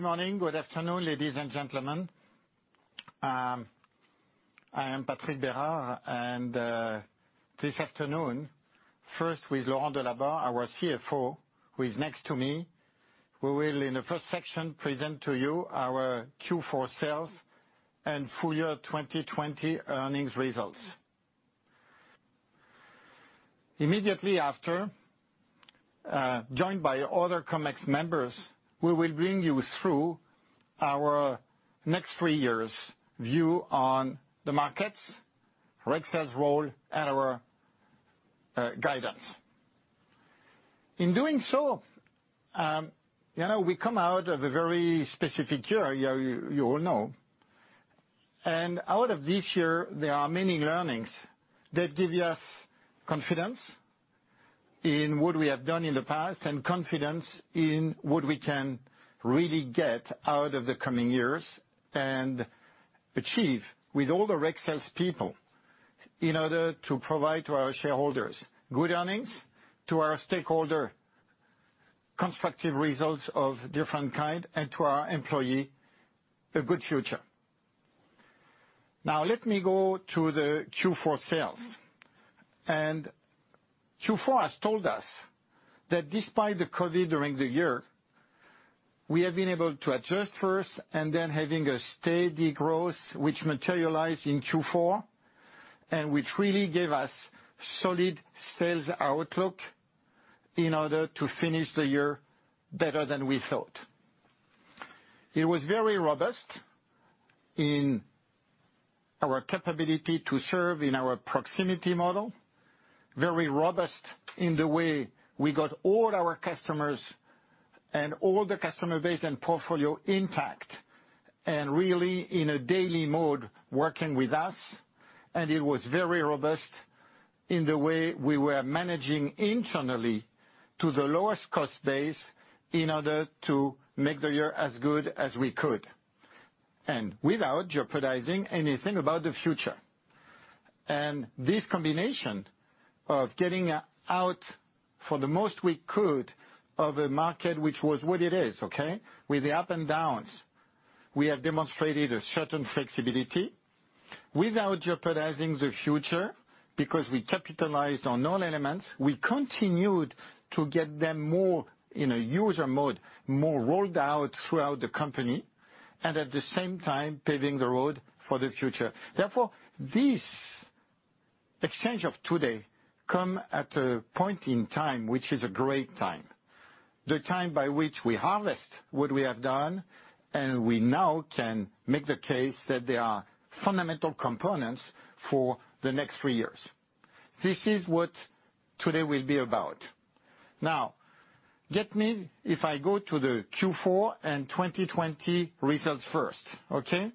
Good morning, good afternoon, ladies and gentlemen. I am Patrick Bérard, and this afternoon, first with Laurent Delabarre, our CFO, who is next to me. We will, in the first section, present to you our Q4 sales and full year 2020 earnings results. Immediately after, joined by other Comex members, we will bring you through our next three years view on the markets, Rexel's role, and our guidance. In doing so, we come out of a very specific year, you all know. Out of this year, there are many learnings that give us confidence in what we have done in the past, and confidence in what we can really get out of the coming years, and achieve with all the Rexel's people in order to provide to our shareholders good earnings, to our stakeholder, constructive results of different kind, and to our employee, a good future. Now let me go to the Q4 sales. Q4 has told us that despite the COVID during the year, we have been able to adjust first and then having a steady growth, which materialized in Q4, and which really gave us solid sales outlook in order to finish the year better than we thought. It was very robust in our capability to serve in our proximity model. Very robust in the way we got all our customers and all the customer base and portfolio intact, and really in a daily mode working with us. It was very robust in the way we were managing internally to the lowest cost base in order to make the year as good as we could. Without jeopardizing anything about the future. This combination of getting out for the most we could of a market which was what it is, okay? With the up and downs. We have demonstrated a certain flexibility without jeopardizing the future because we capitalized on all elements. We continued to get them more in a user mode, more rolled out throughout the company, and at the same time, paving the road for the future. This exchange of today come at a point in time, which is a great time. The time by which we harvest what we have done, and we now can make the case that there are fundamental components for the next three years. This is what today will be about. Get me, if I go to the Q4 and 2020 results first. Okay?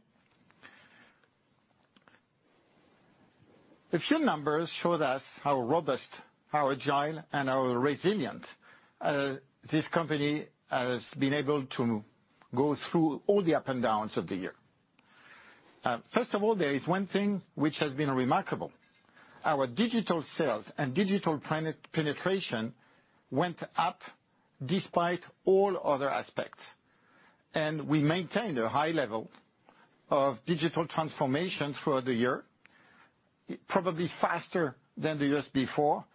A few numbers showed us how robust, how agile, and how resilient, this company has been able to go through all the up and downs of the year. First of all, there is one thing which has been remarkable. Our digital sales and digital penetration went up despite all other aspects. We maintained a high level of digital transformation throughout the year, probably faster than the years before.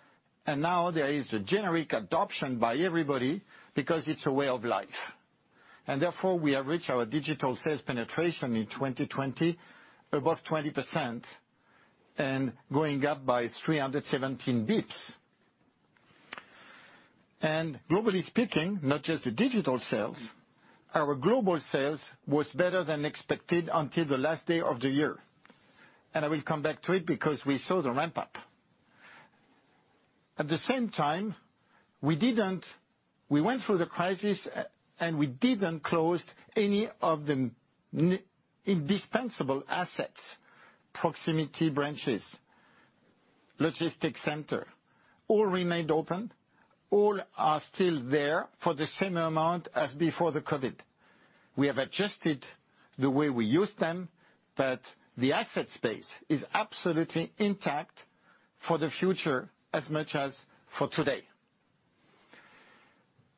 Now there is a generic adoption by everybody because it's a way of life. Therefore, we have reached our digital sales penetration in 2020, above 20%, and going up by 317 basis points. Globally speaking, not just the digital sales, our global sales was better than expected until the last day of the year. I will come back to it because we saw the ramp-up. At the same time, we went through the crisis, and we didn't close any of the indispensable assets, proximity branches, logistic center, all remained open. All are still there for the same amount as before the COVID. We have adjusted the way we use them, but the asset space is absolutely intact for the future as much as for today.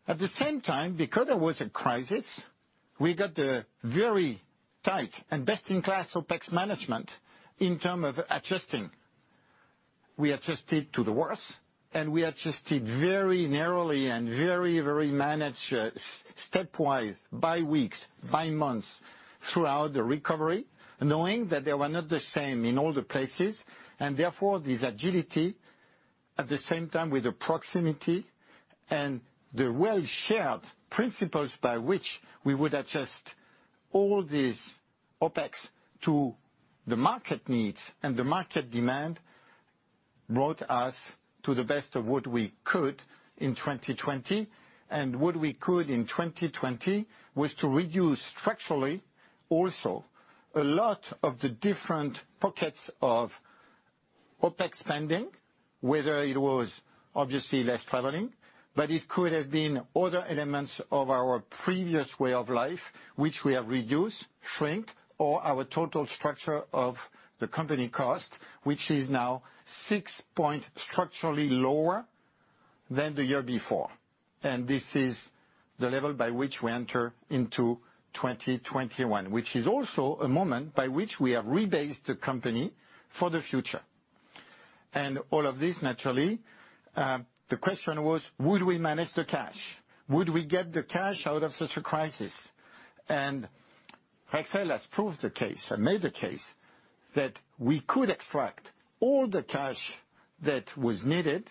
At the same time, because there was a crisis, we got a very tight and best-in-class OpEx management in term of adjusting. We adjusted to the worst, and we adjusted very narrowly and very managed step-wise, by weeks, by months, throughout the recovery, knowing that they were not the same in all the places. Therefore, this agility at the same time with the proximity and the well-shared principles by which we would adjust all these OpEx to the market needs and the market demand, brought us to the best of what we could in 2020. What we could in 2020 was to reduce structurally also a lot of the different pockets of OpEx spending, whether it was obviously less traveling. It could have been other elements of our previous way of life, which we have reduced, shrink, or our total structure of the company cost, which is now six points structurally lower than the year before. This is the level by which we enter into 2021. Which is also a moment by which we have rebased the company for the future. All of this, naturally, the question was, would we manage the cash? Would we get the cash out of such a crisis? Rexel has proved the case and made the case, that we could extract all the cash that was needed,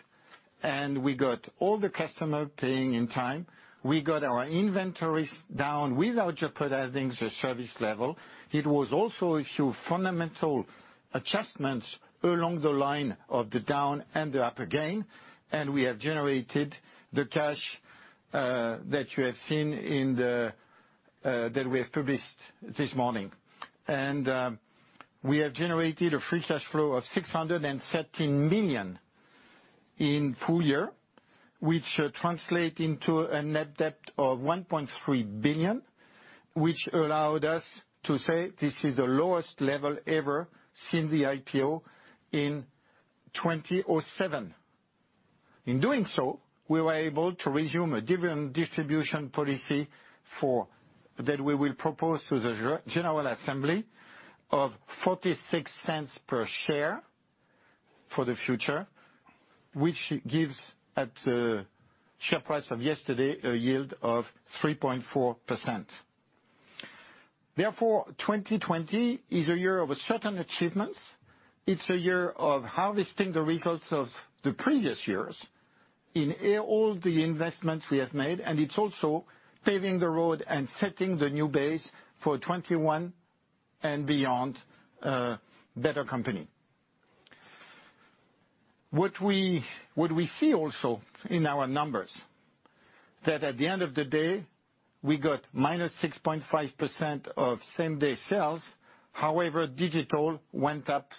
and we got all the customer paying in time. We got our inventories down without jeopardizing the service level. It was also a few fundamental adjustments along the line of the down and the up again. We have generated the cash that we have published this morning. We have generated a free cash flow of 613 million in full year, which translate into a net debt of 1.3 billion, which allowed us to say this is the lowest level ever since the IPO in 2007. In doing so, we were able to resume a dividend distribution policy that we will propose to the general assembly of 0.46 per share for the future, which gives at the share price of yesterday, a yield of 3.4%. Therefore, 2020 is a year of certain achievements. It's a year of harvesting the results of the previous years in all the investments we have made, and it's also paving the road and setting the new base for 2021 and beyond, a better company. What we see also in our numbers, that at the end of the day, we got -6.5% of same-day sales. However, digital went up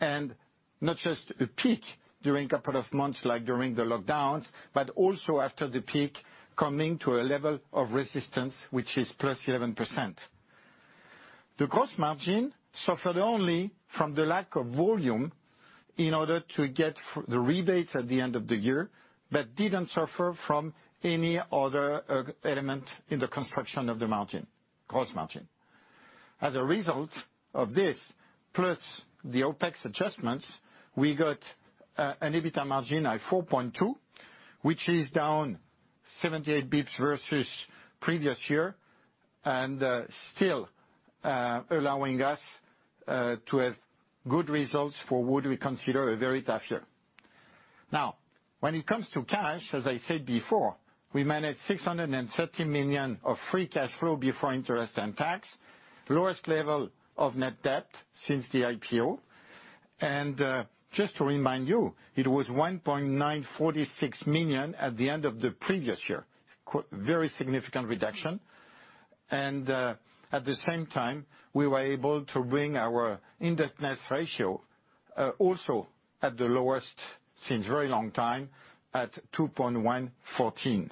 and not just a peak during a couple of months, like during the lockdowns, but also after the peak coming to a level of resistance, which is +11%. The gross margin suffered only from the lack of volume in order to get the rebates at the end of the year, but didn't suffer from any other element in the construction of the gross margin. As a result of this, plus the OpEx adjustments, we got an EBITDA margin at 4.2, which is down 78 bps versus previous year, and still allowing us to have good results for would we consider a very tough year. When it comes to cash, as I said before, we managed 630 million of free cash flow before interest and tax, lowest level of net debt since the IPO. Just to remind you, it was 1,946 million at the end of the previous year. Very significant reduction. At the same time, we were able to bring our indebtedness ratio also at the lowest since very long time at 2.14.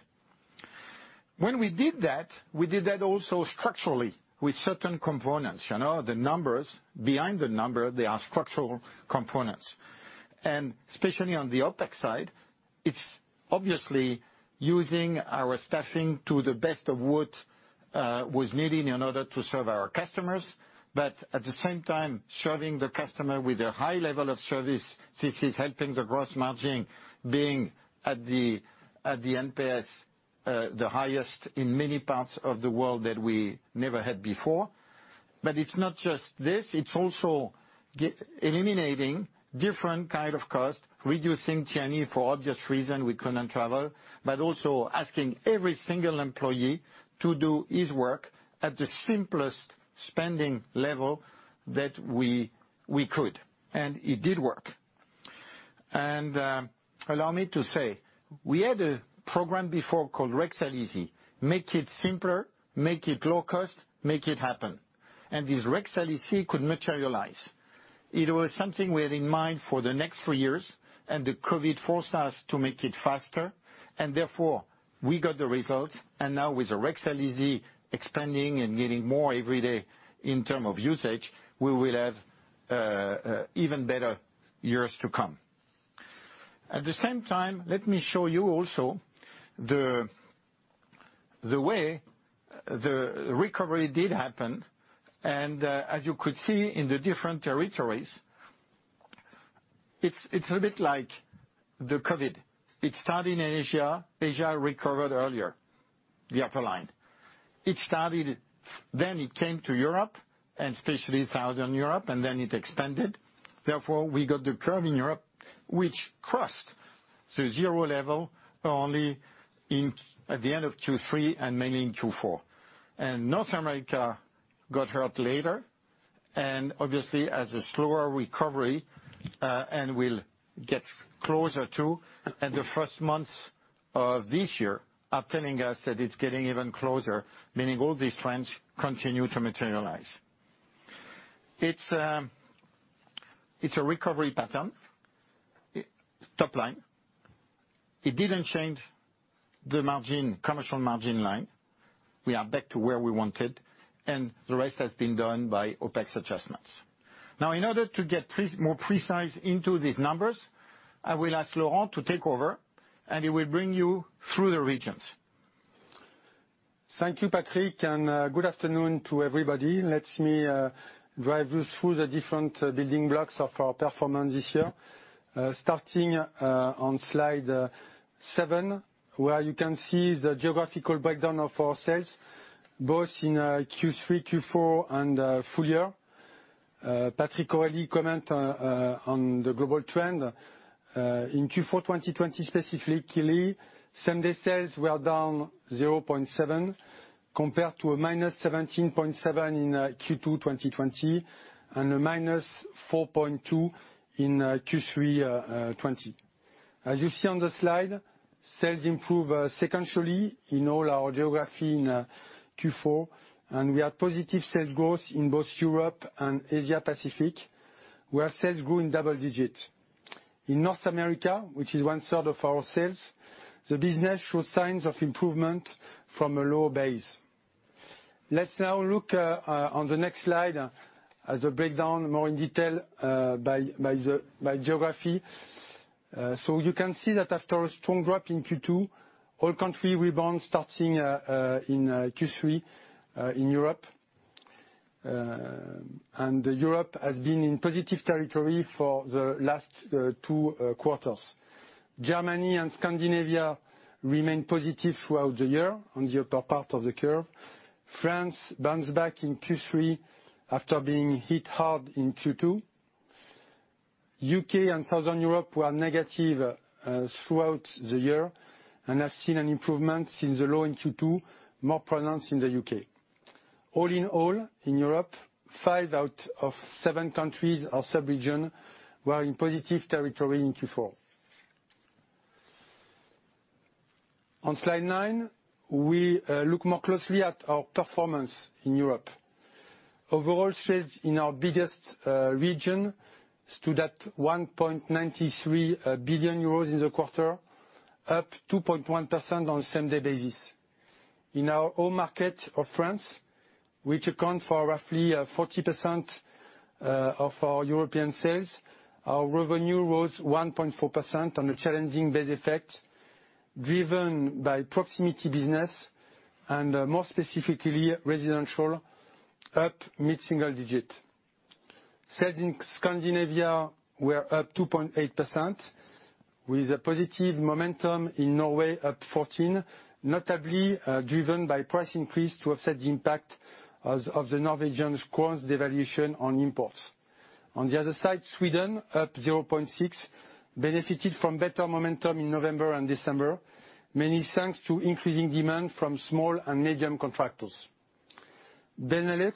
When we did that, we did that also structurally with certain components. Behind the number, they are structural components. Especially on the OpEx side, it's obviously using our staffing to the best of what was needed in order to serve our customers. At the same time, serving the customer with a high level of service since he's helping the gross margin being at the NPS, the highest in many parts of the world that we never had before. It's not just this, it's also eliminating different kind of cost, reducing T&E for obvious reason, we couldn't travel, but also asking every single employee to do his work at the simplest spending level that we could, and it did work. Allow me to say, we had a program before called Rexel Easy. Make it simpler, make it low cost, make it happen. This Rexel Easy could materialize. It was something we had in mind for the next three years, the COVID forced us to make it faster, and therefore we got the results, and now with the Rexel Easy expanding and getting more every day in term of usage, we will have even better years to come. At the same time, let me show you also the way the recovery did happen. As you could see in the different territories, it's a bit like the COVID. It started in Asia. Asia recovered earlier, the upper line. It came to Europe and especially Southern Europe, and then it expanded. We got the curve in Europe, which crossed to zero level only at the end of Q3 and mainly in Q4. North America got hurt later, and obviously as a slower recovery, and will get closer too, and the first months of this year are telling us that it's getting even closer, meaning all these trends continue to materialize. It's a recovery pattern. Top line, it didn't change. The commercial margin line, we are back to where we wanted, and the rest has been done by OpEx adjustments. In order to get more precise into these numbers, I will ask Laurent to take over, and he will bring you through the regions. Thank you, Patrick, good afternoon to everybody. Let me drive you through the different building blocks of our performance this year. Starting on slide seven, where you can see the geographical breakdown of our sales, both in Q3, Q4, and full year. Patrick already comment on the global trend. In Q4 2020, specifically, same-day sales were down 0.7%, compared to a -17.7% in Q2 2020, and a -4.2% in Q3 2020. As you see on the slide, sales improve sequentially in all our geography in Q4, and we have positive sales growth in both Europe and Asia-Pacific, where sales grew in double digits. In North America, which is 1/3 of our sales, the business shows signs of improvement from a low base. Let's now look on the next slide at the breakdown more in detail by geography. You can see that after a strong drop in Q2, all country rebound starting in Q3 in Europe. Europe has been in positive territory for the last two quarters. Germany and Scandinavia remained positive throughout the year on the upper part of the curve. France bounce back in Q3 after being hit hard in Q2. U.K. and Southern Europe were negative throughout the year and have seen an improvement since the low in Q2, more pronounced in the U.K. All in all, in Europe, five out of seven countries or sub-region were in positive territory in Q4. On slide 9, we look more closely at our performance in Europe. Overall sales in our biggest region stood at 1.93 billion euros in the quarter, up 2.1% on same day basis. In our home market of France, which account for roughly 40% of our European sales, our revenue rose 1.4% on a challenging base effect, driven by proximity business and more specifically, residential up mid-single digit. Sales in Scandinavia were up 2.8% with a positive momentum in Norway up 14, notably driven by price increase to offset the impact of the Norwegian kroners devaluation on imports. On the other side, Sweden up 0.6, benefited from better momentum in November and December, mainly thanks to increasing demand from small and medium contractors. Benelux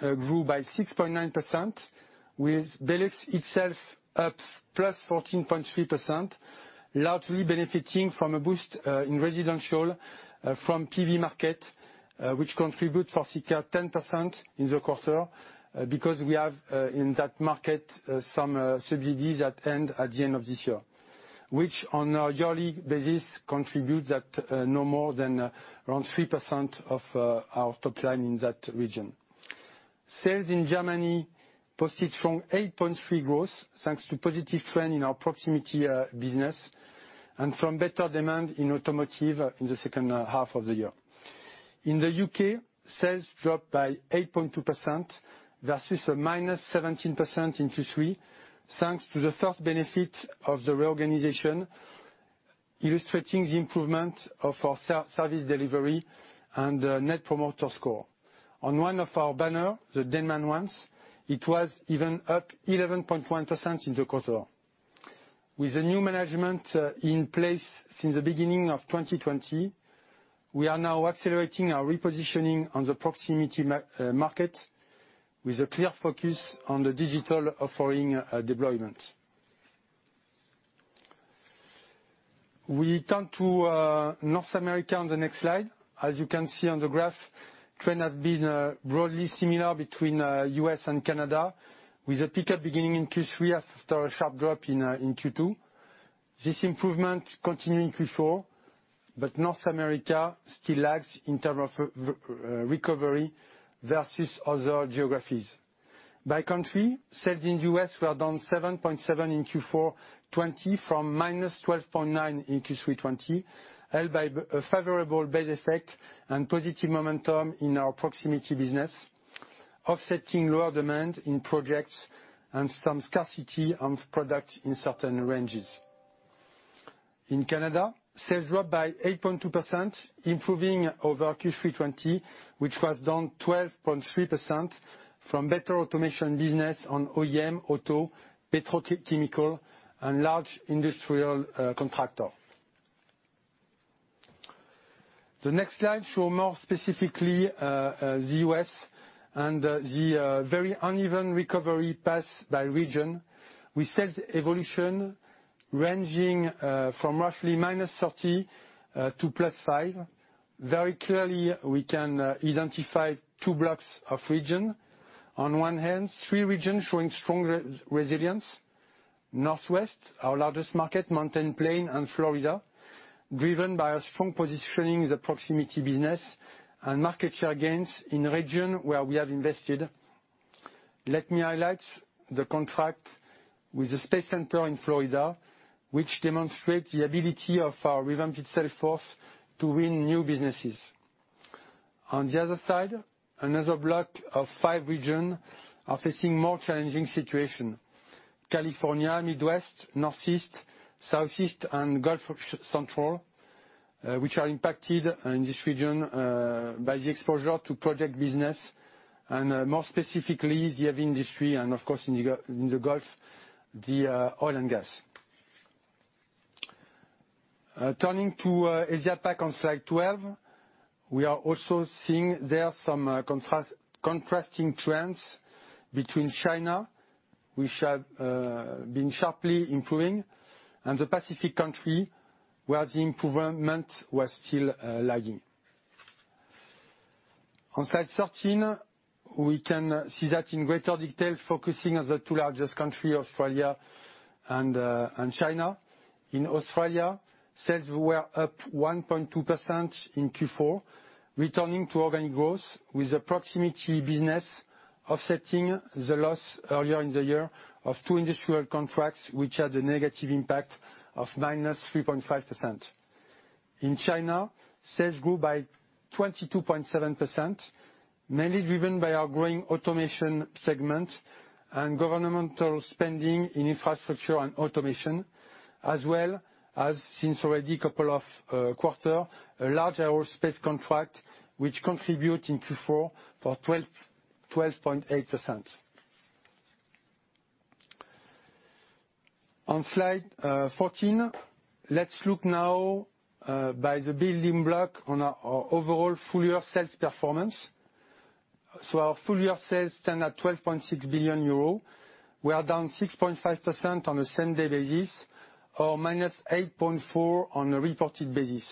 grew by 6.9%, with Belux itself up +14.3%, largely benefiting from a boost in residential from PV market, which contribute for circa 10% in the quarter because we have in that market some subsidies that end at the end of this year. On a yearly basis contributes at no more than around 3% of our top line in that region. Sales in Germany posted strong 8.3% growth thanks to positive trend in our proximity business and from better demand in automotive in the second half of the year. In the U.K., sales dropped by 8.2% versus a -17% in Q3 thanks to the first benefit of the reorganization, illustrating the improvement of our service delivery and net promoter score. On one of our banner, the Denmans ones, it was even up 11.1% in the quarter. With the new management in place since the beginning of 2020, we are now accelerating our repositioning on the proximity market with a clear focus on the digital offering deployment. We turn to North America on the next slide. As you can see on the graph, trend has been broadly similar between U.S. and Canada, with a pickup beginning in Q3 after a sharp drop in Q2. This improvement continued in Q4, North America still lags in terms of recovery versus other geographies. By country, sales in the U.S. were down 7.7% in Q4 2020 from -12.9% in Q3 2020, held by a favorable base effect and positive momentum in our proximity business, offsetting lower demand in projects and some scarcity of product in certain ranges. In Canada, sales dropped by 8.2%, improving over Q3 2020, which was down 12.3% from better automation business on OEM auto, petrochemical, and large industrial contractor. The next slide shows more specifically the U.S. and the very uneven recovery path by region, with sales evolution ranging from roughly -30% to +5%. Very clearly, we can identify two blocks of regions. On one hand, three regions showing strong resilience: Northwest, our largest market, Mountain/Plain and Florida, driven by our strong positioning the proximity business and market share gains in region where we have invested. Let me highlight the contract with the space center in Florida, which demonstrates the ability of our revamped sales force to win new businesses. On the other side, another block of five region are facing more challenging situation. California, Midwest, Northeast, Southeast and Gulf Central, which are impacted in this region by the exposure to project business and, more specifically, the heavy industry and, of course, in the Gulf, the oil and gas. Turning to Asia/Pac on slide 12, we are also seeing there some contrasting trends between China, which have been sharply improving, and the Pacific country, where the improvement was still lagging. On slide 13, we can see that in greater detail, focusing on the two largest country, Australia and China. In Australia, sales were up 1.2% in Q4, returning to organic growth, with the proximity business offsetting the loss earlier in the year of two industrial contracts, which had a negative impact of -3.5%. In China, sales grew by 22.7%, mainly driven by our growing automation segment and governmental spending in infrastructure and automation, as well as, since already couple of quarter, a large aerospace contract which contribute in Q4 for 12.8%. On slide 14, let's look now by the building block on our overall full year sales performance. Our full year sales stand at 12.6 billion euro. We are down 6.5% on a same day basis or -8.4% on a reported basis.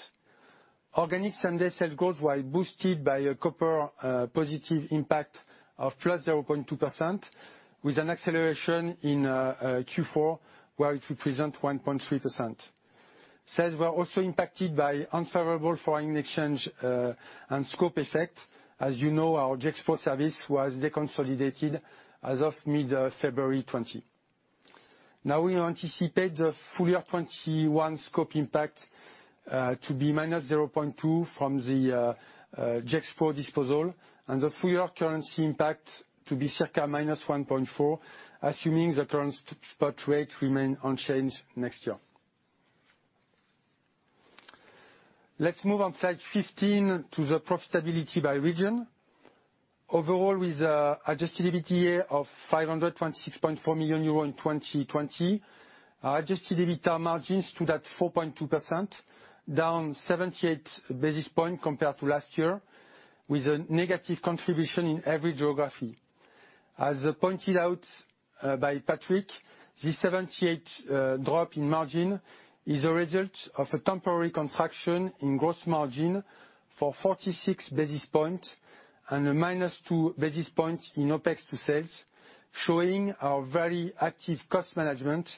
Organic same-day sales growth were boosted by a copper positive impact of +0.2%, with an acceleration in Q4 where it represent 1.3%. Sales were also impacted by unfavorable foreign exchange and scope effect. As you know, our Gexpro Services was deconsolidated as of mid-February 2020. Now we will anticipate the full year 2021 scope impact to be -0.2% from the Gexpro disposal and the full-year currency impact to be circa -1.4%, assuming the current spot rate remain unchanged next year. Let's move on slide 15 to the profitability by region. Overall, with adjusted EBITDA of 526.4 million euro in 2020, our adjusted EBITDA margins stood at 4.2%, down 78 basis points compared to last year, with a negative contribution in every geography. As pointed out by Patrick, this 78 drop in margin is a result of a temporary contraction in gross margin for 46 basis points and a -2 basis points in OpEx to sales, showing our very active cost management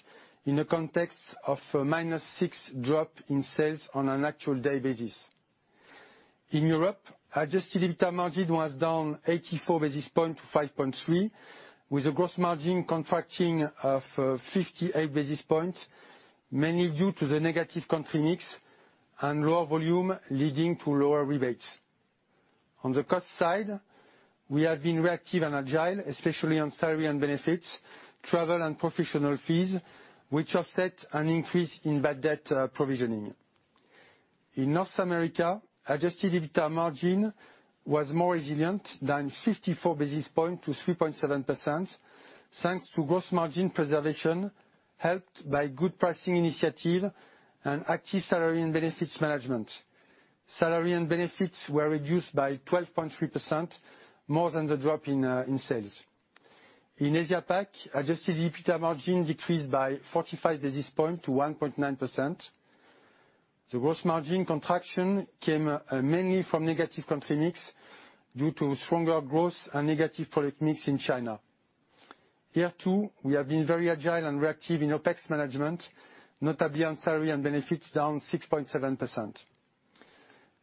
in a context of -6 drop in sales on an actual day basis. In Europe, adjusted EBITDA margin was down 84 basis points to 5.3%, with a gross margin contracting of 58 basis points, mainly due to the negative country mix and lower volume leading to lower rebates. On the cost side, we have been reactive and agile, especially on salary and benefits, travel and professional fees, which offset an increase in bad debt provisioning. In North America, adjusted EBITDA margin was more resilient, down 54 basis points to 3.7%, thanks to gross margin preservation, helped by good pricing initiative and active salary and benefits management. Salary and benefits were reduced by 12.3%, more than the drop in sales. In Asia/Pac, adjusted EBITDA margin decreased by 45 basis points to 1.9%. The gross margin contraction came mainly from negative country mix due to stronger growth and negative product mix in China. Here, too, we have been very agile and reactive in OpEx management, notably on salary and benefits, down 6.7%.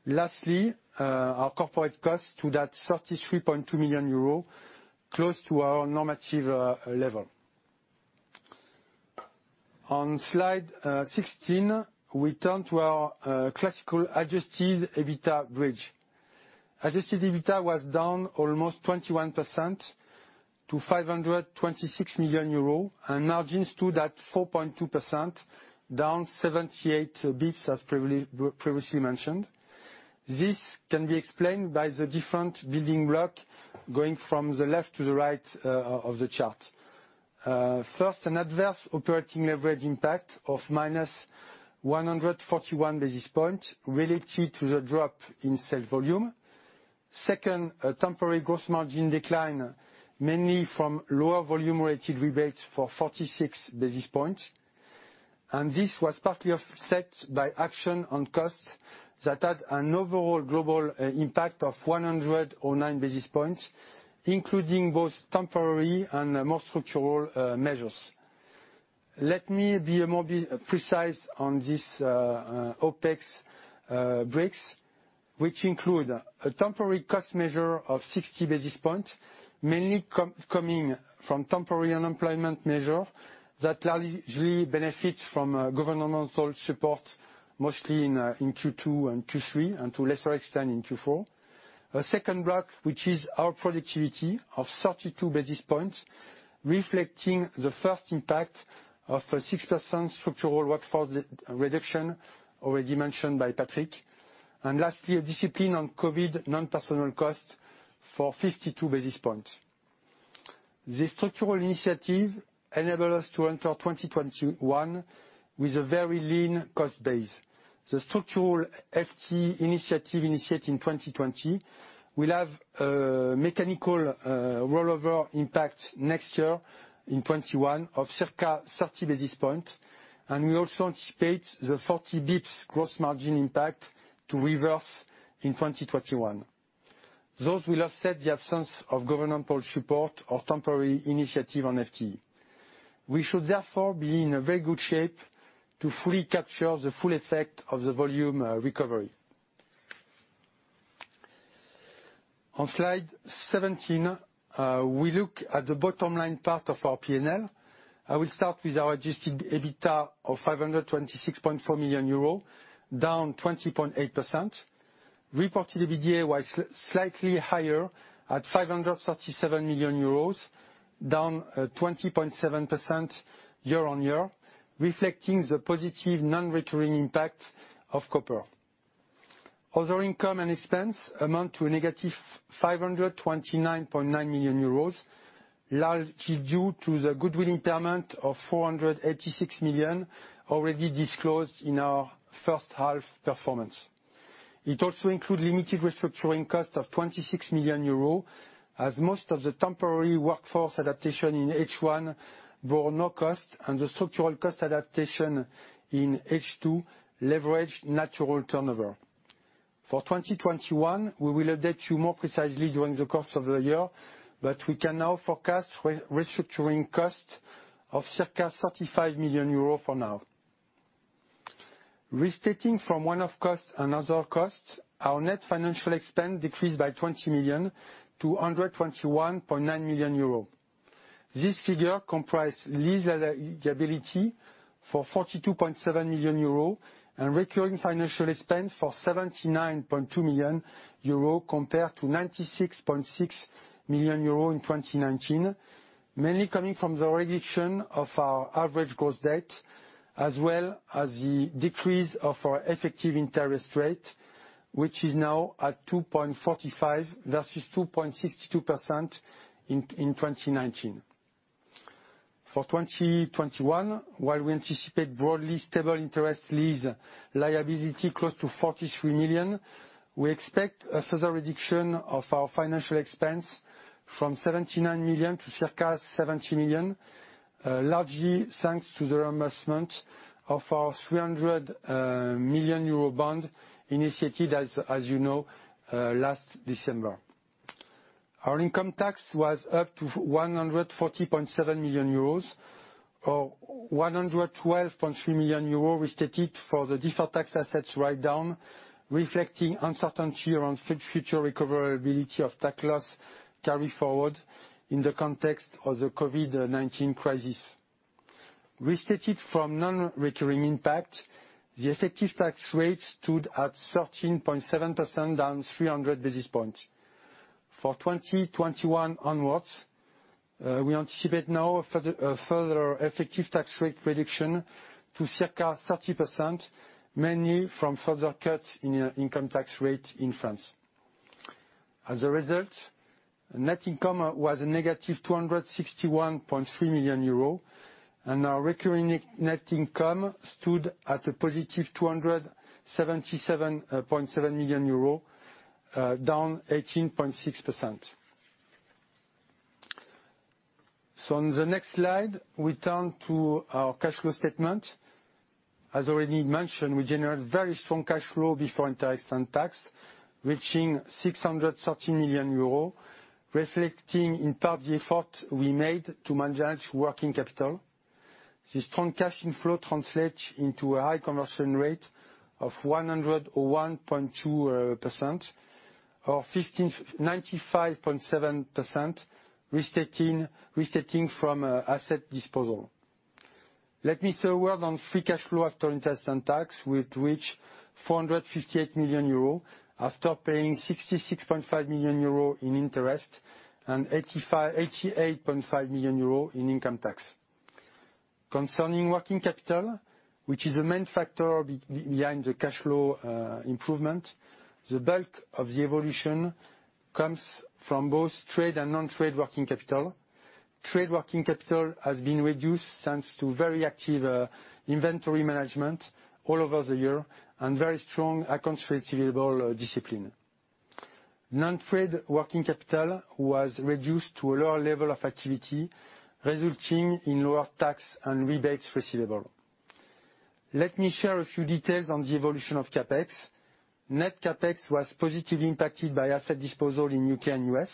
Lastly, our corporate cost stood at 33.2 million euro, close to our normative level. On slide 16, we turn to our classical adjusted EBITDA bridge. Adjusted EBITDA was down almost 21% to 526 million euro, and margin stood at 4.2%, down 78 basis points as previously mentioned. This can be explained by the different building block going from the left to the right of the chart. First, an adverse operating leverage impact of -141 basis points related to the drop in sale volume. Second, a temporary gross margin decline, mainly from lower volume-related rebates for 46 basis points. This was partly offset by action on costs that had an overall global impact of 109 basis points, including both temporary and more structural measures. Let me be more precise on this OpEx breaks, which include a temporary cost measure of 60 basis points, mainly coming from temporary unemployment measure that largely benefits from governmental support, mostly in Q2 and Q3, and to a lesser extent, in Q4. A second block, which is our productivity of 32 basis points, reflecting the first impact of a 6% structural workforce reduction already mentioned by Patrick. Lastly, a discipline on COVID non-personnel costs for 52 basis points. The structural initiative enable us to enter 2021 with a very lean cost base. The structural FTE initiative initiated in 2020 will have a mechanical rollover impact next year in 2021 of circa 30 basis points. We also anticipate the 40 basis points gross margin impact to reverse in 2021. Those will offset the absence of governmental support or temporary initiative on FTE. We should therefore be in a very good shape to fully capture the full effect of the volume recovery. On slide 17, we look at the bottom line part of our P&L. I will start with our adjusted EBITDA of 526.4 million euro, down 20.8%. Reported EBITDA was slightly higher at 537 million euros, down 20.7% year-on-year, reflecting the positive non-recurring impact of copper. Other income and expense amount to -529.9 million euros, largely due to the goodwill impairment of 486 million already disclosed in our first half performance. It also include limited restructuring cost of 26 million euros, as most of the temporary workforce adaptation in H1 bore no cost, and the structural cost adaptation in H2 leveraged natural turnover. For 2021, we will update you more precisely during the course of the year. We can now forecast restructuring costs of circa 35 million euros for now. Restating from one-off costs and other costs, our net financial expense decreased by 20 million to 121.9 million euro. This figure comprise lease liability for 42.7 million euro and recurring financial expense for 79.2 million euro, compared to 96.6 million euro in 2019, mainly coming from the reduction of our average gross debt, as well as the decrease of our effective interest rate, which is now at 2.45% versus 2.62% in 2019. For 2021, while we anticipate broadly stable interest lease liability close to 43 million, we expect a further reduction of our financial expense from 79 million to circa 70 million, largely thanks to the reimbursement of our 300 million euro bond initiated, as you know, last December. Our income tax was up to 140.7 million euros, or 112.3 million euros restated for the deferred tax assets write-down, reflecting uncertainty around future recoverability of tax loss carry-forward in the context of the COVID-19 crisis. Restated from non-recurring impact, the effective tax rate stood at 13.7%, down 300 basis points. For 2021 onwards, we anticipate now a further effective tax rate reduction to circa 30%, mainly from further cut in income tax rate in France. As a result, net income was negative 261.3 million euro, and our recurring net income stood at a positive 277.7 million euro, down 18.6%. On the next slide, we turn to our cash flow statement. As already mentioned, we generated very strong cash flow before interest and tax, reaching 630 million euros, reflecting in part the effort we made to manage working capital. The strong cash flow translates into a high conversion rate of 101.2%, or 95.7% restating from asset disposal. Let me say a word on free cash flow after interest and tax, which reached 458 million euro, after paying 66.5 million euro in interest and 88.5 million euro in income tax. Concerning working capital, which is the main factor behind the cash flow improvement, the bulk of the evolution comes from both trade and non-trade working capital. Trade working capital has been reduced thanks to very active inventory management all over the year and very strong accounts receivable discipline. Non-trade working capital was reduced to a lower level of activity, resulting in lower tax and rebates receivable. Let me share a few details on the evolution of CapEx. Net CapEx was positively impacted by asset disposal in U.K. and U.S.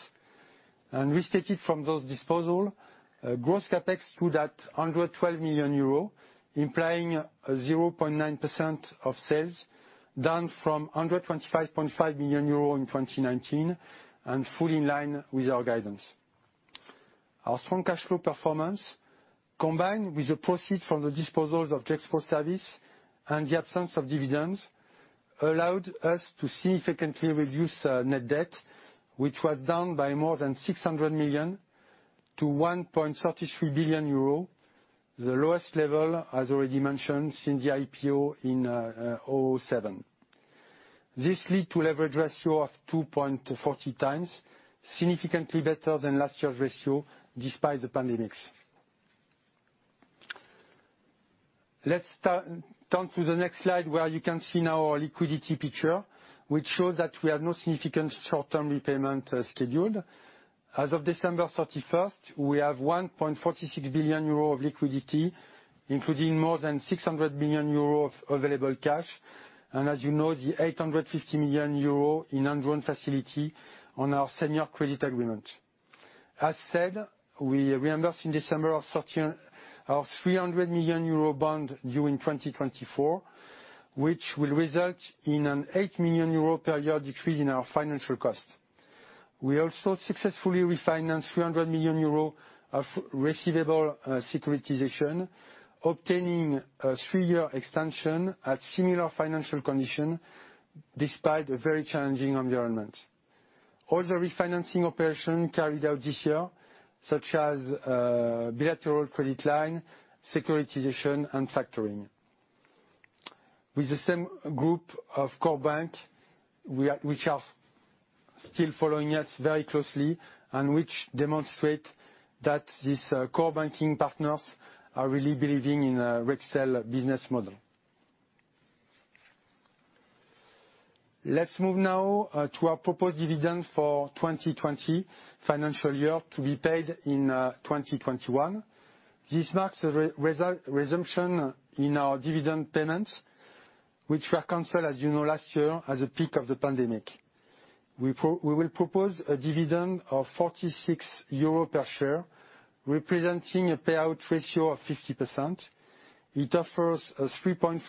Restated from those disposal, gross CapEx stood at 112 million euro, implying 0.9% of sales, down from 125.5 million euro in 2019, and fully in line with our guidance. Our strong cash flow performance, combined with the proceeds from the disposals of Gexpro Services and the absence of dividends, allowed us to significantly reduce net debt, which was down by more than 600 million to 1.33 billion euro, the lowest level, as already mentioned, since the IPO in 2007. This lead to leverage ratio of 2.40 times, significantly better than last year's ratio despite the pandemics. Let's turn to the next slide, where you can see now our liquidity picture, which shows that we have no significant short-term repayment scheduled. As of December 31st, we have 1.46 billion euro of liquidity, including more than 600 million euro of available cash, and as you know, the 850 million euro in undrawn facility on our senior credit agreement. As said, we reimbursed in December our 300 million euro bond due in 2024, which will result in an 8 million euro per year decrease in our financial cost. We also successfully refinanced 300 million euro of receivable securitization, obtaining a three-year extension at similar financial condition, despite a very challenging environment. All the refinancing operation carried out this year, such as bilateral credit line, securitization, and factoring. With the same group of core bank, which are still following us very closely and which demonstrate that these core banking partners are really believing in Rexel business model. Let's move now to our proposed dividend for 2020 financial year to be paid in 2021. This marks a resumption in our dividend payments, which were canceled, as you know, last year at the peak of the pandemic. We will propose a dividend of 46 euro per share, representing a payout ratio of 50%. It offers a 3.4%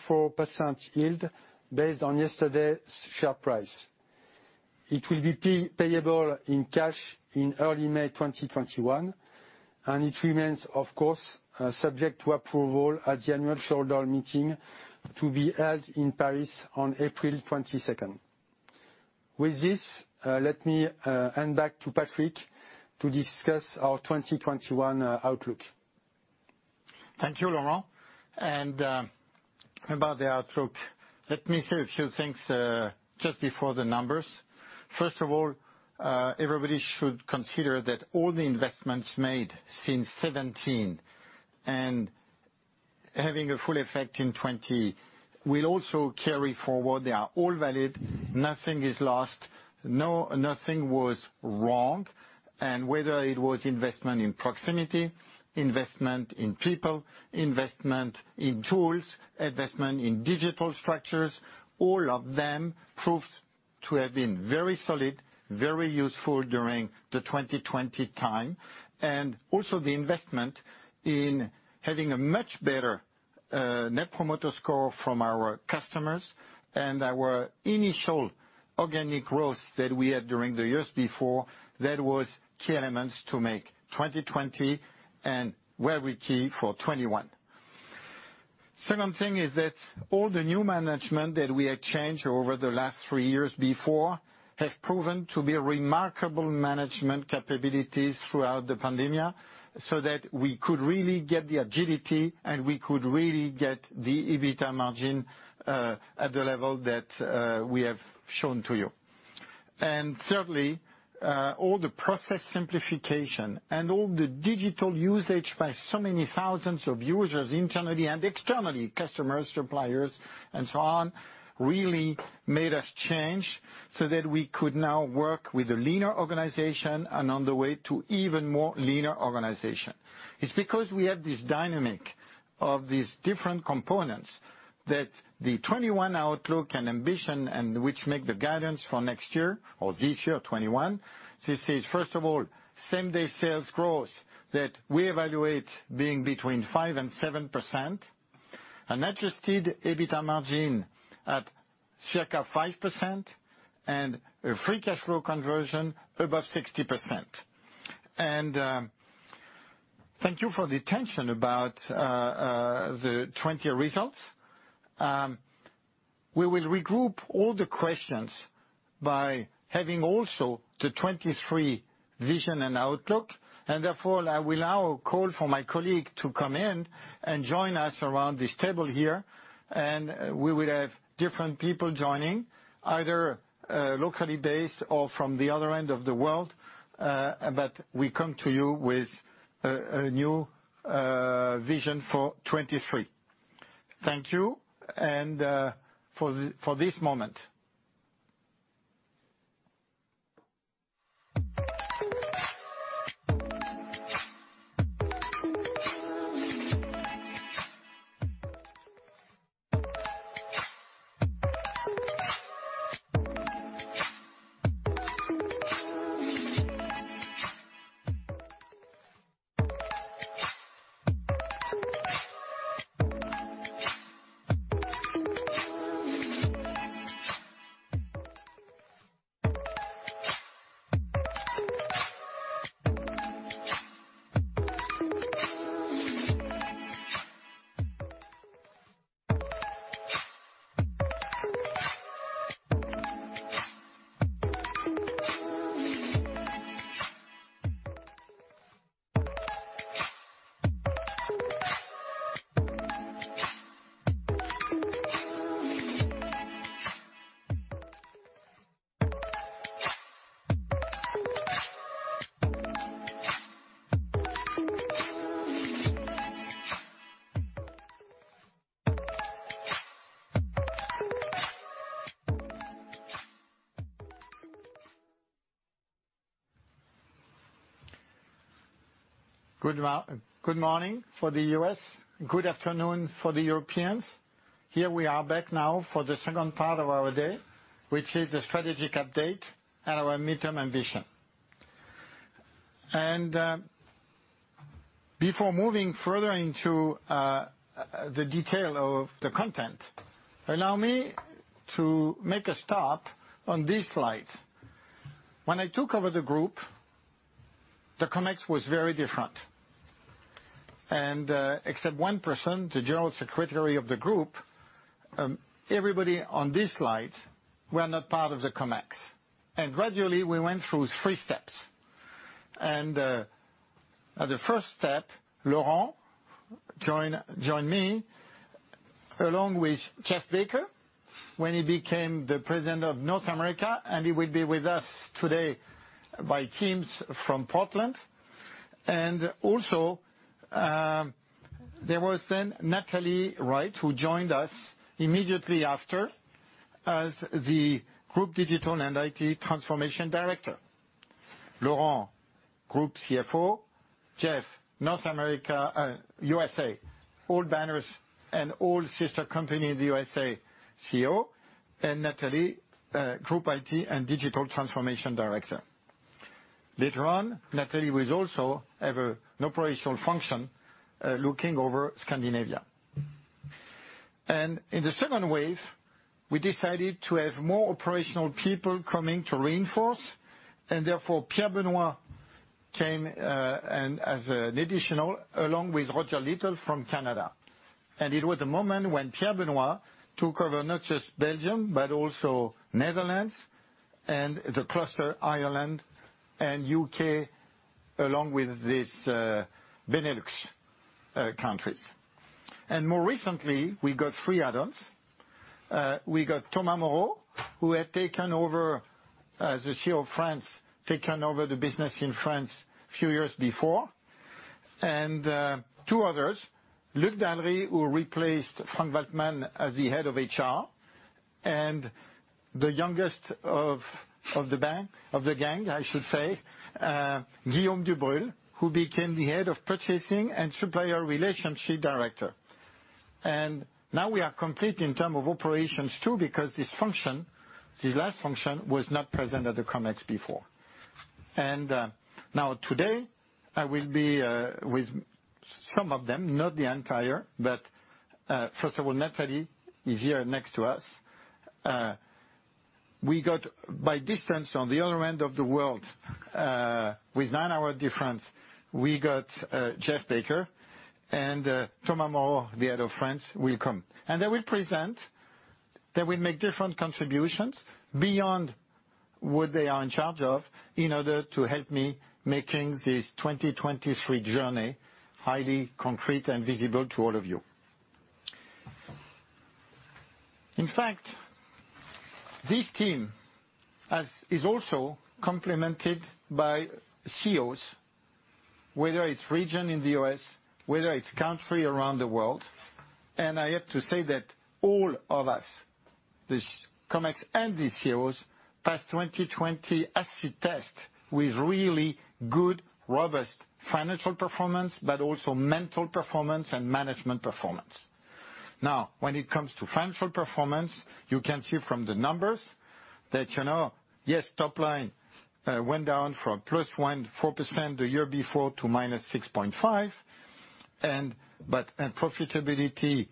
yield based on yesterday's share price. It will be payable in cash in early May 2021, and it remains, of course, subject to approval at the annual shareholder meeting to be held in Paris on April 22nd. With this, let me hand back to Patrick to discuss our 2021 outlook. Thank you, Laurent. About the outlook, let me say a few things just before the numbers. First of all, everybody should consider that all the investments made since 2017 and having a full effect in 2020 will also carry forward. They are all valid. Nothing is lost. Nothing was wrong. Whether it was investment in proximity, investment in people, investment in tools, investment in digital structures, all of them proved to have been very solid, very useful during the 2020 time. Also the investment in having a much better Net Promoter Score from our customers and our initial organic growth that we had during the years before, that was key elements to make 2020 and will be key for 2021. Second thing is that all the new management that we have changed over the last three years before have proven to be a remarkable management capabilities throughout the pandemia, so that we could really get the agility, and we could really get the EBITA margin at the level that we have shown to you. Thirdly, all the process simplification and all the digital usage by so many thousands of users internally and externally, customers, suppliers, and so on, really made us change so that we could now work with a leaner organization and on the way to even more leaner organization. It's because we have this dynamic of these different components that the 2021 outlook and ambition and which make the guidance for next year or this year 2021, this is first of all, same-day sales growth that we evaluate being between 5% and 7%, an adjusted EBITA margin at circa 5%, and a free cash flow conversion above 60%. Thank you for the attention about the 2020 results. We will regroup all the questions by having also the 2023 vision and outlook, therefore, I will now call for my colleague to come in and join us around this table here. We will have different people joining, either locally based or from the other end of the world, but we come to you with a new vision for 2023. Thank you for this moment. Good morning for the U.S., good afternoon for the Europeans. Here we are back now for the second part of our day, which is the strategic update and our midterm ambition. Before moving further into the detail of the content, allow me to make a stop on these slides. When I took over the group, the Comex was very different. Except one person, the general secretary of the group, everybody on this slide were not part of the Comex. Gradually, we went through three steps. At the first step, Laurent joined me along with Jeff Baker, when he became the President of North America, and he will be with us today by Teams from Portland. Also, there was then Nathalie Wright, who joined us immediately after as the Director-Group Digital & IT Transformation. Laurent, Group CFO, Jeff, North America, U.S.A., all banners and all sister company in the U.S.A., CEO, Nathalie, Group IT and Digital Transformation Director. Later on, Nathalie will also have an operational function looking over Scandinavia. In the second wave, we decided to have more operational people coming to reinforce, therefore Pierre Benoit came as an additional, along with Roger Little from Canada. It was the moment when Pierre Benoit took over not just Belgium, but also Netherlands and the cluster Ireland and U.K., along with these Benelux countries. More recently, we got three add-ons. We got Thomas Moreau, who had taken over as the CEO of France, taken over the business in France a few years before, and two others, Luc Dallery, who replaced Frank Waldmann as the head of HR, and the youngest of the gang, Guillaume Dubrule, who became the head of purchasing and supplier relationship director. Now we are complete in term of operations too, because this last function was not present at the Comex before. Now today, I will be with some of them, not the entire, but first of all, Nathalie is here next to us. We got by distance on the other end of the world, with nine-hour difference, we got Jeff Baker and Thomas Moreau, the head of France will come. They will present, they will make different contributions beyond what they are in charge of in order to help me making this 2023 journey highly concrete and visible to all of you. This team is also complemented by CEOs, whether it's region in the U.S., whether it's country around the world. I have to say that all of us, this Comex and these CEOs, passed 2020 acid test with really good, robust financial performance, but also mental performance and management performance. When it comes to financial performance, you can see from the numbers that, yes, top line went down from +14% the year before to -6.5%, but profitability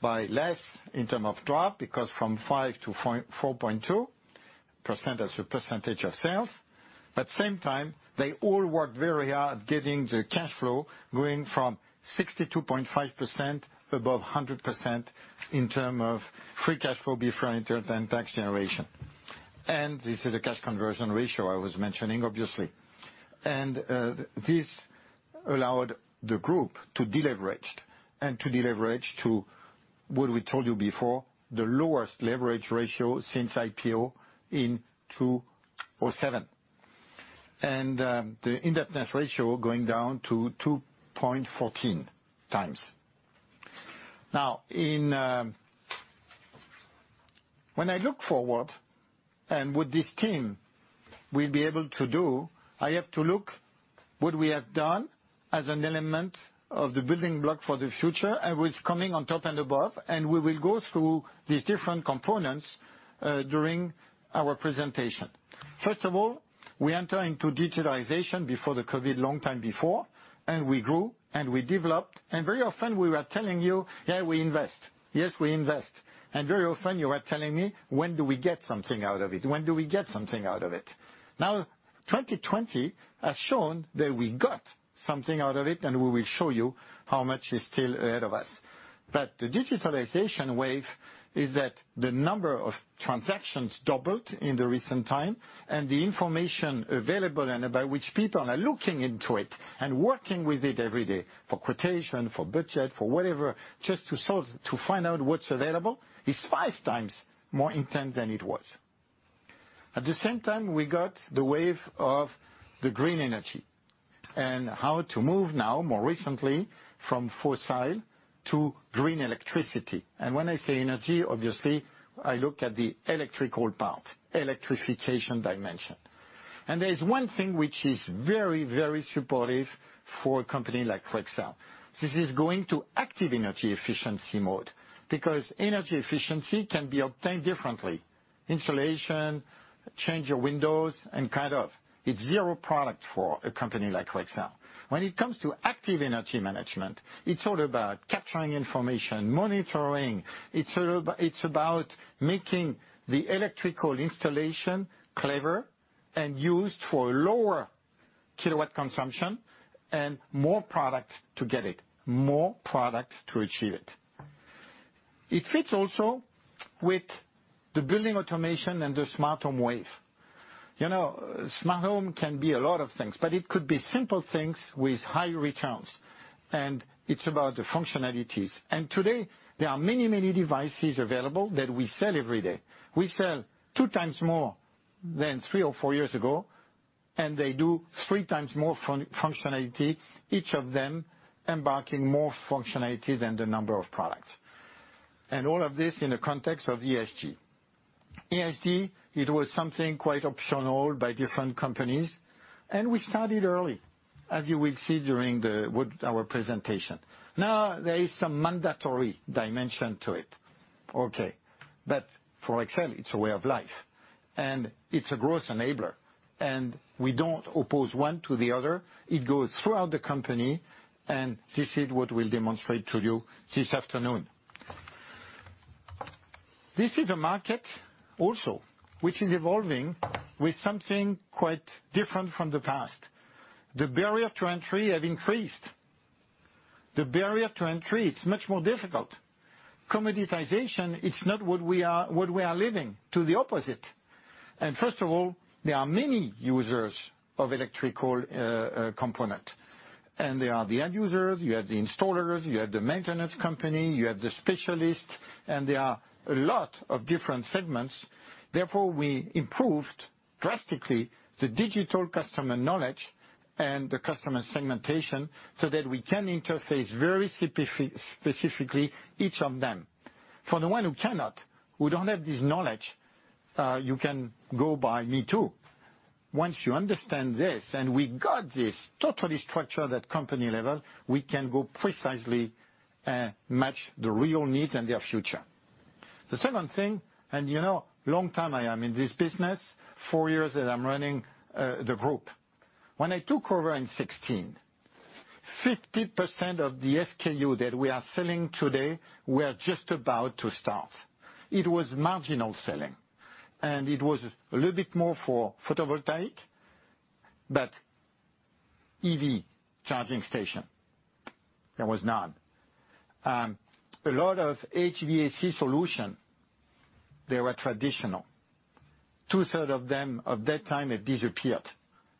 by less in term of drop, because from 5% to 4.2% as a percentage of sales. Same time, they all worked very hard getting the cash flow going from 62.5% above 100% in terms of free cash flow before interest and tax generation. This is a cash conversion ratio I was mentioning, obviously. This allowed the group to deleverage, and to deleverage to what we told you before, the lowest leverage ratio since IPO in 2007. The indebtedness ratio going down to 2.14 times. Now when I look forward, and what this team will be able to do, I have to look what we have done as an element of the building block for the future and what's coming on top and above. We will go through these different components during our presentation. First of all, we enter into digitalization before the COVID, long time before, and we grew and we developed, and very often we were telling you, "Yeah, we invest. Yes, we invest. Very often you are telling me, "When do we get something out of it? When do we get something out of it?" 2020 has shown that we got something out of it, and we will show you how much is still ahead of us. The digitalization wave is that the number of transactions doubled in the recent time, and the information available and by which people are looking into it and working with it every day, for quotation, for budget, for whatever, just to solve, to find out what's available, is five times more intense than it was. At the same time, we got the wave of the green energy and how to move now more recently from fossil to green electricity. When I say energy, obviously, I look at the electrical part, electrification dimension. There is one thing which is very, very supportive for a company like Rexel. This is going to active energy efficiency mode because energy efficiency can be obtained differently. Insulation, change your windows, and kind of it's zero product for a company like Rexel. When it comes to active energy management, it's all about capturing information, monitoring. It's about making the electrical installation clever and used for lower kilowatt consumption and more products to get it, more products to achieve it. It fits also with the building automation and the smart home wave. Smart home can be a lot of things, but it could be simple things with high returns. It's about the functionalities. Today, there are many, many devices available that we sell every day. We sell two times more than three or four years ago, and they do three times more functionality, each of them embarking more functionality than the number of products. All of this in the context of ESG. ESG, it was something quite optional by different companies, and we started early, as you will see during our presentation. Now there is some mandatory dimension to it. Okay. For Rexel, it's a way of life, and it's a growth enabler. We don't oppose one to the other. It goes throughout the company, and this is what we'll demonstrate to you this afternoon. This is a market also which is evolving with something quite different from the past. The barrier to entry have increased. The barrier to entry, it's much more difficult. Commoditization, it's not what we are living, to the opposite. First of all, there are many users of electrical component. There are the end users, you have the installers, you have the maintenance company, you have the specialists, and there are a lot of different segments. Therefore, we improved drastically the digital customer knowledge and the customer segmentation so that we can interface very specifically each of them. For the one who cannot, who don't have this knowledge, you can go by me too. Once you understand this, and we got this totally structured at company level, we can go precisely match the real needs and their future. The second thing, and you know, long time I am in this business, four years that I'm running the group. When I took over in 2016, 50% of the SKU that we are selling today were just about to start. It was marginal selling. It was a little bit more for photovoltaic, but EV charging station, there was none. A lot of HVAC solution, they were traditional. Two-third of them at that time have disappeared.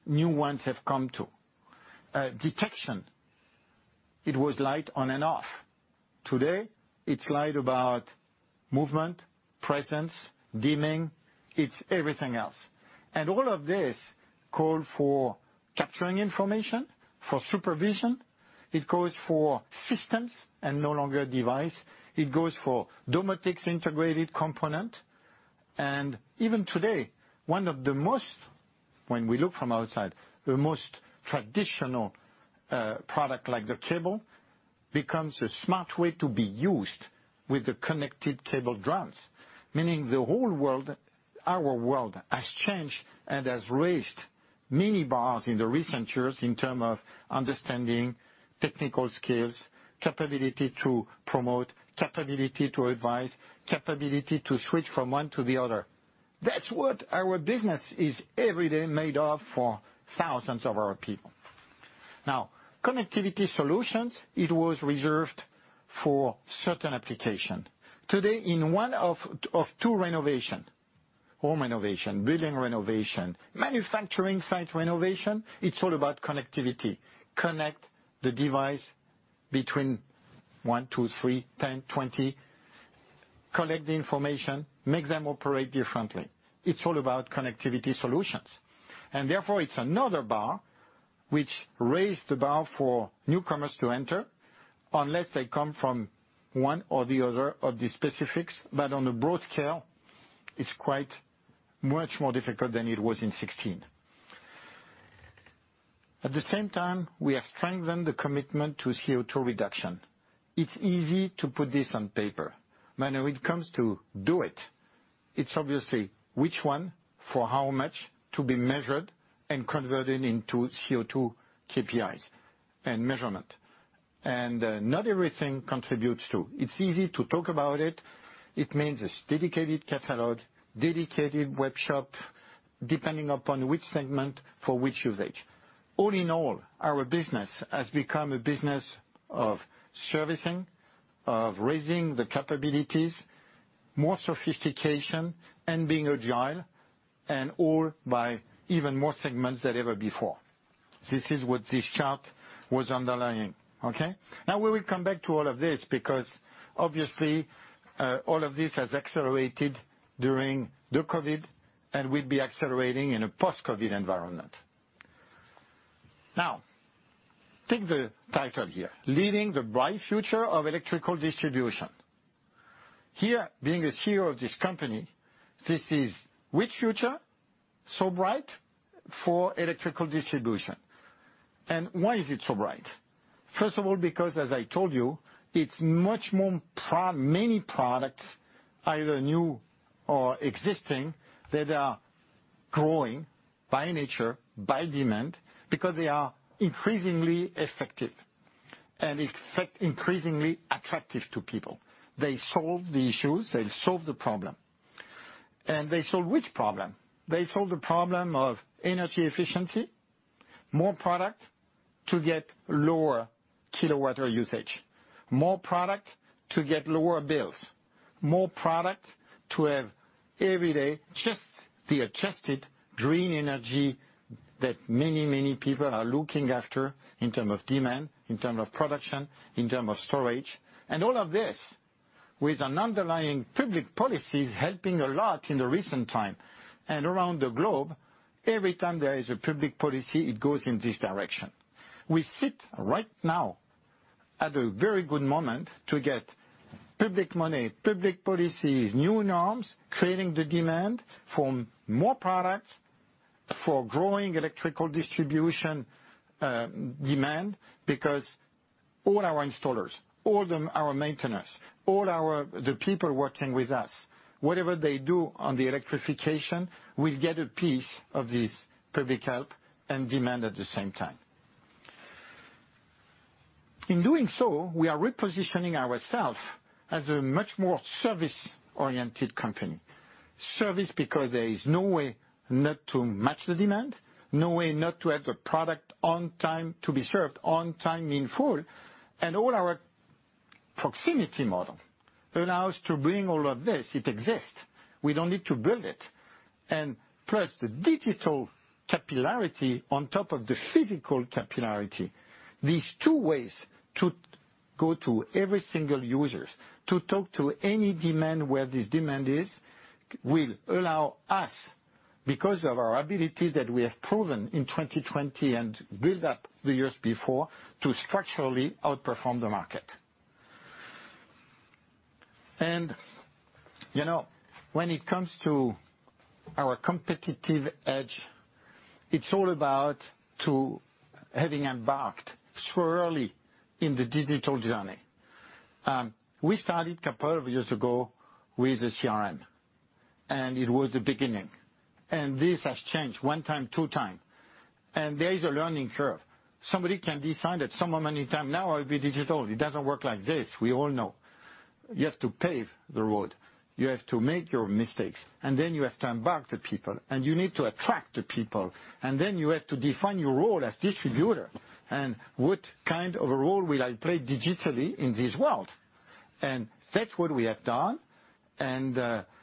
New ones have come too. Detection, it was light on and off. Today, it's light about movement, presence, dimming. It's everything else. All of this call for capturing information, for supervision. It calls for systems and no longer device. It calls for domotics integrated component. Even today, one of the most, when we look from outside, the most traditional product like the cable becomes a smart way to be used with the connected cable drums. Meaning the whole world, our world has changed and has raised many bars in the recent years in terms of understanding technical skills, capability to promote, capability to advise, capability to switch from one to the other. That's what our business is every day made of for thousands of our people. Connectivity solutions, it was reserved for certain applications. Today, in one of two renovations, home renovation, building renovation, manufacturing site renovation, it's all about connectivity. Connect the device between one, two, three, 10, 20. Collect the information, make them operate differently. It's all about connectivity solutions. Therefore, it's another bar which raised the bar for newcomers to enter, unless they come from one or the other of the specifics. On a broad scale, it's quite much more difficult than it was in 2016. At the same time, we have strengthened the commitment to CO2 reduction. It's easy to put this on paper. When it comes to do it's obviously which one, for how much to be measured and converted into CO2 KPIs and measurement. Not everything contributes to. It's easy to talk about it. It means a dedicated catalog, dedicated web shop, depending upon which segment for which usage. All in all, our business has become a business of servicing, of raising the capabilities, more sophistication and being agile, and all by even more segments than ever before. This is what this chart was underlying. Okay? We will come back to all of this because obviously, all of this has accelerated during the COVID and will be accelerating in a post-COVID environment. Take the title here, Leading the Bright Future of Electrical Distribution. Here, being a CEO of this company, this is which future so bright for electrical distribution. Why is it so bright? First of all, because as I told you, it's much more many products, either new or existing, that are growing by nature, by demand, because they are increasingly effective and increasingly attractive to people. They solve the issues, they solve the problem. They solve which problem? They solve the problem of energy efficiency, more product to get lower kilowatt hour usage, more product to get lower bills, more product to have every day just the adjusted green energy that many people are looking after in term of demand, in term of production, in term of storage. All of this with an underlying public policies helping a lot in the recent time. Around the globe, every time there is a public policy, it goes in this direction. We sit right now at a very good moment to get public money, public policies, new norms, creating the demand for more products, for growing electrical distribution demand, because all our installers, all our maintainers, all the people working with us, whatever they do on the electrification, will get a piece of this public help and demand at the same time. In doing so, we are repositioning ourself as a much more service-oriented company. Service because there is no way not to match the demand, no way not to have the product on time, to be served on time in full, and all our proximity model allow us to bring all of this. It exists. We don't need to build it. Plus, the digital capillarity on top of the physical capillarity. These two ways to go to every single users, to talk to any demand where this demand is, will allow us, because of our ability that we have proven in 2020 and build up the years before, to structurally outperform the market. When it comes to our competitive edge, it's all about to having embarked so early in the digital journey. We started a couple of years ago with a CRM. It was the beginning. This has changed one time, two time. There is a learning curve. Somebody can decide that some moment now will be digital. It doesn't work like this. We all know. You have to pave the road. You have to make your mistakes. You have to embark the people. You need to attract the people. You have to define your role as distributor, and what kind of a role will I play digitally in this world. That's what we have done, and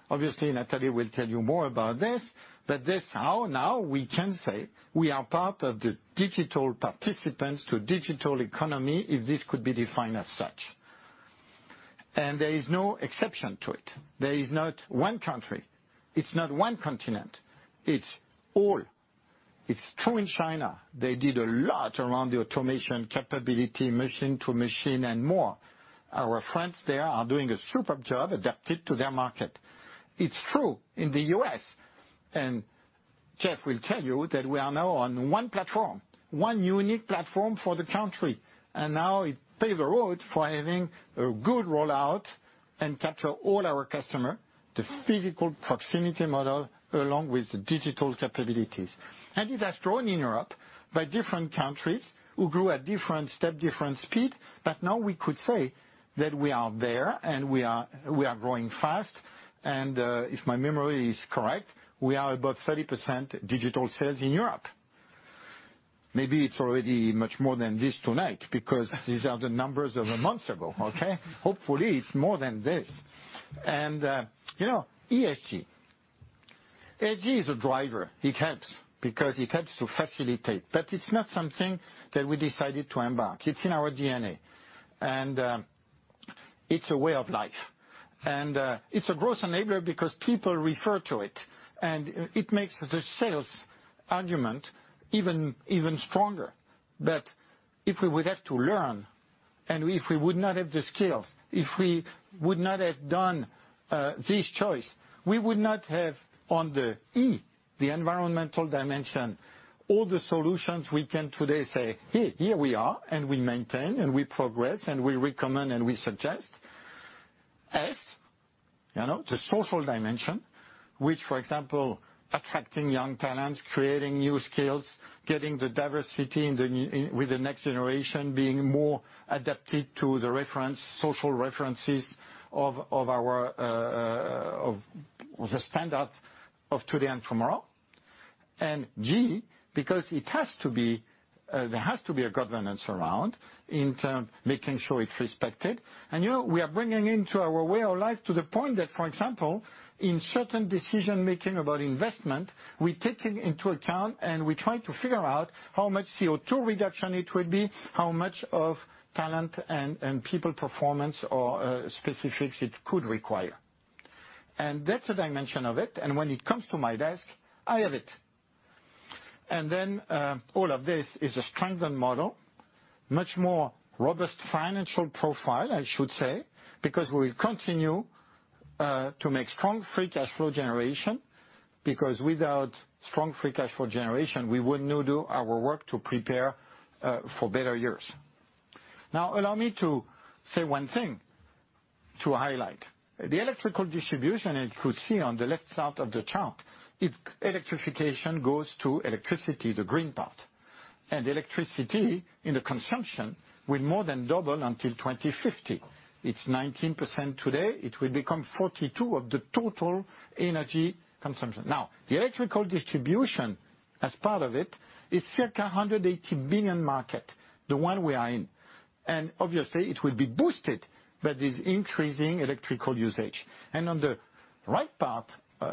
obviously, Nathalie will tell you more about this, but that's how now we can say we are part of the digital participants to digital economy, if this could be defined as such. There is no exception to it. There is not one country, it's not one continent, it's all. It's true in China. They did a lot around the automation capability, machine to machine, and more. Our friends there are doing a superb job adapted to their market. It's true in the U.S., Jeff will tell you that we are now on one platform, one unique platform for the country, now it pave a road for having a good rollout and capture all our customer, the physical proximity model along with the digital capabilities. It has grown in Europe by different countries who grew at different step, different speed, but now we could say that we are there and we are growing fast, if my memory is correct, we are about 30% digital sales in Europe. Maybe it's already much more than this tonight because these are the numbers of a month ago, okay? Hopefully, it's more than this. ESG is a driver. It helps, because it helps to facilitate. It's not something that we decided to embark. It's in our DNA, and it's a way of life. It's a growth enabler because people refer to it, and it makes the sales argument even stronger. If we would have to learn, and if we would not have the skills, if we would not have done this choice, we would not have on the E, the Environmental dimension, all the solutions we can today say, "Hey, here we are, and we maintain, and we progress, and we recommend, and we suggest." S, the Social dimension, which, for example, attracting young talents, creating new skills, getting the diversity with the next generation, being more adapted to the social references of the standard of today and tomorrow. G, because there has to be a Governance around in terms making sure it's respected. We are bringing into our way of life to the point that, for example, in certain decision-making about investment, we're taking into account and we try to figure out how much CO2 reduction it will be, how much of talent and people performance or specifics it could require. That's a dimension of it, and when it comes to my desk, I have it. All of this is a strengthened model, much more robust financial profile, I should say, because we will continue to make strong free cash flow generation, because without strong free cash flow generation, we would not do our work to prepare for better years. Allow me to say one thing to highlight. The electrical distribution you could see on the left side of the chart, electrification goes to electricity, the green part. Electricity in the consumption will more than double until 2050. It's 19% today. It will become 42 of the total energy consumption. The electrical distribution as part of it is circa 180 billion market, the one we are in. Obviously, it will be boosted by this increasing electrical usage. On the right part,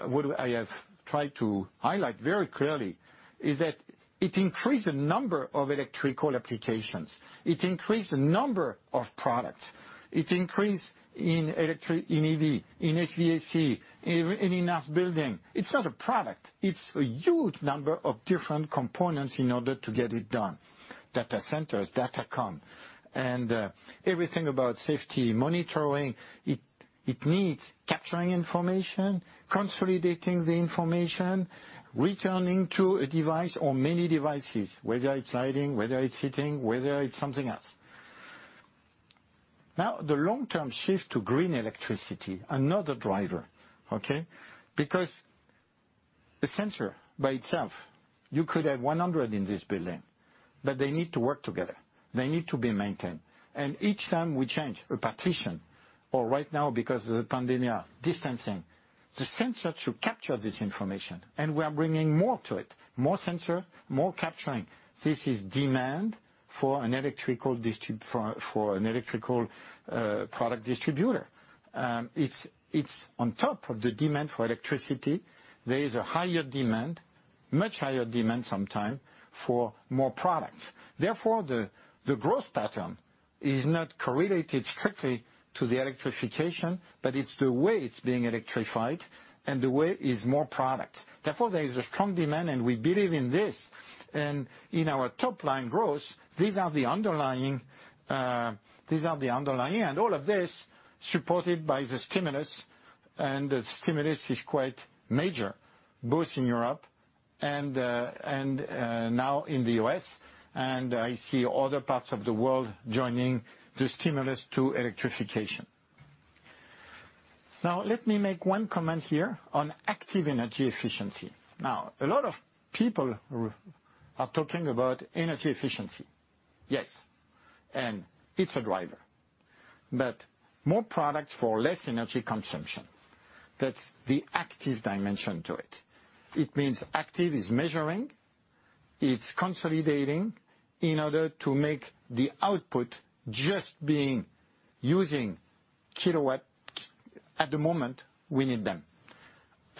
what I have tried to highlight very clearly is that it increased the number of electrical applications. It increased the number of products. It increased in EV, in HVAC, in building. It's not a product. It's a huge number of different components in order to get it done. Data centers, Datacom, and everything about safety monitoring. It needs capturing information, consolidating the information, returning to a device or many devices, whether it's lighting, whether it's heating, whether it's something else. The long-term shift to green electricity, another driver, okay? A sensor by itself, you could have 100 in this building, but they need to work together. They need to be maintained. Each time we change a partition, or right now because of the pandemic, distancing, the sensor should capture this information, and we are bringing more to it, more sensor, more capturing. This is demand for an electrical product distributor. It's on top of the demand for electricity. There is a higher demand, much higher demand sometimes, for more products. The growth pattern is not correlated strictly to the electrification, but it's the way it's being electrified and the way is more product. There is a strong demand, and we believe in this. In our top line growth, these are the underlying, and all of this supported by the stimulus, and the stimulus is quite major, both in Europe and now in the U.S. I see other parts of the world joining the stimulus to electrification. Let me make one comment here on active energy efficiency. A lot of people are talking about energy efficiency. Yes, and it's a driver. More products for less energy consumption, that's the active dimension to it. It means active is measuring, it's consolidating in order to make the output just being using kilowatt at the moment we need them.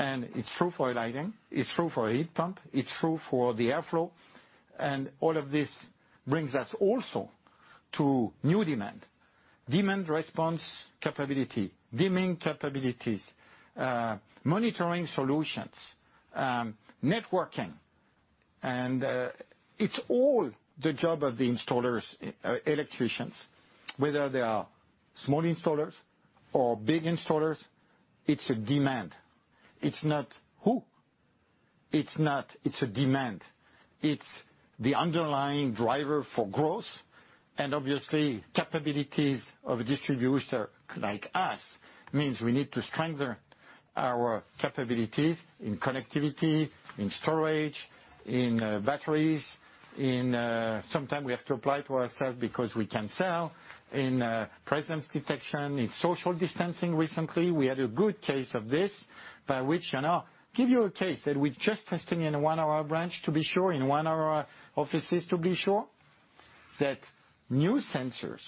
It's true for lighting, it's true for a heat pump, it's true for the airflow, and all of this brings us also to new demand response capability, dimming capabilities, monitoring solutions, networking. It's all the job of the electricians, whether they are small installers or big installers, it's a demand. It's not who. It's a demand. It's the underlying driver for growth. Obviously, capabilities of a distributor like us means we need to strengthen our capabilities in connectivity, in storage, in batteries, in sometimes we have to apply to ourselves because we can sell, in presence detection, in social distancing recently. We had a good case of this by which, give you a case that we're just testing in one of our branch to be sure, in one of our offices to be sure that new sensors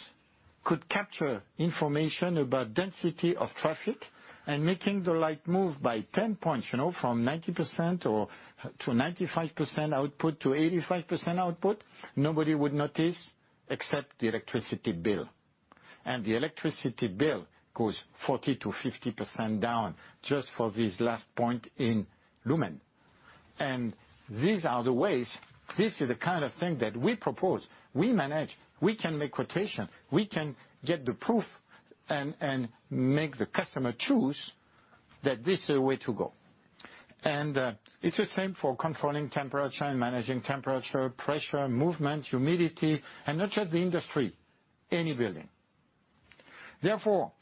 could capture information about density of traffic and making the light move by 10 points, from 90% or to 95% output to 85% output, nobody would notice except the electricity bill. The electricity bill goes 40%-50% down just for this last point in lumen. These are the ways, this is the kind of thing that we propose, we manage, we can make quotation, we can get the proof and make the customer choose that this is the way to go. It's the same for controlling temperature and managing temperature, pressure, movement, humidity, and not just the industry, any building. Therefore,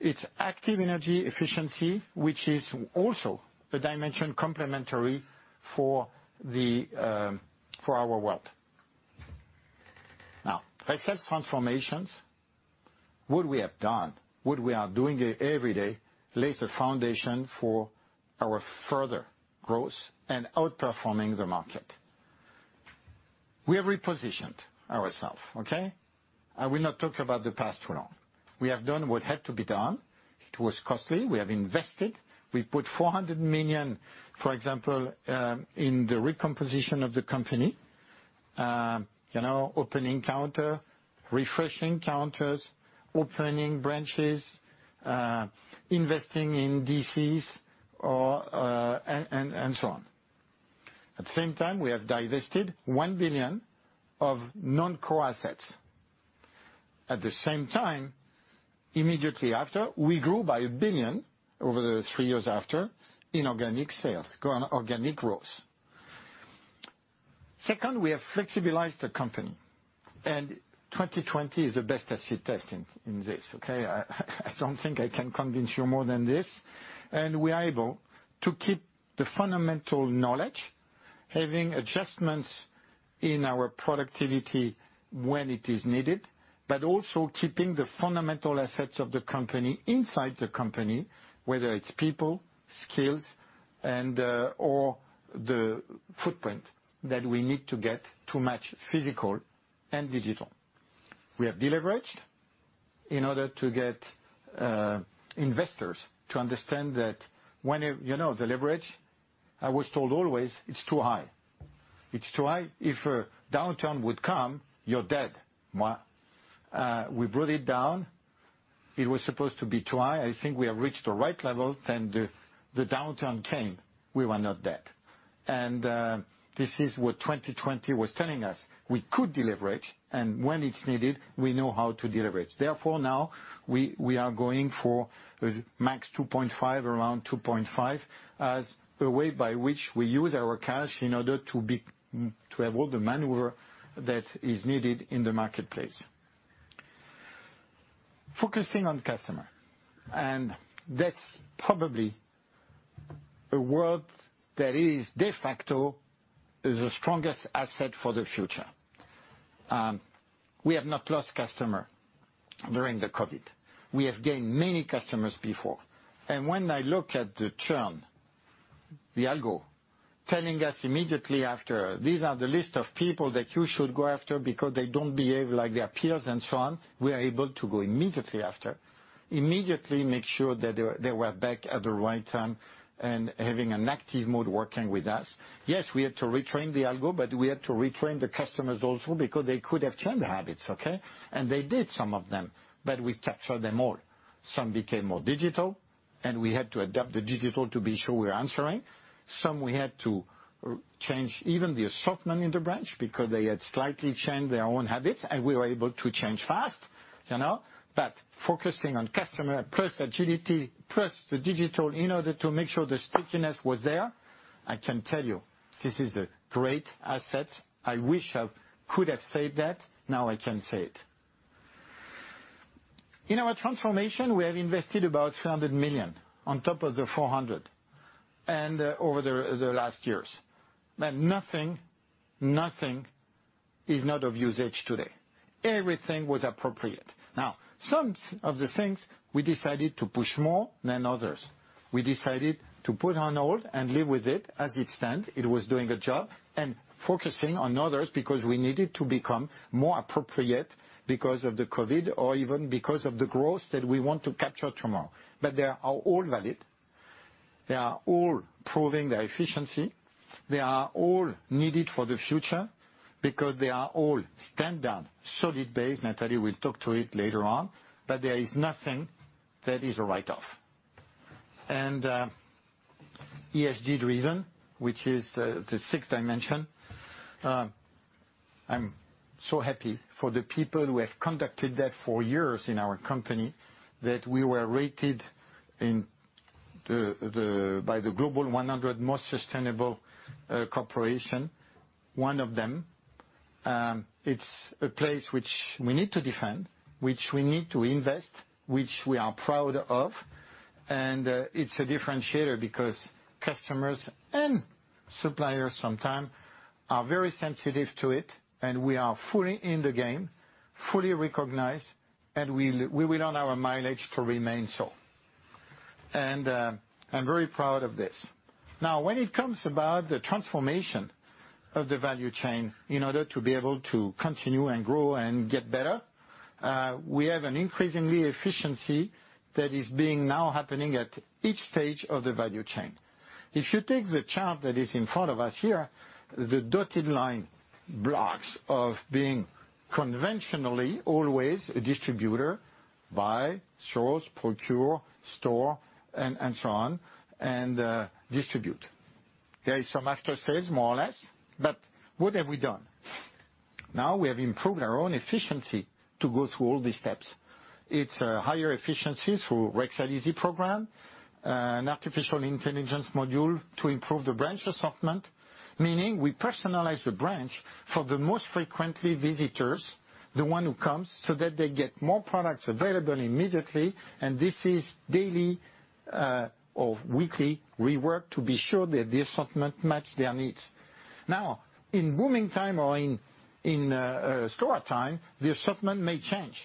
it's active energy efficiency, which is also a dimension complementary for our world. Now, Rexel's transformations, what we have done, what we are doing every day, lays the foundation for our further growth and outperforming the market. We have repositioned ourselves. Okay? I will not talk about the past too long. We have done what had to be done. It was costly. We have invested. We put 400 million, for example, in the recomposition of the company. Opening counter, refreshing counters, opening branches, investing in DCs, and so on. At the same time, we have divested 1 billion of non-core assets. At the same time, immediately after, we grew by 1 billion over the three years after in organic sales, organic growth. Second, we have flexibilized the company. 2020 is the best acid test in this. Okay? I don't think I can convince you more than this. We are able to keep the fundamental knowledge, having adjustments in our productivity when it is needed, but also keeping the fundamental assets of the company inside the company, whether it's people, skills, or the footprint that we need to get to match physical and digital. We have deleveraged in order to get investors to understand that the leverage, I was told always, it's too high. It's too high. If a downturn would come, you're dead. We brought it down. It was supposed to be too high. I think we have reached the right level. The downturn came, we were not dead. This is what 2020 was telling us. We could deleverage, and when it's needed, we know how to deleverage. Now we are going for max 2.5, around 2.5, as the way by which we use our cash in order to have all the maneuver that is needed in the marketplace. Focusing on customer, that's probably a word that is de facto is the strongest asset for the future. We have not lost customer during the COVID. We have gained many customers before. When I look at the churn, the algo, telling us immediately after, these are the list of people that you should go after because they don't behave like their peers and so on. We are able to go immediately after. Immediately make sure that they were back at the right time and having an active mode working with us. Yes, we had to retrain the algo, but we had to retrain the customers also because they could have changed habits. Okay? They did, some of them, but we captured them all. Some became more digital, and we had to adapt the digital to be sure we are answering. Some we had to change even the assortment in the branch because they had slightly changed their own habits, and we were able to change fast. Focusing on customer plus agility, plus the digital in order to make sure the stickiness was there, I can tell you this is a great asset. I wish I could have said that. Now I can say it. In our transformation, we have invested about 300 million on top of the 400 and over the last years. Nothing is not of usage today. Everything was appropriate. Now, some of the things we decided to push more than others. We decided to put on hold and live with it as it stand, it was doing a job, and focusing on others because we needed to become more appropriate because of the COVID-19 or even because of the growth that we want to capture tomorrow. They are all valid. They are all proving their efficiency. They are all needed for the future because they are all sound, solid base. Nathalie will talk to it later on. There is nothing that is a write-off. ESG driven, which is the sixth dimension. I'm so happy for the people who have conducted that for years in our company, that we were rated by the Global 100 Most Sustainable Corporations, one of them. It's a place which we need to defend, which we need to invest, which we are proud of. It's a differentiator because customers and suppliers sometimes are very sensitive to it, and we are fully in the game, fully recognized, and we will earn our mileage to remain so. I'm very proud of this. Now, when it comes about the transformation of the value chain in order to be able to continue and grow and get better, we have an increasing efficiency that is now happening at each stage of the value chain. If you take the chart that is in front of us here, the dotted line blocks of being conventionally always a distributor, buy, source, procure, store, and so on, and distribute. There is some after-sales, more or less. What have we done? We have improved our own efficiency to go through all these steps. It's a higher efficiency through Rexel Easy program, an artificial intelligence module to improve the branch assortment, meaning we personalize the branch for the most frequent visitors, the one who comes, so that they get more products available immediately. This is daily, or weekly rework to be sure that the assortment match their needs. In booming time or in slower time, the assortment may change.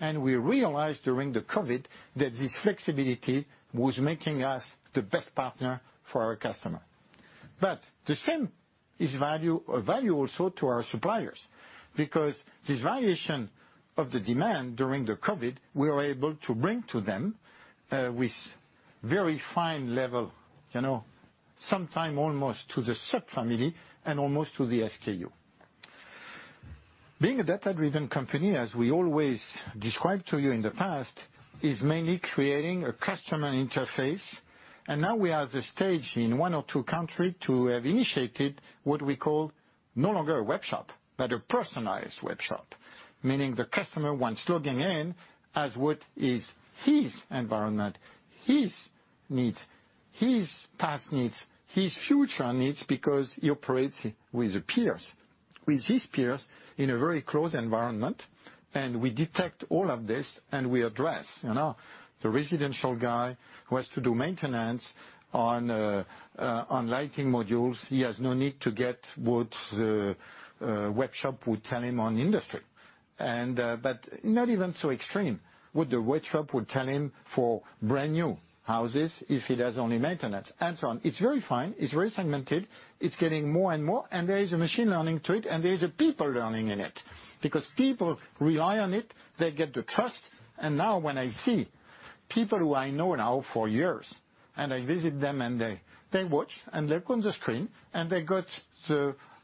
We realized during the COVID that this flexibility was making us the best partner for our customer. The same is value also to our suppliers, because this variation of the demand during the COVID, we were able to bring to them, with very fine level, sometimes almost to the sub-family and almost to the SKU. Being a data-driven company, as we always described to you in the past, is mainly creating a customer interface. Now we are at the stage in one or two countries to have initiated what we call no longer a web shop, but a personalized web shop, meaning the customer, once logging in, has what is his environment, his needs, his past needs, his future needs, because he operates with his peers in a very close environment. We detect all of this, and we address. The residential guy who has to do maintenance on lighting modules, he has no need to get what the web shop would tell him on industry. Not even so extreme, what the web shop would tell him for brand-new houses if he does only maintenance and so on. It's very fine, it's very segmented, it's getting more and more, and there is a machine learning to it, and there is a people learning in it. People rely on it, they get the trust, and now when I see people who I know now for years, and I visit them, and they watch and look on the screen, and they got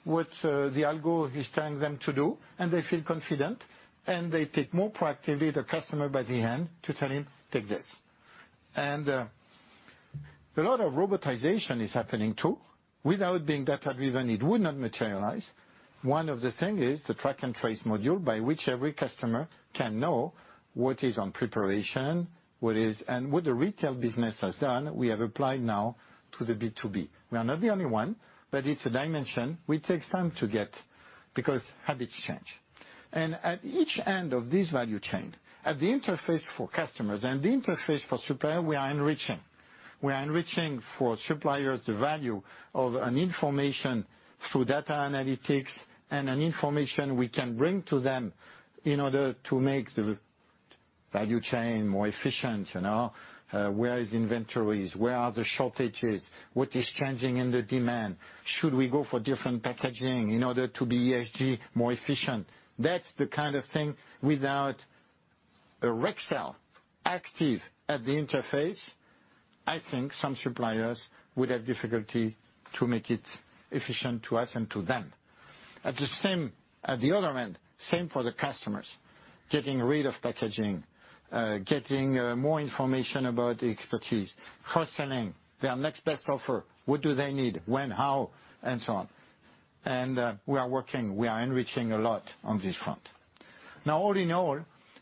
what the algo is telling them to do, and they feel confident, and they take more proactively the customer by the hand to tell him, "Take this." A lot of robotization is happening, too. Without being data-driven, it would not materialize. One of the things is the track and trace module by which every customer can know what is on preparation, what the retail business has done, we have applied now to the B2B. We are not the only one, but it's a dimension which takes time to get, because habits change. At each end of this value chain, at the interface for customers and the interface for supplier, we are enriching. We are enriching for suppliers the value of an information through data analytics and an information we can bring to them in order to make the value chain more efficient. Where is inventories? Where are the shortages? What is changing in the demand? Should we go for different packaging in order to be ESG more efficient? That's the kind of thing, without a Rexel active at the interface, I think some suppliers would have difficulty to make it efficient to us and to them. At the other end, same for the customers. Getting rid of packaging, getting more information about expertise, cross-selling their next best offer, what do they need, when, how, and so on. We are working, we are enriching a lot on this front. All in all,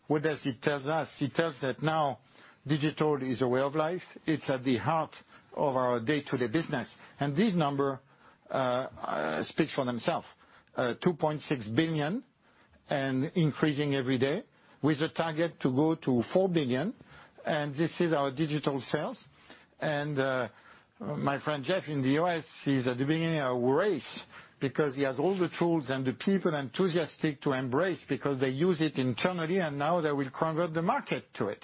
what does it tell us? It tells that now digital is a way of life. It's at the heart of our day-to-day business. These numbers speak for themselves. 2.6 billion and increasing every day with a target to go to 4 billion, and this is our digital sales. My friend Jeff in the U.S., he's at the beginning of a race because he has all the tools and the people enthusiastic to embrace because they use it internally, and now they will convert the market to it.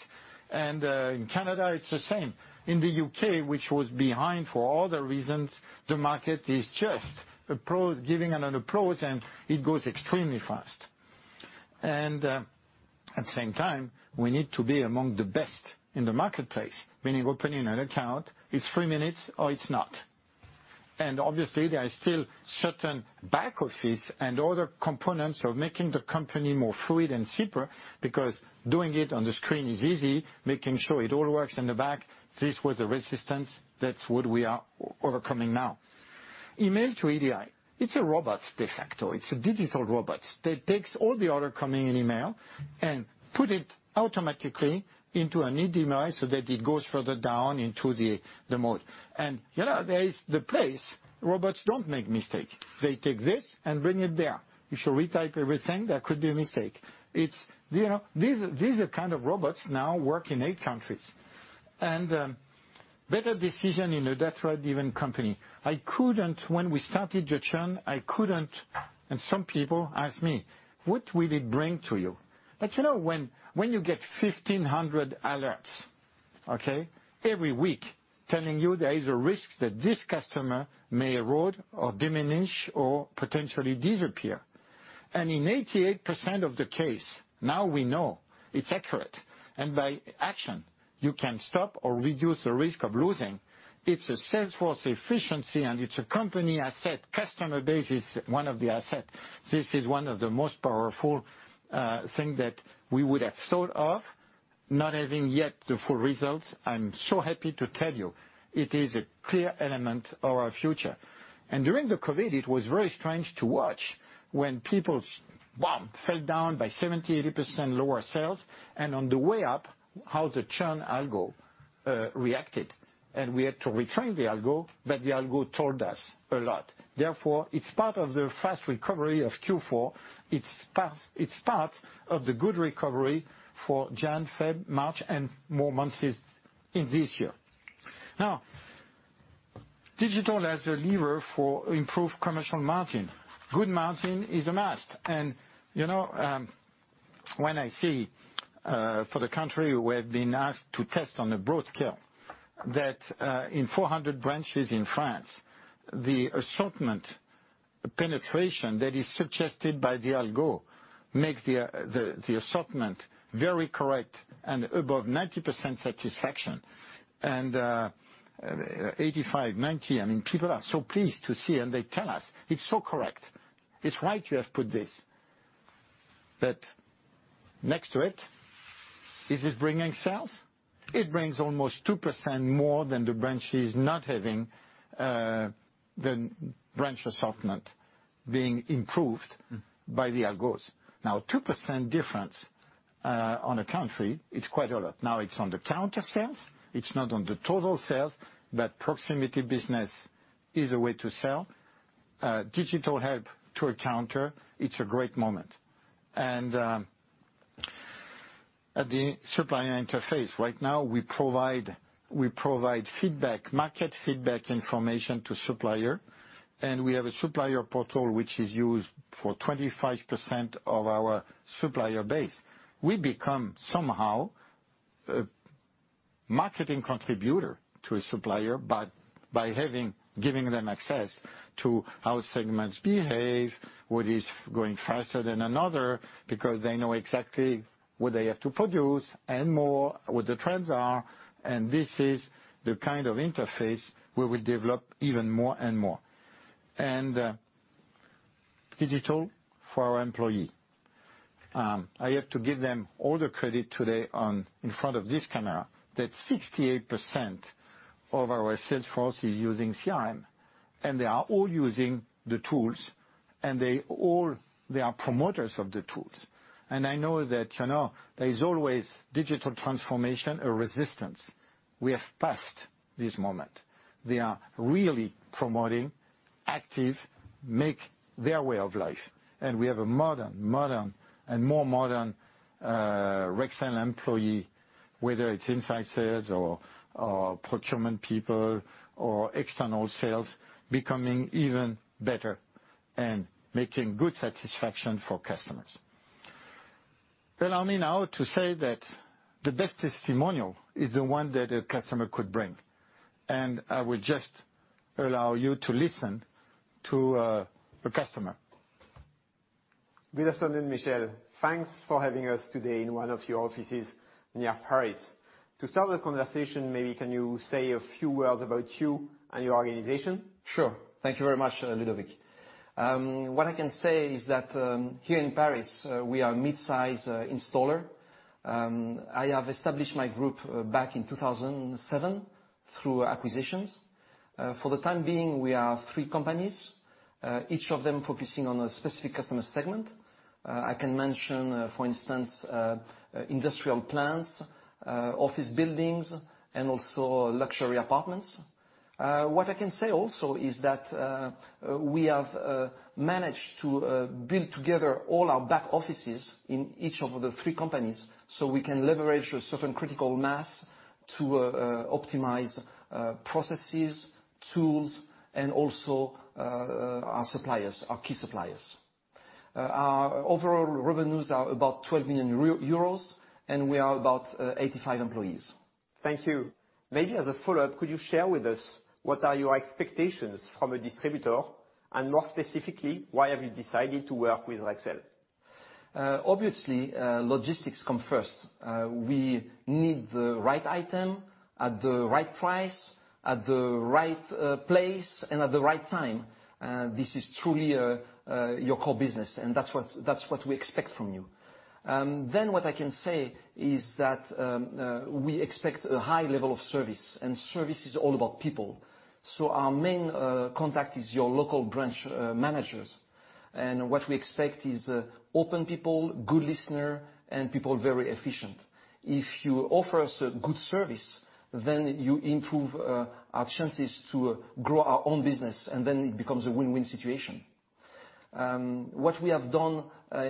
In Canada, it's the same. In the U.K., which was behind for other reasons, the market is just giving an approach, and it goes extremely fast. At the same time, we need to be among the best in the marketplace, meaning opening an account, it's three minutes or it's not. Obviously, there are still certain back office and other components of making the company more fluid and simpler because doing it on the screen is easy. Making sure it all works in the back, this was a resistance. That's what we are overcoming now. Email to EDI, it's a robot de facto. It's a digital robot that takes all the orders coming in email and put it automatically into an EDI so that it goes further down into the mode. There is the place, robots don't make mistakes. They take this and bring it there. You should retype everything, there could be a mistake. These are kind of robots now work in eight countries. Better decisions in a data-driven company. When we started the churn, I couldn't, and some people asked me, "What will it bring to you?" When you get 1,500 alerts, every week telling you there is a risk that this customer may erode or diminish or potentially disappear, and in 88% of the cases, now we know it's accurate, and by action, you can stop or reduce the risk of losing. It's a sales force efficiency, and it's a company asset. Customer base is one of the asset. This is one of the most powerful thing that we would have thought of. Not having yet the full results, I am so happy to tell you, it is a clear element of our future. During the COVID, it was very strange to watch when people, bam, fell down by 70%-80% lower sales, and on the way up, how the churn algo reacted. We had to retrain the algo, but the algo told us a lot. Therefore, it is part of the fast recovery of Q4. It is part of the good recovery for Jan, Feb, March, and more months in this year. Now, digital as a lever for improved commercial margin. Good margin is a must. When I see, for the country, we have been asked to test on a broad scale, that in 400 branches in France, the assortment penetration that is suggested by the algo make the assortment very correct and above 90% satisfaction. 85, 90, people are so pleased to see and they tell us, "It's so correct. It's right you have put this." Next to it, is this bringing sales? It brings almost 2% more than the branches not having the branch assortment being improved by the algos. 2% difference on a country, it's quite a lot. It's on the counter sales. It's not on the total sales, but proximity business is a way to sell. Digital help to a counter, it's a great moment. At the supplier interface, right now, we provide market feedback information to supplier, and we have a supplier portal which is used for 25% of our supplier base. We become, somehow, a marketing contributor to a supplier by giving them access to how segments behave, what is going faster than another, because they know exactly what they have to produce and more, what the trends are, and this is the kind of interface we will develop even more and more. Digital for our employee. I have to give them all the credit today in front of this camera that 68% of our sales force is using CRM, and they are all using the tools, and they are promoters of the tools. I know that there is always digital transformation, a resistance. We have passed this moment. They are really promoting active, make their way of life. We have a more modern Rexel employee, whether it's inside sales or procurement people or external sales, becoming even better and making good satisfaction for customers. Allow me now to say that the best testimonial is the one that a customer could bring. I will just allow you to listen to a customer. Wilson and Michel, thanks for having us today in one of your offices near Paris. To start the conversation, maybe can you say a few words about you and your organization? Sure. Thank you very much, Ludovic. What I can say is that, here in Paris, we are a mid-size installer. I have established my group back in 2007 through acquisitions. For the time being, we are three companies, each of them focusing on a specific customer segment. I can mention, for instance, industrial plants, office buildings, and also luxury apartments. What I can say also is that we have managed to build together all our back offices in each of the three companies, so we can leverage a certain critical mass to optimize processes, tools, and also our key suppliers. Our overall revenues are about 12 million euros, and we are about 85 employees. Thank you. Maybe as a follow-up, could you share with us what are your expectations from a distributor, and more specifically, why have you decided to work with Rexel? Obviously, logistics come first. We need the right item at the right price, at the right place, and at the right time. This is truly your core business, and that's what we expect from you. What I can say is that we expect a high level of service, and service is all about people. Our main contact is your local branch managers. What we expect is open people, good listener, and people very efficient. If you offer us a good service, then you improve our chances to grow our own business, and then it becomes a win-win situation. What we have done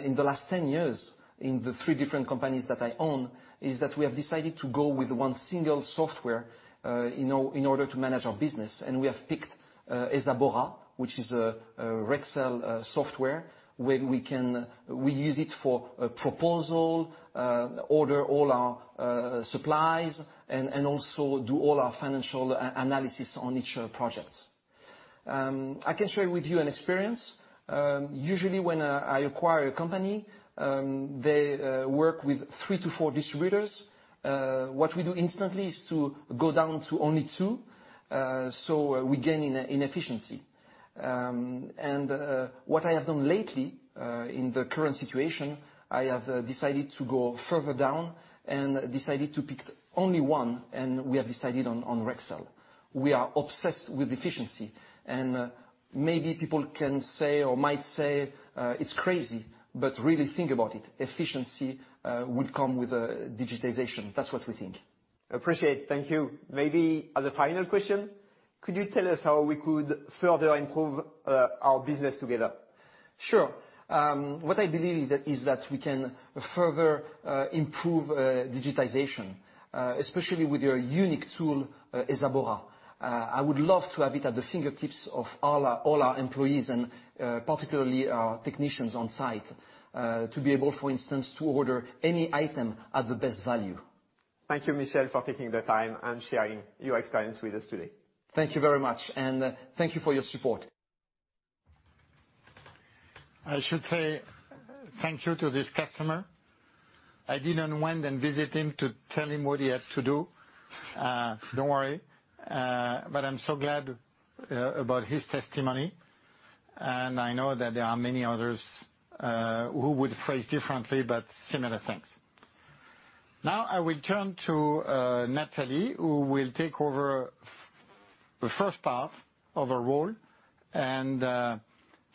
in the last 10 years in the three different companies that I own, is that we have decided to go with one single software in order to manage our business, and we have picked Esabora, which is a Rexel software. We use it for proposal, order all our supplies, and also do all our financial analysis on each project. I can share with you an experience. Usually when I acquire a company, they work with three to four distributors. What we do instantly is to go down to only two, so we gain in efficiency. What I have done lately, in the current situation, I have decided to go further down and decided to pick only one, and we have decided on Rexel. We are obsessed with efficiency, and maybe people can say or might say it's crazy, but really think about it. Efficiency will come with digitization. That's what we think. Appreciate it. Thank you. As a final question, could you tell us how we could further improve our business together? Sure. What I believe is that we can further improve digitization, especially with your unique tool, Esabora. I would love to have it at the fingertips of all our employees and particularly our technicians on site, to be able, for instance, to order any item at the best value. Thank you, Michel, for taking the time and sharing your experience with us today. Thank you very much, and thank you for your support. I should say thank you to this customer. I did not went and visit him to tell him what he had to do. Don't worry. I'm so glad about his testimony, and I know that there are many others who would phrase differently, but similar things. Now I will turn to Nathalie, who will take over the first part of her role, and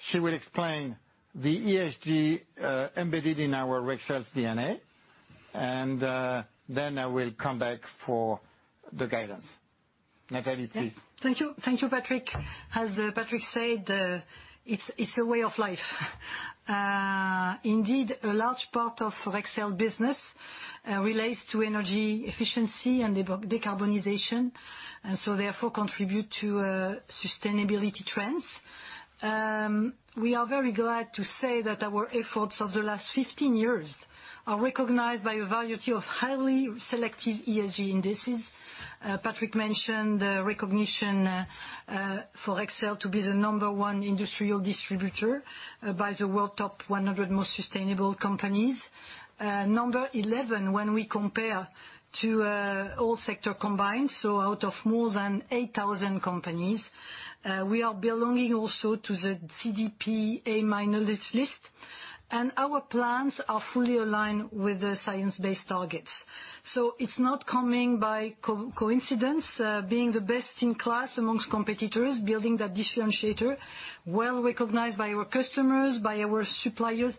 she will explain the ESG embedded in our Rexel's DNA, and then I will come back for the guidance. Nathalie, please. Thank you, Patrick. As Patrick said, it's a way of life. Indeed, a large part of Rexel business relates to energy efficiency and decarbonization, therefore contribute to sustainability trends. We are very glad to say that our efforts of the last 15 years are recognized by a variety of highly selective ESG indices. Patrick mentioned the recognition for Rexel to be the number 1 industrial distributor by the Global 100 Most Sustainable Corporations in the World. Number 11 when we compare to all sector combined, out of more than 8,000 companies. We are belonging also to the CDP A- list, our plans are fully aligned with the science-based targets. It's not coming by coincidence, being the best in class amongst competitors, building that differentiator, well recognized by our customers, by our suppliers,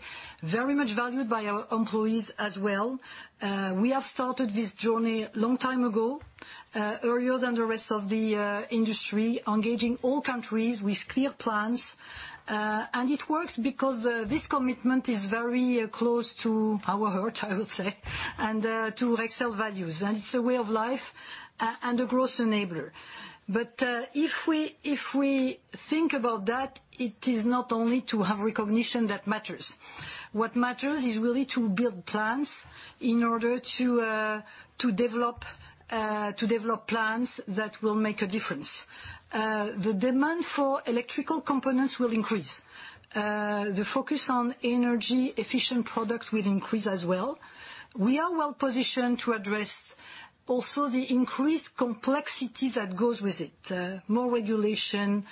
very much valued by our employees as well. We have started this journey long time ago, earlier than the rest of the industry, engaging all countries with clear plans. It works because this commitment is very close to our heart, I would say, and to Rexel values. It's a way of life and a growth enabler. If we think about that, it is not only to have recognition that matters. What matters is really to build plans in order to develop plans that will make a difference. The demand for electrical components will increase. The focus on energy efficient products will increase as well. We are well positioned to address also the increased complexity that goes with it, more regulation,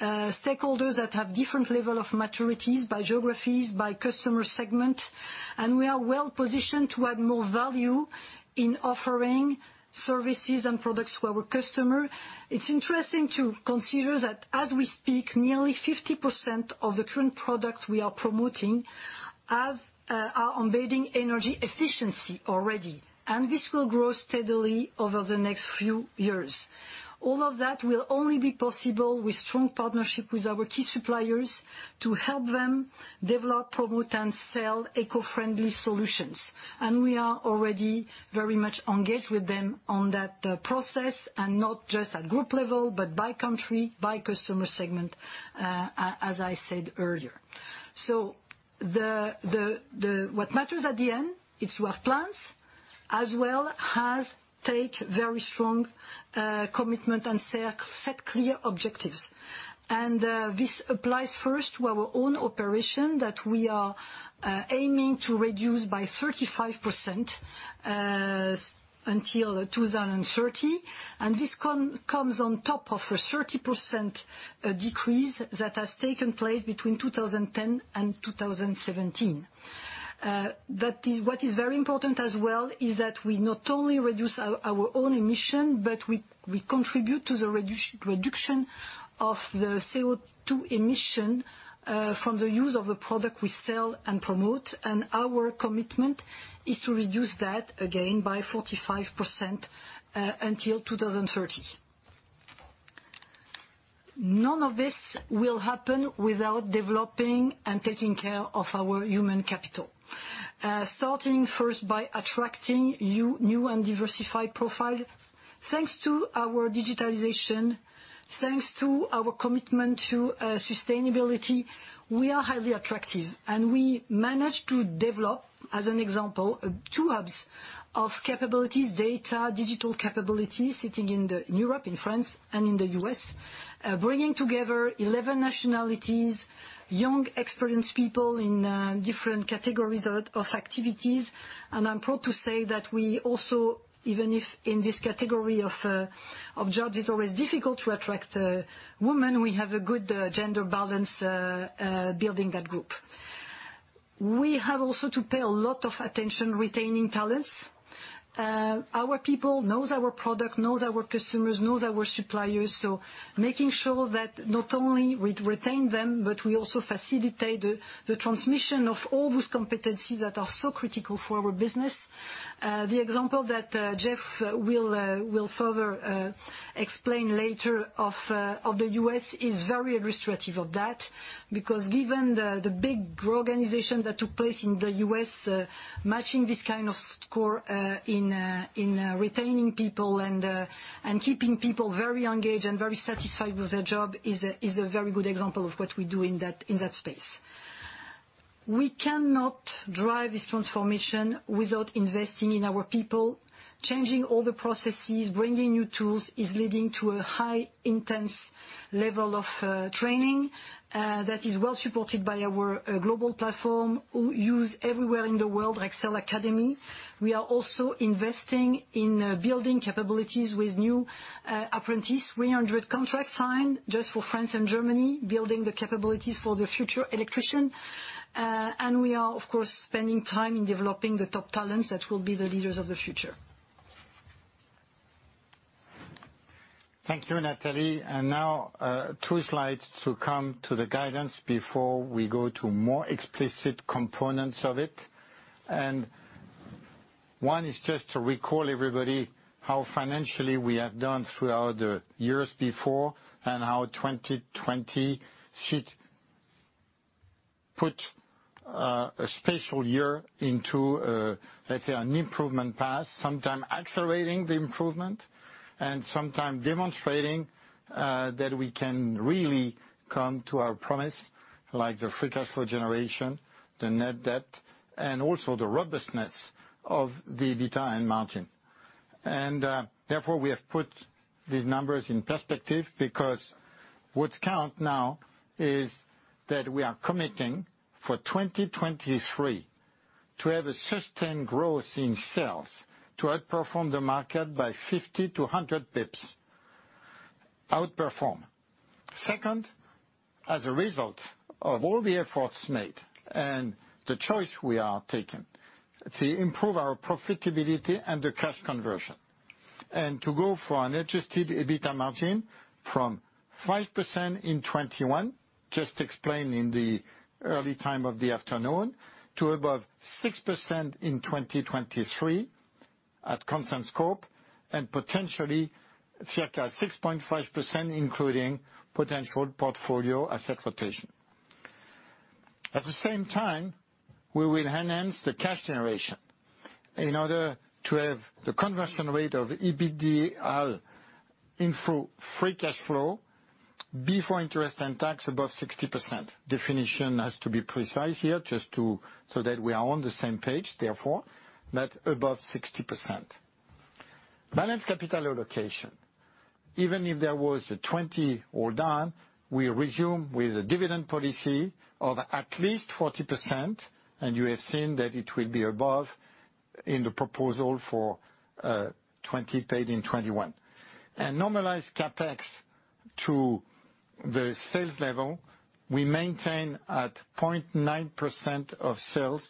stakeholders that have different level of maturities by geographies, by customer segment, and we are well positioned to add more value in offering services and products to our customer. It's interesting to consider that as we speak, nearly 50% of the current products we are promoting are embedding energy efficiency already, and this will grow steadily over the next few years. All of that will only be possible with strong partnership with our key suppliers to help them develop, promote, and sell eco-friendly solutions. We are already very much engaged with them on that process, and not just at group level, but by country, by customer segment, as I said earlier. What matters at the end is to have plans as well as take very strong commitment and set clear objectives. This applies first to our own operation that we are aiming to reduce by 35% until 2030, and this comes on top of a 30% decrease that has taken place between 2010 and 2017. What is very important as well is that we not only reduce our own emission, but we contribute to the reduction of the CO2 emission from the use of the product we sell and promote. Our commitment is to reduce that again by 45% until 2030. None of this will happen without developing and taking care of our human capital. Starting first by attracting new and diversified profile. Thanks to our digitization, thanks to our commitment to sustainability, we are highly attractive. We managed to develop, as an example, two hubs of capabilities, data, digital capabilities, sitting in Europe, in France and in the U.S., bringing together 11 nationalities, young experienced people in different categories of activities. I'm proud to say that we also, even if in this category of job, it's always difficult to attract women, we have a good gender balance building that group. We have also to pay a lot of attention retaining talents. Our people knows our product, knows our customers, knows our suppliers, making sure that not only we retain them, but we also facilitate the transmission of all those competencies that are so critical for our business. The example that Jeff will further explain later of the U.S. is very illustrative of that, because given the big reorganization that took place in the U.S., matching this kind of score, in retaining people and keeping people very engaged and very satisfied with their job is a very good example of what we do in that space. We cannot drive this transformation without investing in our people. Changing all the processes, bringing new tools is leading to a high intense level of training, that is well supported by our global platform used everywhere in the world, Rexel Academy. We are also investing in building capabilities with new apprentices, 300 contracts signed just for France and Germany, building the capabilities for the future electrician. We are, of course, spending time in developing the top talents that will be the leaders of the future. Thank you, Nathalie. Now, two slides to come to the guidance before we go to more explicit components of it. One is just to recall everybody how financially we have done throughout the years before, and how 2020 put a special year into, let's say, an improvement path, sometime accelerating the improvement and sometime demonstrating that we can really come to our promise, like the free cash flow generation, the net debt, and also the robustness of the EBITDA margin. Therefore, we have put these numbers in perspective because what counts now is that we are committing for 2023 to have a sustained growth in sales to outperform the market by 50-100 basis points. Outperform. Second, as a result of all the efforts made and the choice we are taking to improve our profitability and the cash conversion, to go for an adjusted EBITDA margin from 5% in 2021, just explained in the early time of the afternoon, to above 6% in 2023 at constant scope, and potentially circa 6.5%, including potential portfolio asset rotation. At the same time, we will enhance the cash generation in order to have the conversion rate of EBITDA in free cash flow before interest and tax above 60%. Definition has to be precise here just so that we are on the same page, therefore, that above 60%. Balance capital allocation. Even if there was a 2020 hold on, we resume with a dividend policy of at least 40%, and you have seen that it will be above in the proposal for 2020 paid in 2021. Normalized CapEx to the sales level, we maintain at 0.9% of sales,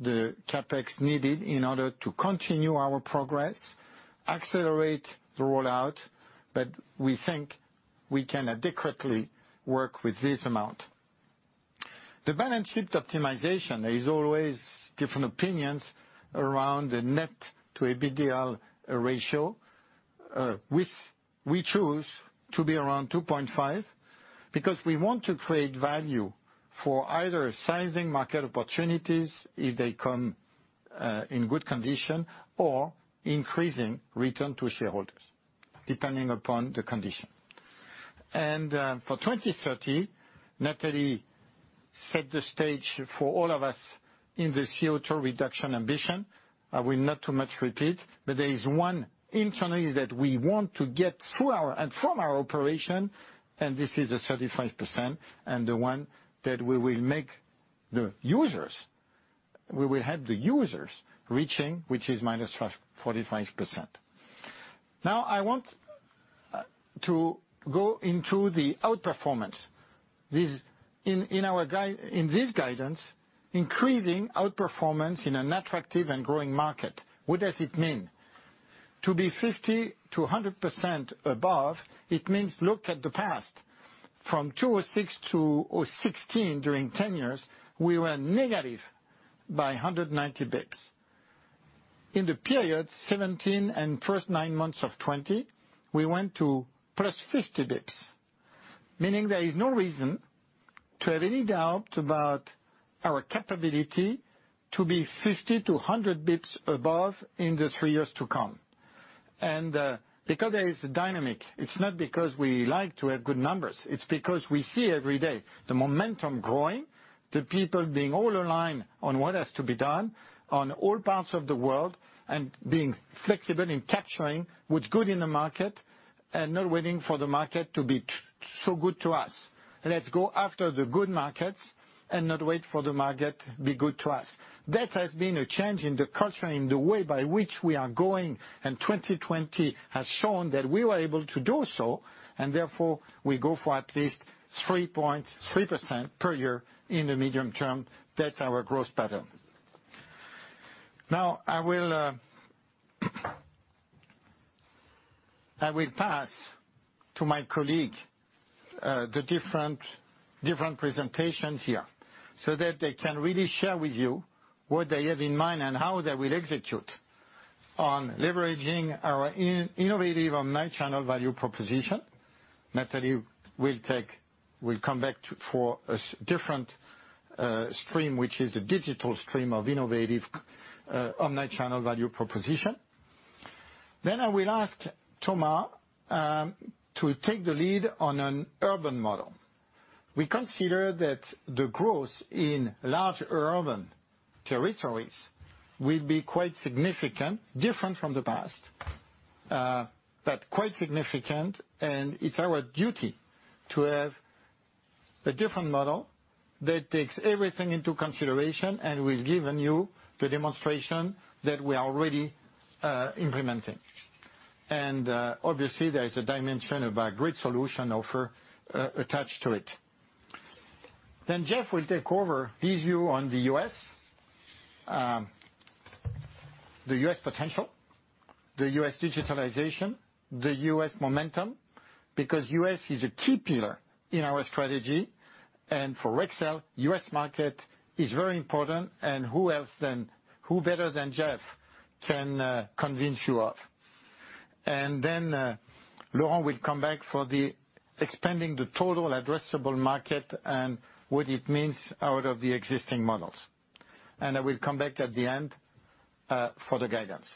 the CapEx needed in order to continue our progress, accelerate the rollout, but we think we can adequately work with this amount. The balance sheet optimization, there is always different opinions around the net to EBITDA ratio. We choose to be around 2.5 because we want to create value for either sizing market opportunities if they come in good condition or increasing return to shareholders, depending upon the condition. For 2030, Nathalie set the stage for all of us in the CO2 reduction ambition. I will not too much repeat, but there is one internally that we want to get through our and from our operation, and this is a 35%, and the one that we will make the users, we will help the users reaching, which is minus 45%. Now, I want to go into the outperformance. In this guidance, increasing outperformance in an attractive and growing market. What does it mean? To be 50%-100% above, it means look at the past. From 2006 to 2016, during 10 years, we were negative by 190 bps. In the period 2017 and first nine months of 2020, we went to +50 bps. Meaning there is no reason to have any doubt about our capability to be 50-100 bps above in the three years to come. Because there is a dynamic, it's not because we like to have good numbers, it's because we see every day the momentum growing, the people being all aligned on what has to be done on all parts of the world, and being flexible in capturing what's good in the market, and not waiting for the market to be so good to us. Let's go after the good markets and not wait for the market be good to us. That has been a change in the culture, in the way by which we are going, and 2020 has shown that we were able to do so. Therefore, we go for at least 3.3% per year in the medium term. That's our growth pattern. I will pass to my colleague, the different presentations here so that they can really share with you what they have in mind and how they will execute on leveraging our innovative omnichannel value proposition. Nathalie will come back for a different stream, which is the digital stream of innovative, omnichannel value proposition. I will ask Thomas to take the lead on an urban model. We consider that the growth in large urban territories will be quite significant, different from the past, but quite significant, and it's our duty to have a different model that takes everything into consideration and we've given you the demonstration that we are already implementing. Obviously, there is a dimension of a great solution offer attached to it. Jeff will take over his view on the U.S. The U.S. potential, the U.S. digitalization, the U.S. momentum, because U.S. is a key pillar in our strategy. For Rexel, U.S. market is very important and who better than Jeff can convince you of? Then, Laurent will come back for the expanding the total addressable market and what it means out of the existing models. I will come back at the end, for the guidance.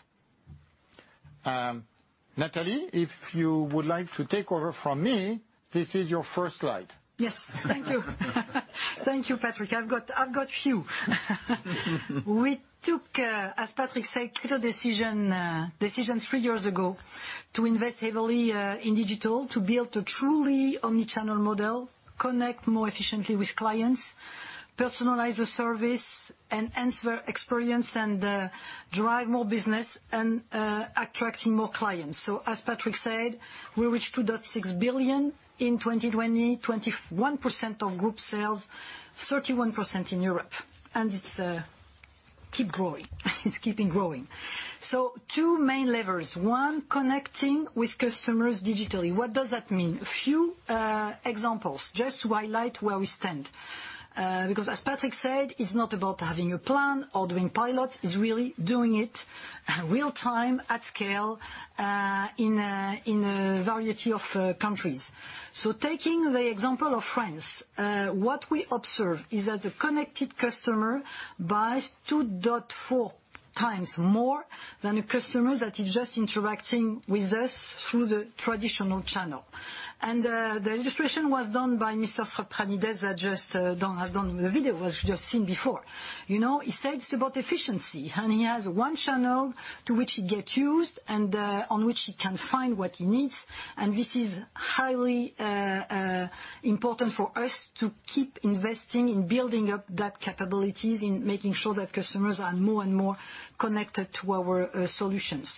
Nathalie, if you would like to take over from me, this is your first slide. Yes. Thank you. Thank you, Patrick. I've got few. We took, as Patrick said, key decisions three years ago to invest heavily in digital, to build a truly omnichannel model, connect more efficiently with clients, personalize the service and enhance their experience and drive more business and attracting more clients. As Patrick said, we reached 2.6 billion in 2020, 21% of group sales, 31% in Europe. It's keeping growing. Two main levers. One, connecting with customers digitally. What does that mean? Few examples, just to highlight where we stand. As Patrick said, it's not about having a plan or doing pilots, it's really doing it real-time, at scale, in a variety of countries. Taking the example of France, what we observe is that a connected customer buys 2.4x more than a customer that is just interacting with us through the traditional channel. The illustration was done by Mr. [Sotradinides] that just has done the video we've just seen before. He said it's about efficiency, and he has one channel to which he get used and, on which he can find what he needs. This is highly important for us to keep investing in building up that capabilities, in making sure that customers are more and more connected to our solutions.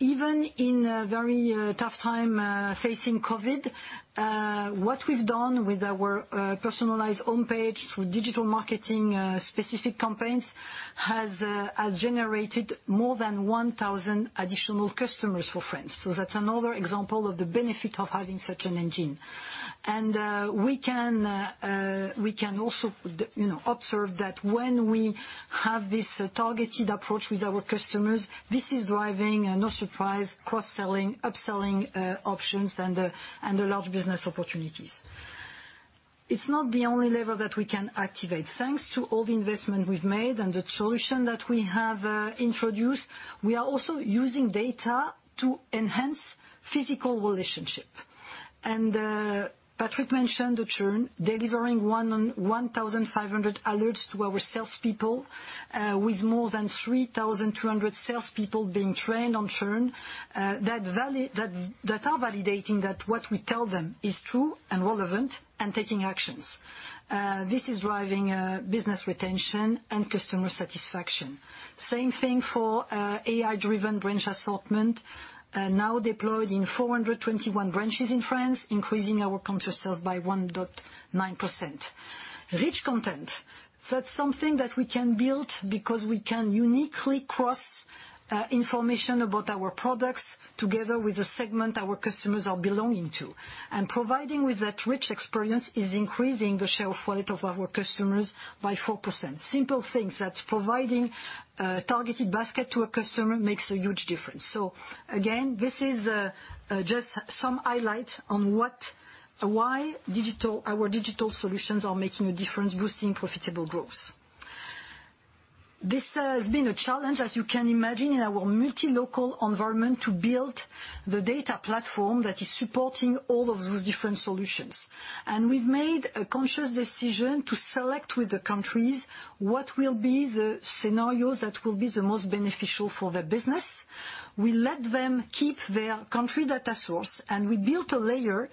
Even in a very tough time, facing COVID, what we've done with our personalized homepage through digital marketing, specific campaigns, has generated more than 1,000 additional customers for France. That's another example of the benefit of having such an engine. We can also observe that when we have this targeted approach with our customers, this is driving, no surprise, cross-selling, upselling options and large business opportunities. It's not the only lever that we can activate. Thanks to all the investment we've made and the solution that we have introduced, we are also using data to enhance physical relationship. Patrick mentioned the churn, delivering 1,500 alerts to our salespeople, with more than 3,200 salespeople being trained on churn, that are validating that what we tell them is true and relevant and taking actions. This is driving business retention and customer satisfaction. Same thing for AI-driven branch assortment. Now deployed in 421 branches in France, increasing our counter sales by 1.9%. Rich content. That's something that we can build because we can uniquely cross information about our products together with the segment our customers are belonging to. Providing with that rich experience is increasing the share of wallet of our customers by 4%. Simple things. That's providing a targeted basket to a customer makes a huge difference. Again, this is just some highlight on why our digital solutions are making a difference boosting profitable growth. This has been a challenge, as you can imagine, in our multi-local environment, to build the data platform that is supporting all of those different solutions. We've made a conscious decision to select with the countries what will be the scenarios that will be the most beneficial for their business. We let them keep their country data source, and we built a layer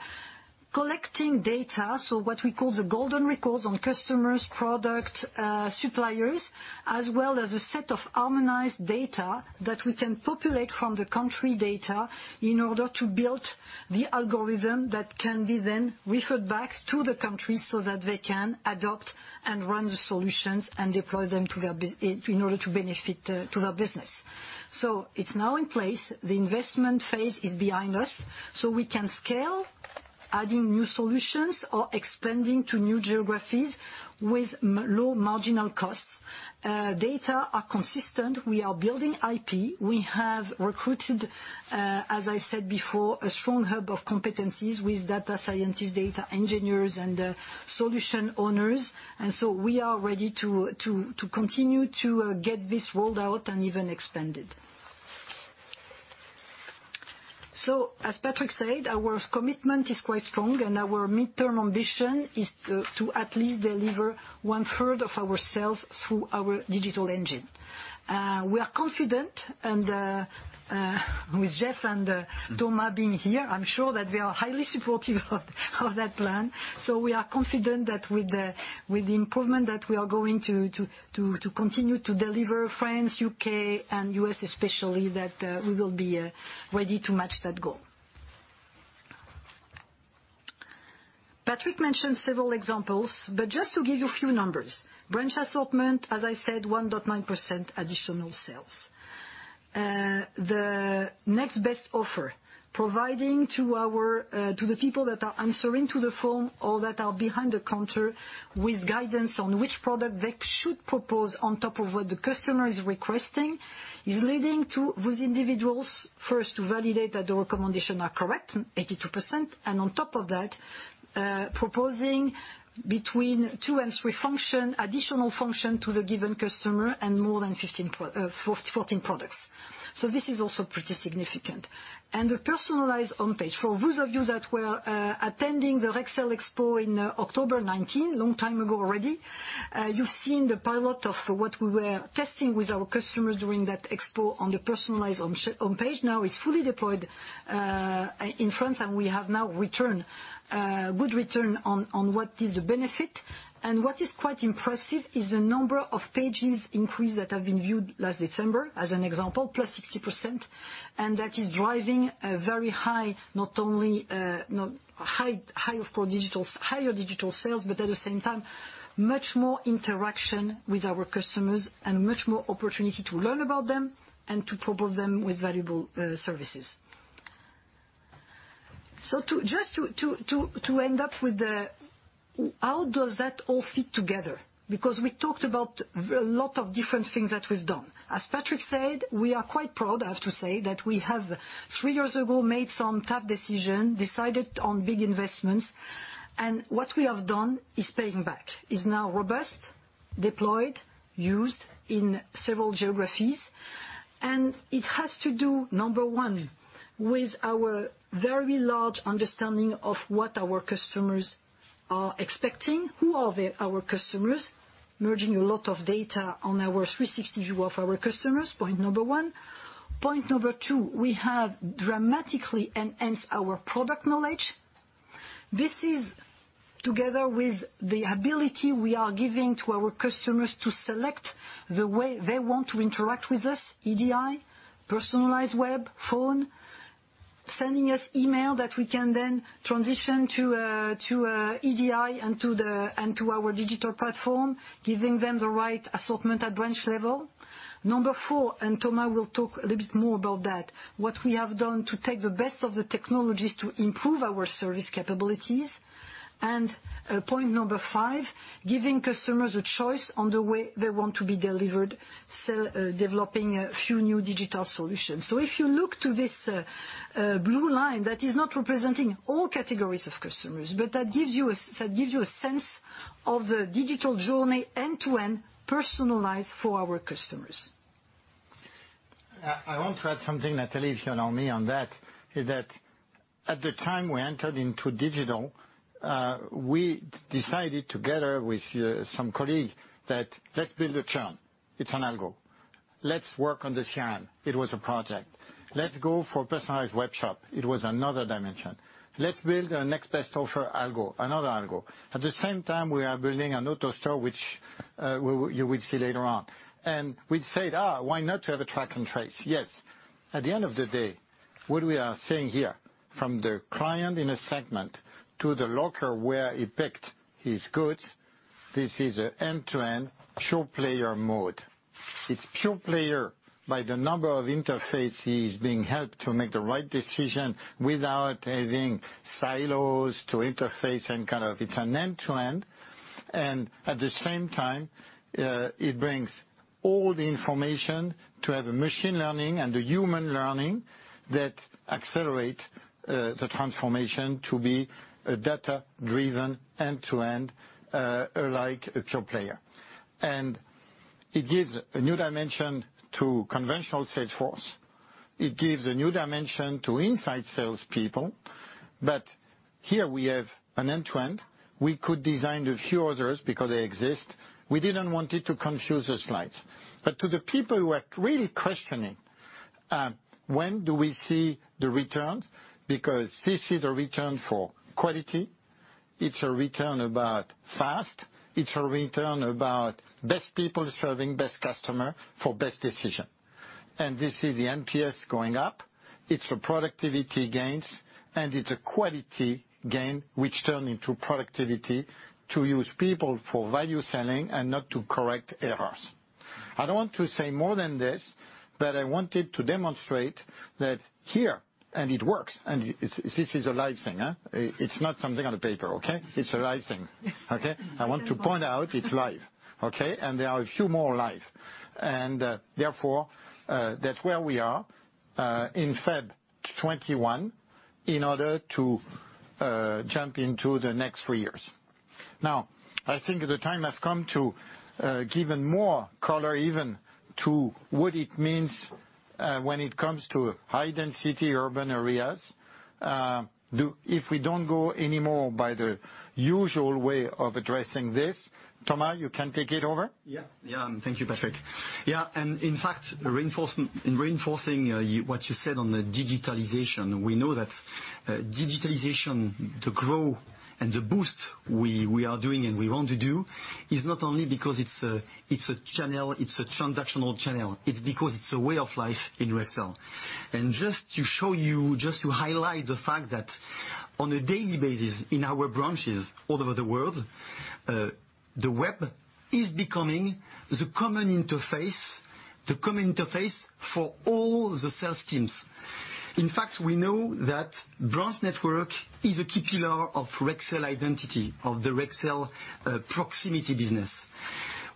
collecting data, so what we call the golden records on customers, product, suppliers, as well as a set of harmonized data that we can populate from the country data in order to build the algorithm that can be then referred back to the countries so that they can adopt and run the solutions and deploy them in order to benefit to their business. It is now in place. The investment phase is behind us, so we can scale, adding new solutions or expanding to new geographies with low marginal costs. Data are consistent. We are building IP. We have recruited, as I said before, a strong hub of competencies with data scientists, data engineers, and solution owners. We are ready to continue to get this rolled out and even expanded. As Patrick said, our commitment is quite strong, and our midterm ambition is to at least deliver one-third of our sales through our digital engine. We are confident, and with Jeff and Thomas being here, I'm sure that they are highly supportive of that plan. We are confident that with the improvement that we are going to continue to deliver France, U.K., and U.S. especially, that we will be ready to match that goal. Patrick mentioned several examples, but just to give you a few numbers, branch assortment, as I said, 1.9% additional sales. The next best offer, providing to the people that are answering to the phone or that are behind the counter with guidance on which product they should propose on top of what the customer is requesting, is leading to those individuals, first, to validate that the recommendation are correct, 82%, and on top of that, proposing between two and three additional function to the given customer and more than 14 products. This is also pretty significant. The personalized own page, for those of you that were attending the Rexel Expo in October 2019, a long time ago already, you've seen the pilot of what we were testing with our customers during that expo on the personalized own page. Now it's fully deployed in France, and we have now good return on what is the benefit. What is quite impressive is the number of pages increase that have been viewed last December, as an example, plus 60%. That is driving a very high, not only higher digital sales, but at the same time, much more interaction with our customers and much more opportunity to learn about them and to provide them with valuable services. Just to end up with the how does that all fit together, because we talked about a lot of different things that we've done. As Patrick said, we are quite proud, I have to say, that we have, three years ago, made some tough decision, decided on big investments, and what we have done is paying back. It's now robust, deployed, used in several geographies, and it has to do, number 1, with our very large understanding of what our customers are expecting. Who are our customers? Merging a lot of data on our 360 view of our customers, point number 1. Point number 2, we have dramatically enhanced our product knowledge. This is together with the ability we are giving to our customers to select the way they want to interact with us, EDI, personalized web, phone, sending us email that we can then transition to EDI and to our digital platform, giving them the right assortment at branch level. Number 4, Thomas will talk a little bit more about that, what we have done to take the best of the technologies to improve our service capabilities. Point number five, giving customers a choice on the way they want to be delivered, so developing a few new digital solutions. If you look to this blue line, that is not representing all categories of customers, but that gives you a sense of the digital journey end-to-end personalized for our customers. I want to add something, Nathalie, if you allow me on that, is that at the time we entered into digital, we decided together with some colleagues that let's build a churn. It's an algo. Let's work on the churn. It was a project. Let's go for personalized web shop. It was another dimension. Let's build a next best offer algo, another algo. At the same time, we are building an AutoStore, which you will see later on. We said, "Why not to have a track and trace?" Yes. At the end of the day, what we are seeing here, from the client in a segment to the locker where he picked his goods, this is an end-to-end pure player mode. It's pure player by the number of interface he is being helped to make the right decision without having silos to interface and kind of it's an end-to-end. At the same time, it brings all the information to have a machine learning and the human learning that accelerate the transformation to be a data-driven end-to-end like a pure player. It gives a new dimension to conventional sales force. It gives a new dimension to inside salespeople. Here we have an end-to-end. We could design a few others because they exist. We didn't want it to confuse the slides. To the people who are really questioning, when do we see the returns? This is a return for quality, it's a return about fast, it's a return about best people serving best customer for best decision. This is the NPS going up. It's the productivity gains, and it's a quality gain, which turn into productivity to use people for value selling and not to correct errors. I don't want to say more than this, but I wanted to demonstrate that here, and it works, and this is a live thing. It's not something on a paper. Okay? It's a live thing. Okay? I want to point out it's live. Okay? There are a few more live. Therefore, that's where we are, in Feb 2021, in order to jump into the next three years. Now, I think the time has come to give more color even to what it means when it comes to high-density urban areas. If we don't go any more by the usual way of addressing this, Thomas, you can take it over. Thank you, Patrick. In fact, in reinforcing what you said on the digitalization, we know that digitalization to grow and the boost we are doing and we want to do is not only because it's a channel, it's a transactional channel. It's because it's a way of life in Rexel. Just to show you, just to highlight the fact that on a daily basis in our branches all over the world, the web is becoming the common interface for all the sales teams. In fact, we know that branch network is a key pillar of Rexel identity, of the Rexel proximity business.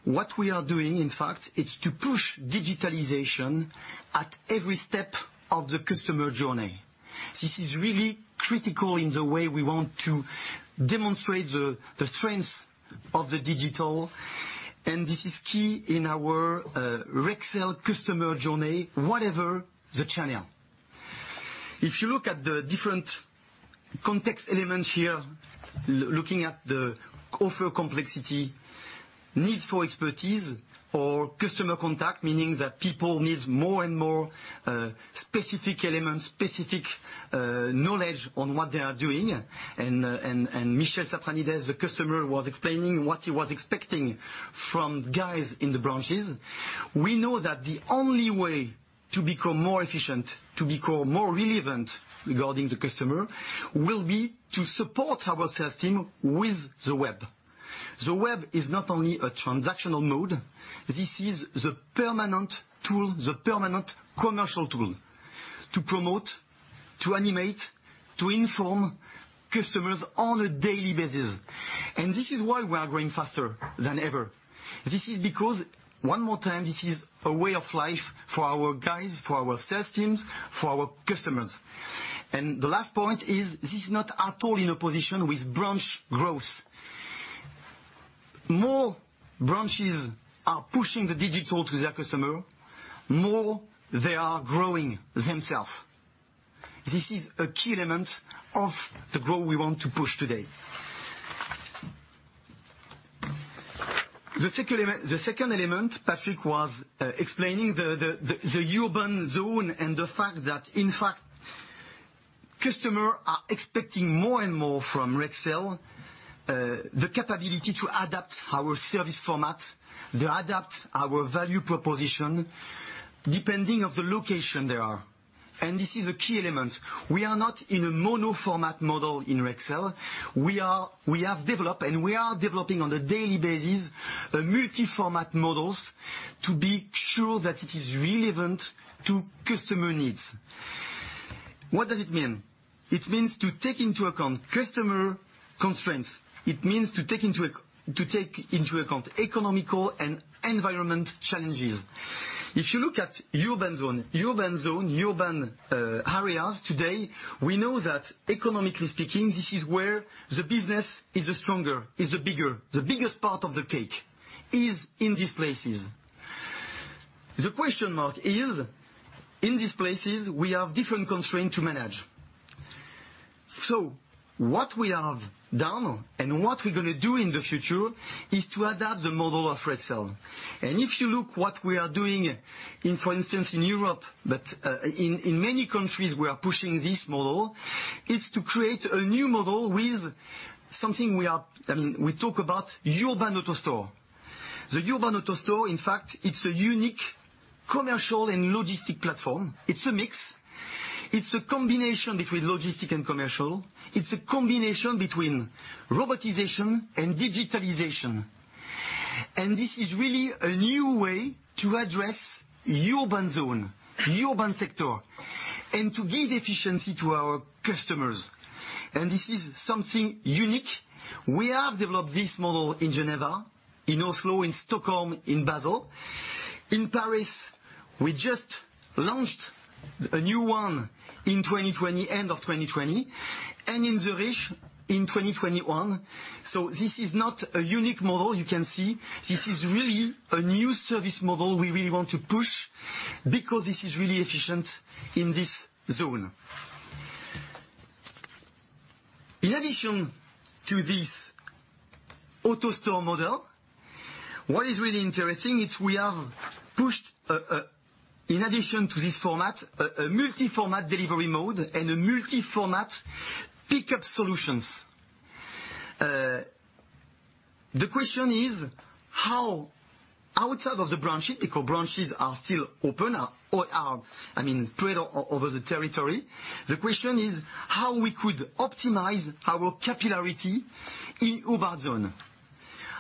What we are doing, in fact, is to push digitalization at every step of the customer journey. This is really critical in the way we want to demonstrate the strength of the digital. This is key in our Rexel customer journey, whatever the channel. If you look at the different context elements here, looking at the offer complexity, need for expertise or customer contact, meaning that people need more and more specific elements, specific knowledge on what they are doing. Michel Tsapranidis, the customer, was explaining what he was expecting from guys in the branches. We know that the only way to become more efficient, to become more relevant regarding the customer, will be to support our sales team with the web. The web is not only a transactional mode, this is the permanent tool, the permanent commercial tool to promote, to animate, to inform customers on a daily basis. This is why we are growing faster than ever. This is because, one more time, this is a way of life for our guys, for our sales teams, for our customers. The last point is this is not at all in opposition with branch growth. More branches are pushing the digital to their customer, more they are growing themselves. This is a key element of the growth we want to push today. The second element, Patrick, was explaining the urban zone and the fact that, in fact, customer are expecting more and more from Rexel, the capability to adapt our service format, to adapt our value proposition, depending on the location they are. This is a key element. We are not in a mono format model in Rexel. We have developed, and we are developing on a daily basis, a multi-format models to be sure that it is relevant to customer needs. What does it mean? It means to take into account customer constraints. It means to take into account economic and environmental challenges. If you look at urban zone, urban areas today, we know that economically speaking, this is where the business is the stronger, the bigger. The biggest part of the cake is in these places. The question mark is, in these places, we have different constraints to manage. What we have done and what we're going to do in the future is to adapt the model of retail. If you look what we are doing in, for instance, in Europe, but in many countries, we are pushing this model. It's to create a new model with something we talk about urban AutoStore. The urban AutoStore, in fact, it's a unique commercial and logistic platform. It's a mix. It's a combination between logistics and commercial. It's a combination between robotization and digitalization. This is really a new way to address urban zone, urban sector, and to give efficiency to our customers. This is something unique. We have developed this model in Geneva, in Oslo, in Stockholm, in Basel. In Paris, we just launched a new one in end of 2020, and in Zurich in 2021. This is not a unique model, you can see. This is really a new service model we really want to push because this is really efficient in this zone. In addition to this AutoStore model, what is really interesting is we have pushed, in addition to this format, a multi-format delivery mode and multi-format pickup solutions. The question is how outside of the branches, because branches are still open, are spread over the territory. The question is how we could optimize our capillarity in urban zone,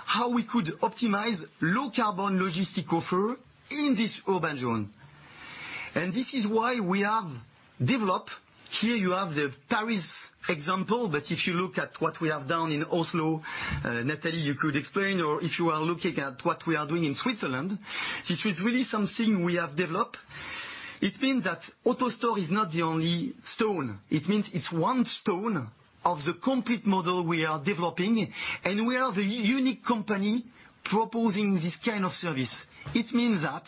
how we could optimize low-carbon logistic offer in this urban zone. This is why we have developed, here you have the Paris example, but if you look at what we have done in Oslo, Nathalie, you could explain, or if you are looking at what we are doing in Switzerland, this is really something we have developed. It means that AutoStore is not the only stone. It means it's one stone of the complete model we are developing, and we are the unique company proposing this kind of service. It means that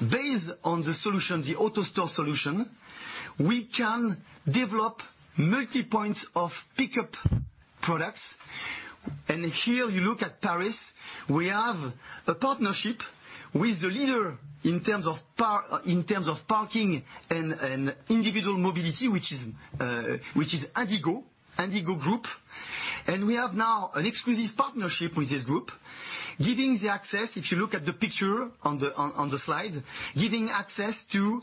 based on the solution, the AutoStore solution, we can develop multi-points of pickup products. Here you look at Paris, we have a partnership with the leader in terms of parking and individual mobility, which is Indigo Group. We have now an exclusive partnership with this group, giving the access, if you look at the picture on the slide, giving access to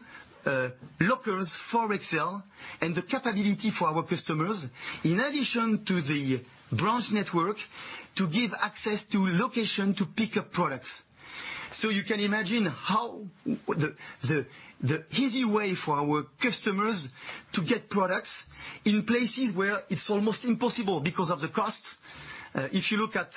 lockers for Rexel and the capability for our customers, in addition to the branch network, to give access to location to pick up products. You can imagine the easy way for our customers to get products in places where it's almost impossible because of the cost. If you look at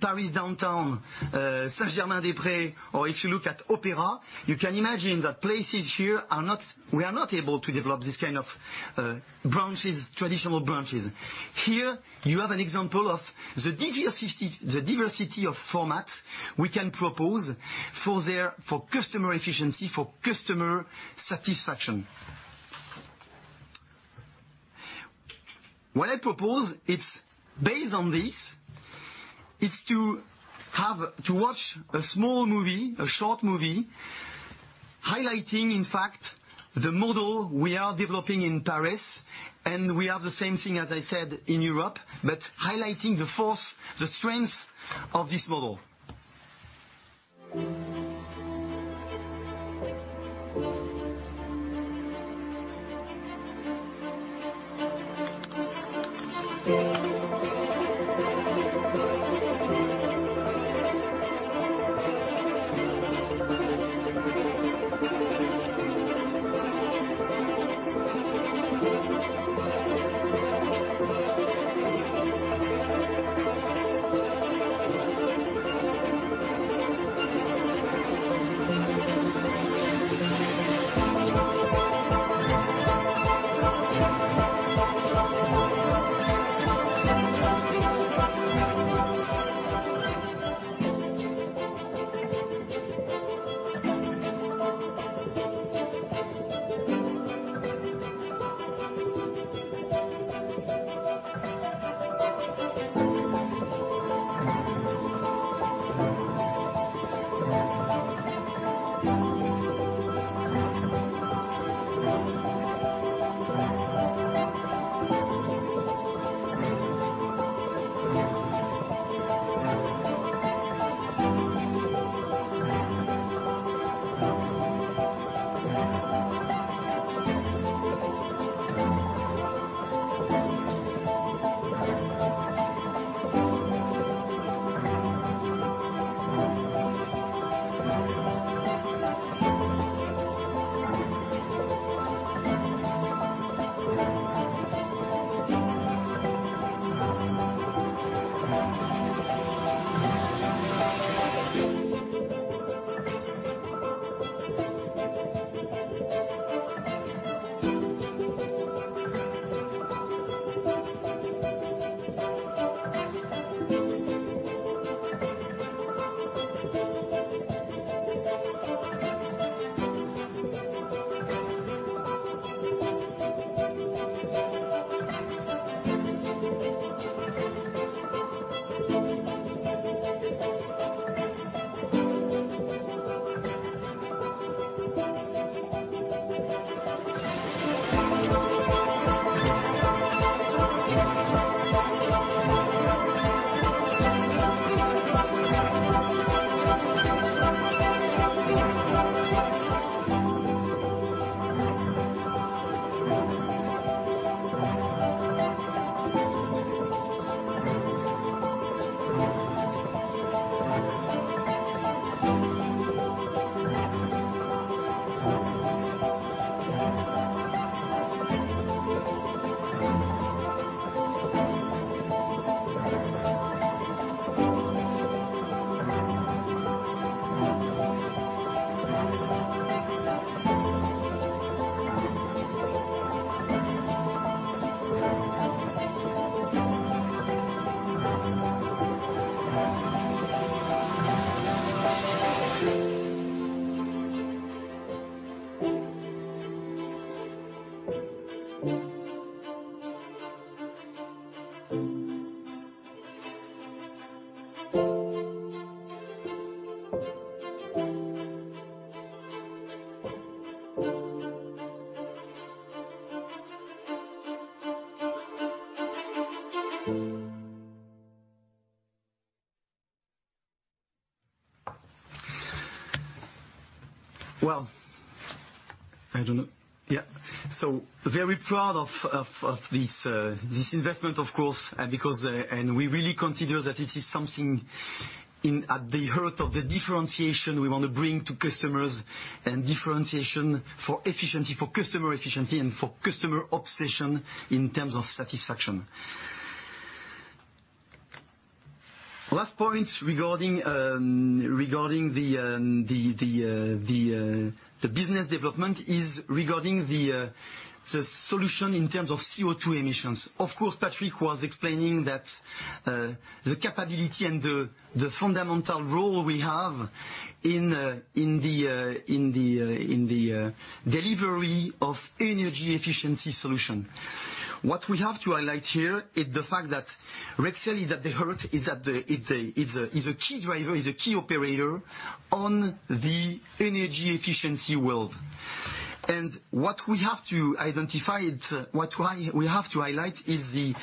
Paris downtown, Saint-Germain-des-Prés, or if you look at Opéra, you can imagine that places here, we are not able to develop these kind of traditional branches. Here you have an example of the diversity of formats we can propose for customer efficiency, for customer satisfaction. What I propose, it's based on this, is to watch a small movie, a short movie, highlighting, in fact, the model we are developing in Paris, and we have the same thing, as I said, in Europe, but highlighting the force, the strength of this model. Well, I don't know. Yeah. Very proud of this investment, of course, and we really consider that it is something at the heart of the differentiation we want to bring to customers, and differentiation for efficiency, for customer efficiency and for customer obsession in terms of satisfaction. Last point regarding the business development is regarding the solution in terms of CO2 emissions. Of course, Patrick was explaining that the capability and the fundamental role we have in the delivery of energy efficiency solution. What we have to highlight here is the fact that Rexel is at the heart, is a key driver, is a key operator on the energy efficiency world. What we have to identify, what we have to highlight is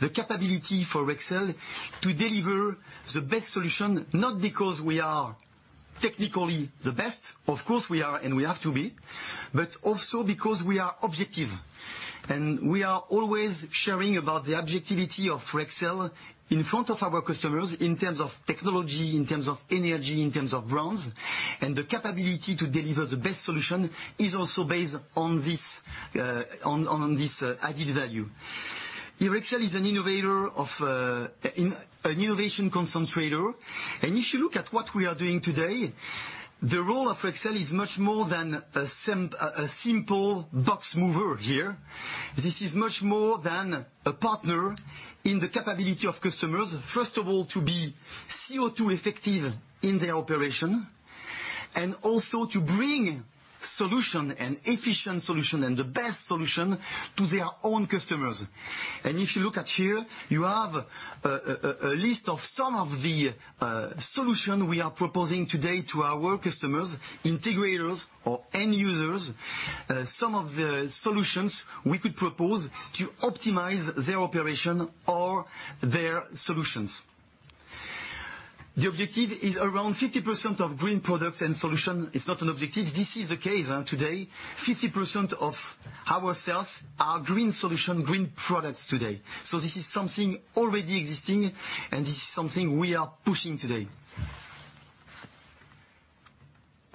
the capability for Rexel to deliver the best solution, not because we are technically the best, of course we are, and we have to be, but also because we are objective. We are always sharing about the objectivity of Rexel in front of our customers in terms of technology, in terms of energy, in terms of brands, and the capability to deliver the best solution is also based on this added value. Rexel is an innovation concentrator, and if you look at what we are doing today, the role of Rexel is much more than a simple box mover here. This is much more than a partner in the capability of customers, first of all, to be CO2 effective in their operation, also to bring solution and efficient solution and the best solution to their own customers. If you look at here, you have a list of some of the solution we are proposing today to our customers, integrators or end users, some of the solutions we could propose to optimize their operation or their solutions. The objective is around 50% of green products and solution. It's not an objective. This is the case today. 50% of our sales are green solution, green products today. This is something already existing and this is something we are pushing today.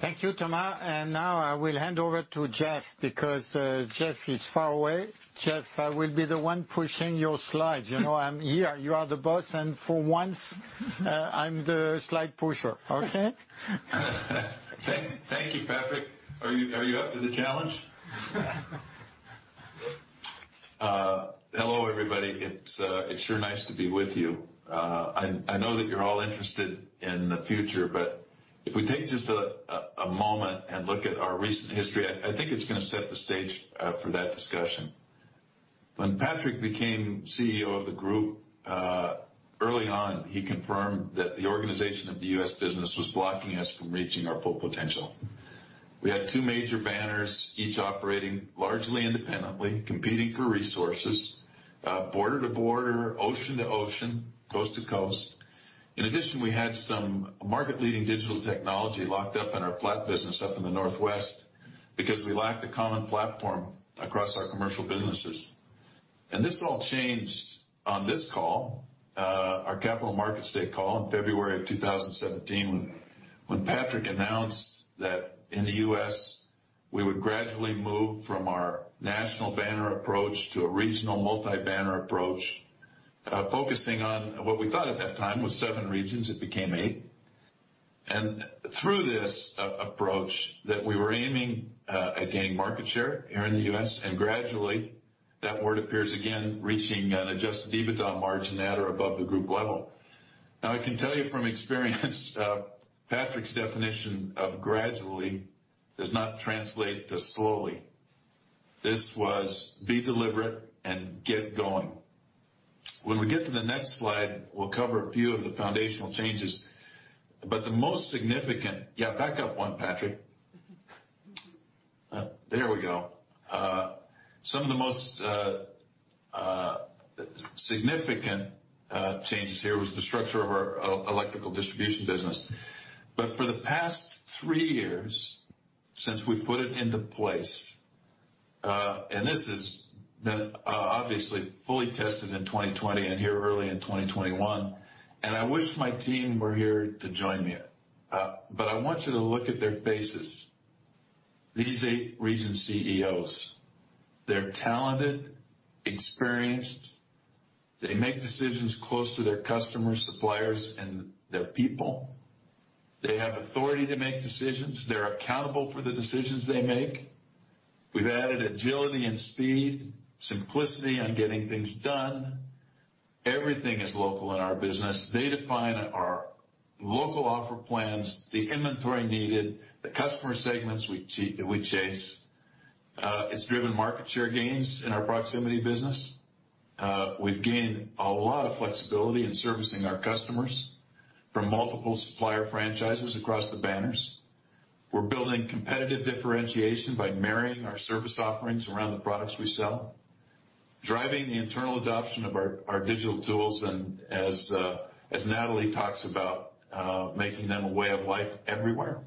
Thank you, Thomas. Now I will hand over to Jeff because Jeff is far away. Jeff, I will be the one pushing your slides. I'm here. You are the boss, for once, I'm the slide pusher. Okay. Thank you, Patrick. Are you up to the challenge? Hello, everybody. It's sure nice to be with you. I know that you're all interested in the future, but if we take just a moment and look at our recent history, I think it's going to set the stage for that discussion. When Patrick became CEO of the group, early on, he confirmed that the organization of the U.S. business was blocking us from reaching our full potential. We had two major banners, each operating largely independently, competing for resources, border to border, ocean to ocean, coast to coast. In addition, we had some market-leading digital technology locked up in our platform business up in the Northwest because we lacked a common platform across our commercial businesses. This all changed on this call, our capital markets day call in February of 2017 when Patrick announced that in the U.S. we would gradually move from our national banner approach to a regional multi-banner approach, focusing on what we thought at that time was seven regions. It became eight. Through this approach that we were aiming at gaining market share here in the U.S., and gradually that word appears again, reaching an adjusted EBITDA margin at or above the group level. Now, I can tell you from experience, Patrick's definition of gradually does not translate to slowly. This was be deliberate and get going. When we get to the next slide, we'll cover a few of the foundational changes. The most significant Yeah, back up one, Patrick. There we go. Some of the most significant changes here was the structure of our electrical distribution business. For the past three years, since we put it into place, this has been obviously fully tested in 2020 and here early in 2021, I wish my team were here to join me. I want you to look at their faces. These eight region CEOs, they're talented, experienced. They make decisions close to their customers, suppliers, and their people. They have authority to make decisions. They're accountable for the decisions they make. We've added agility and speed, simplicity on getting things done. Everything is local in our business. They define our local offer plans, the inventory needed, the customer segments we chase. It's driven market share gains in our proximity business. We've gained a lot of flexibility in servicing our customers from multiple supplier franchises across the banners. We're building competitive differentiation by marrying our service offerings around the products we sell, driving the internal adoption of our digital tools, and as Nathalie talks about making them a way of life everywhere.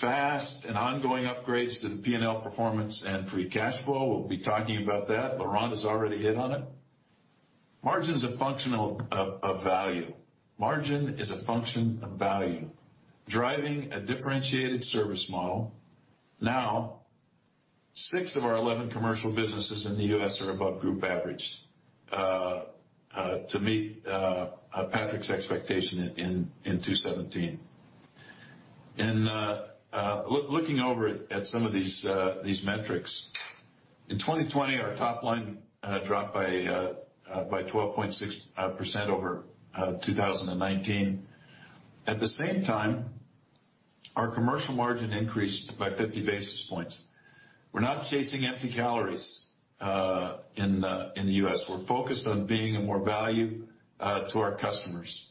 Fast and ongoing upgrades to the P&L performance and free cash flow. We'll be talking about that. Laurent has already hit on it. Margin is a function of value. Driving a differentiated service model. Now, 6 of our 11 commercial businesses in the U.S. are above group average to meet Patrick's expectation in 2017. Looking over at some of these metrics, in 2020, our top line dropped by 12.6% over 2019. At the same time, our commercial margin increased by 50 basis points. We're not chasing empty calories in the U.S. We're focused on being of more value to our customers.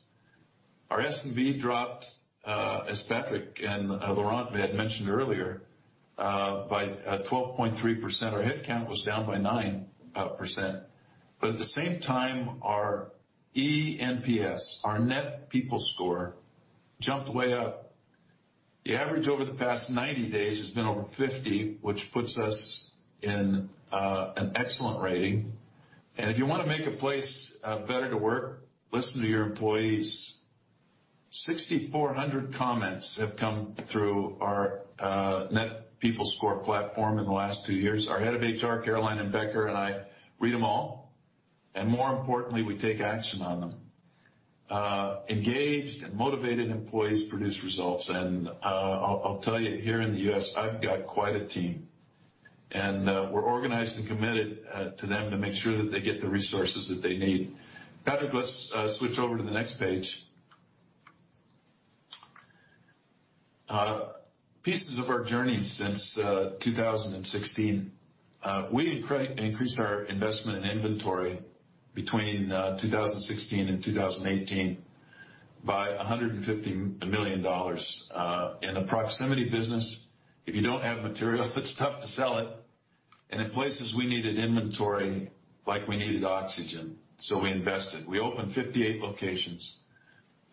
Our SG&A dropped, as Patrick and Laurent may have mentioned earlier, by 12.3%. Our headcount was down by 9%. At the same time, our eNPS, our net people score, jumped way up. The average over the past 90 days has been over 50, which puts us in an excellent rating. If you want to make a place better to work, listen to your employees. 6,400 comments have come through our net people score platform in the last two years. Our head of HR, Caroline Anbecker and I read them all, and more importantly, we take action on them. Engaged and motivated employees produce results, and I'll tell you, here in the U.S., I've got quite a team, and we're organized and committed to them to make sure that they get the resources that they need. Patrick, let's switch over to the next page. Pieces of our journey since 2016. We increased our investment in inventory between 2016 and 2018 by $150 million. In the proximity business, if you don't have material, it's tough to sell it, and in places we needed inventory like we needed oxygen. We invested. We opened 58 locations.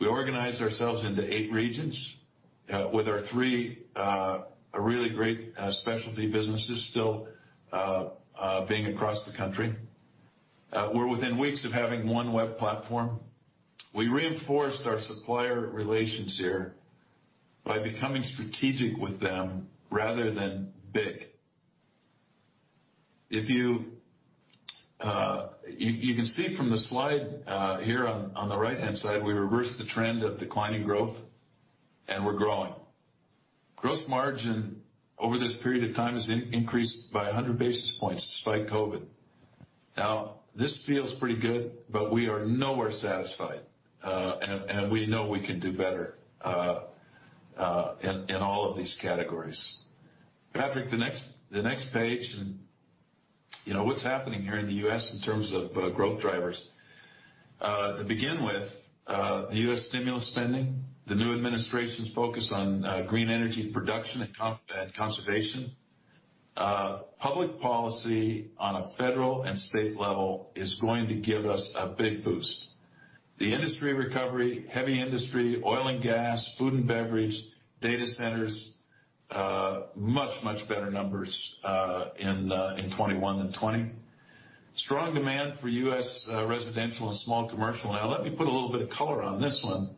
We organized ourselves into eight regions with our three really great specialty businesses still being across the country. We're within weeks of having one web platform. We reinforced our supplier relations here by becoming strategic with them rather than big. You can see from the slide here on the right-hand side, we reversed the trend of declining growth, and we're growing. Gross margin over this period of time has increased by 100 basis points despite COVID-19. This feels pretty good, we are nowhere satisfied. We know we can do better in all of these categories. Patrick, the next page. What's happening here in the U.S. in terms of growth drivers? To begin with, the U.S. stimulus spending, the new administration's focus on green energy production and conservation. Public policy on a federal and state level is going to give us a big boost. The industry recovery, heavy industry, oil and gas, food and beverage, data centers, much better numbers in 2021 than 2020. Strong demand for U.S. residential and small commercial. Let me put a little bit of color on this one.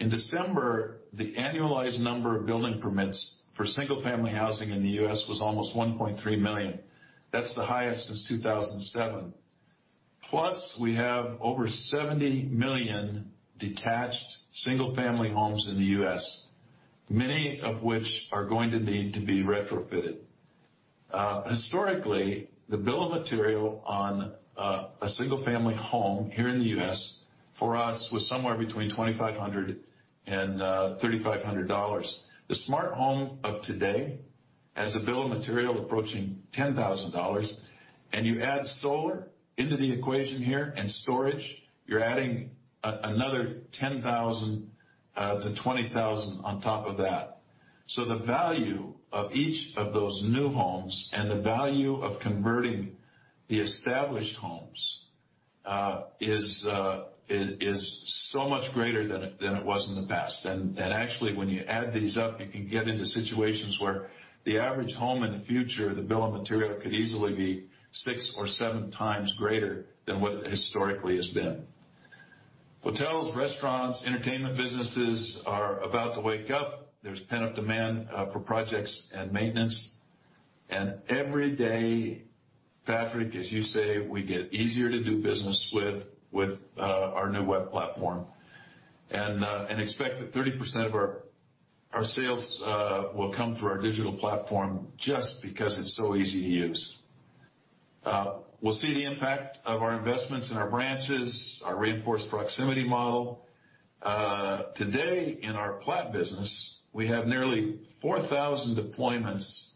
In December, the annualized number of building permits for single-family housing in the U.S. was almost 1.3 million. That's the highest since 2007. We have over 70 million detached single-family homes in the U.S., many of which are going to need to be retrofitted. Historically, the bill of material on a single-family home here in the U.S. for us was somewhere between $2,500 and $3,500. The smart home of today has a bill of material approaching $10,000. You add solar into the equation here and storage, you're adding another $10,000-$20,000 on top of that. The value of each of those new homes and the value of converting the established homes is so much greater than it was in the past. Actually, when you add these up, you can get into situations where the average home in the future, the bill of material could easily be six or seven times greater than what it historically has been. Hotels, restaurants, entertainment businesses are about to wake up. There's pent-up demand for projects and maintenance. Every day, Patrick, as you say, we get easier to do business with our new web platform, and expect that 30% of our sales will come through our digital platform just because it's so easy to use. We'll see the impact of our investments in our branches, our reinforced proximity model. Today, in our Platt business, we have nearly 4,000 deployments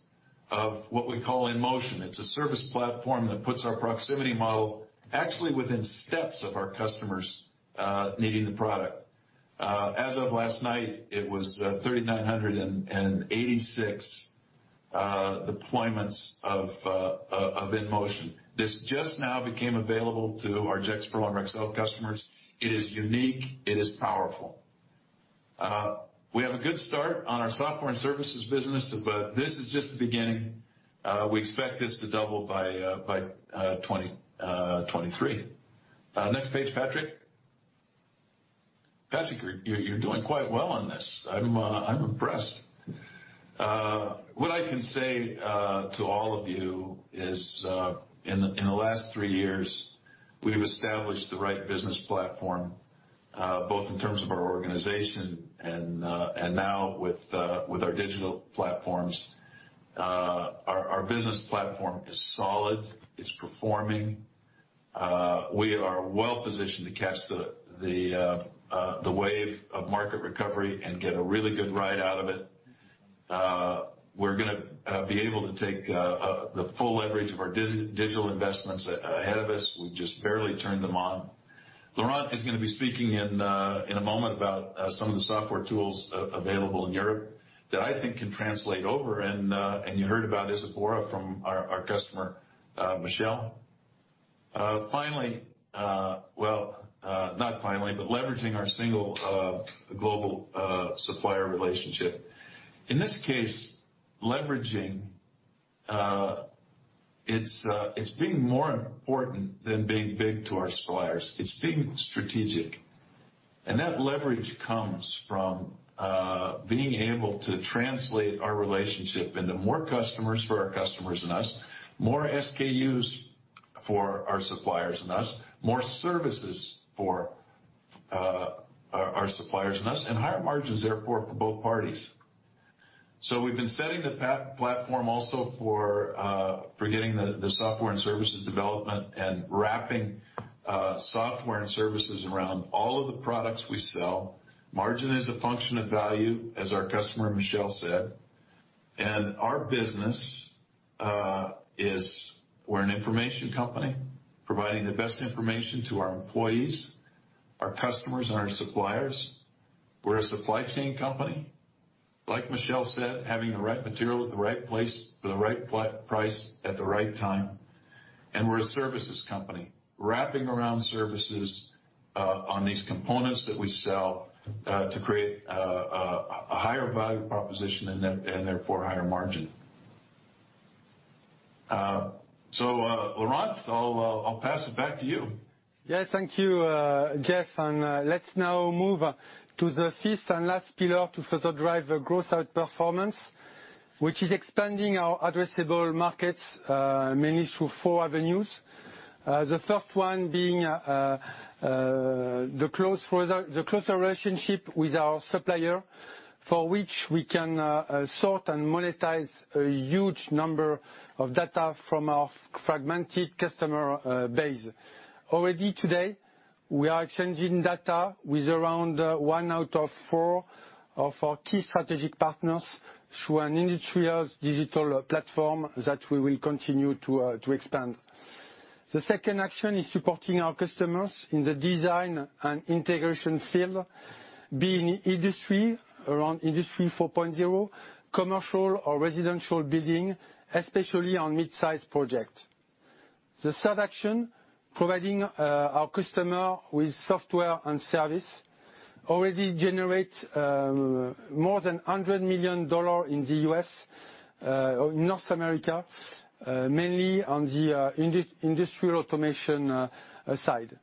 of what we call In Motion. It's a service platform that puts our proximity model actually within steps of our customers needing the product. As of last night, it was 3,986 deployments of In Motion. This just now became available to our Rexel customers. It is unique. It is powerful. We have a good start on our software and services business, this is just the beginning. We expect this to double by 2023. Next page, Patrick. Patrick, you're doing quite well on this. I'm impressed. What I can say to all of you is, in the last three years, we've established the right business platform, both in terms of our organization and now with our digital platforms. Our business platform is solid. It's performing. We are well-positioned to catch the wave of market recovery and get a really good ride out of it. We're going to be able to take the full leverage of our digital investments ahead of us. We just barely turned them on. Laurent is going to be speaking in a moment about some of the software tools available in Europe that I think can translate over, and you heard about Esabora from our customer, Michel. Leveraging our single global supplier relationship. In this case, leveraging, it's being more important than being big to our suppliers. It's being strategic. That leverage comes from being able to translate our relationship into more customers for our customers and us, more SKUs for our suppliers and us, more services for our suppliers and us, and higher margins, therefore, for both parties. We've been setting the platform also for getting the software and services development and wrapping software and services around all of the products we sell. Margin is a function of value, as our customer, Michel said. Our business is we're an information company providing the best information to our employees, our customers, and our suppliers. We're a supply chain company, like Michel said, having the right material at the right place for the right price at the right time. We're a services company, wrapping around services on these components that we sell to create a higher value proposition and therefore higher margin. Laurent, I'll pass it back to you. Thank you, Jeff. Let's now move to the fifth and last pillar to further drive growth outperformance, which is expanding our addressable markets mainly through four avenues. The first one being the closer relationship with our supplier, for which we can sort and monetize a huge number of data from our fragmented customer base. Already today, we are exchanging data with around one out of four of our key strategic partners through an industrial digital platform that we will continue to expand. The second action is supporting our customers in the design and integration field, be it in industry around Industry 4.0, commercial or residential building, especially on mid-size projects. The third action, providing our customer with software and service, already generate more than $100 million in the U.S., North America, mainly on the industrial automation side.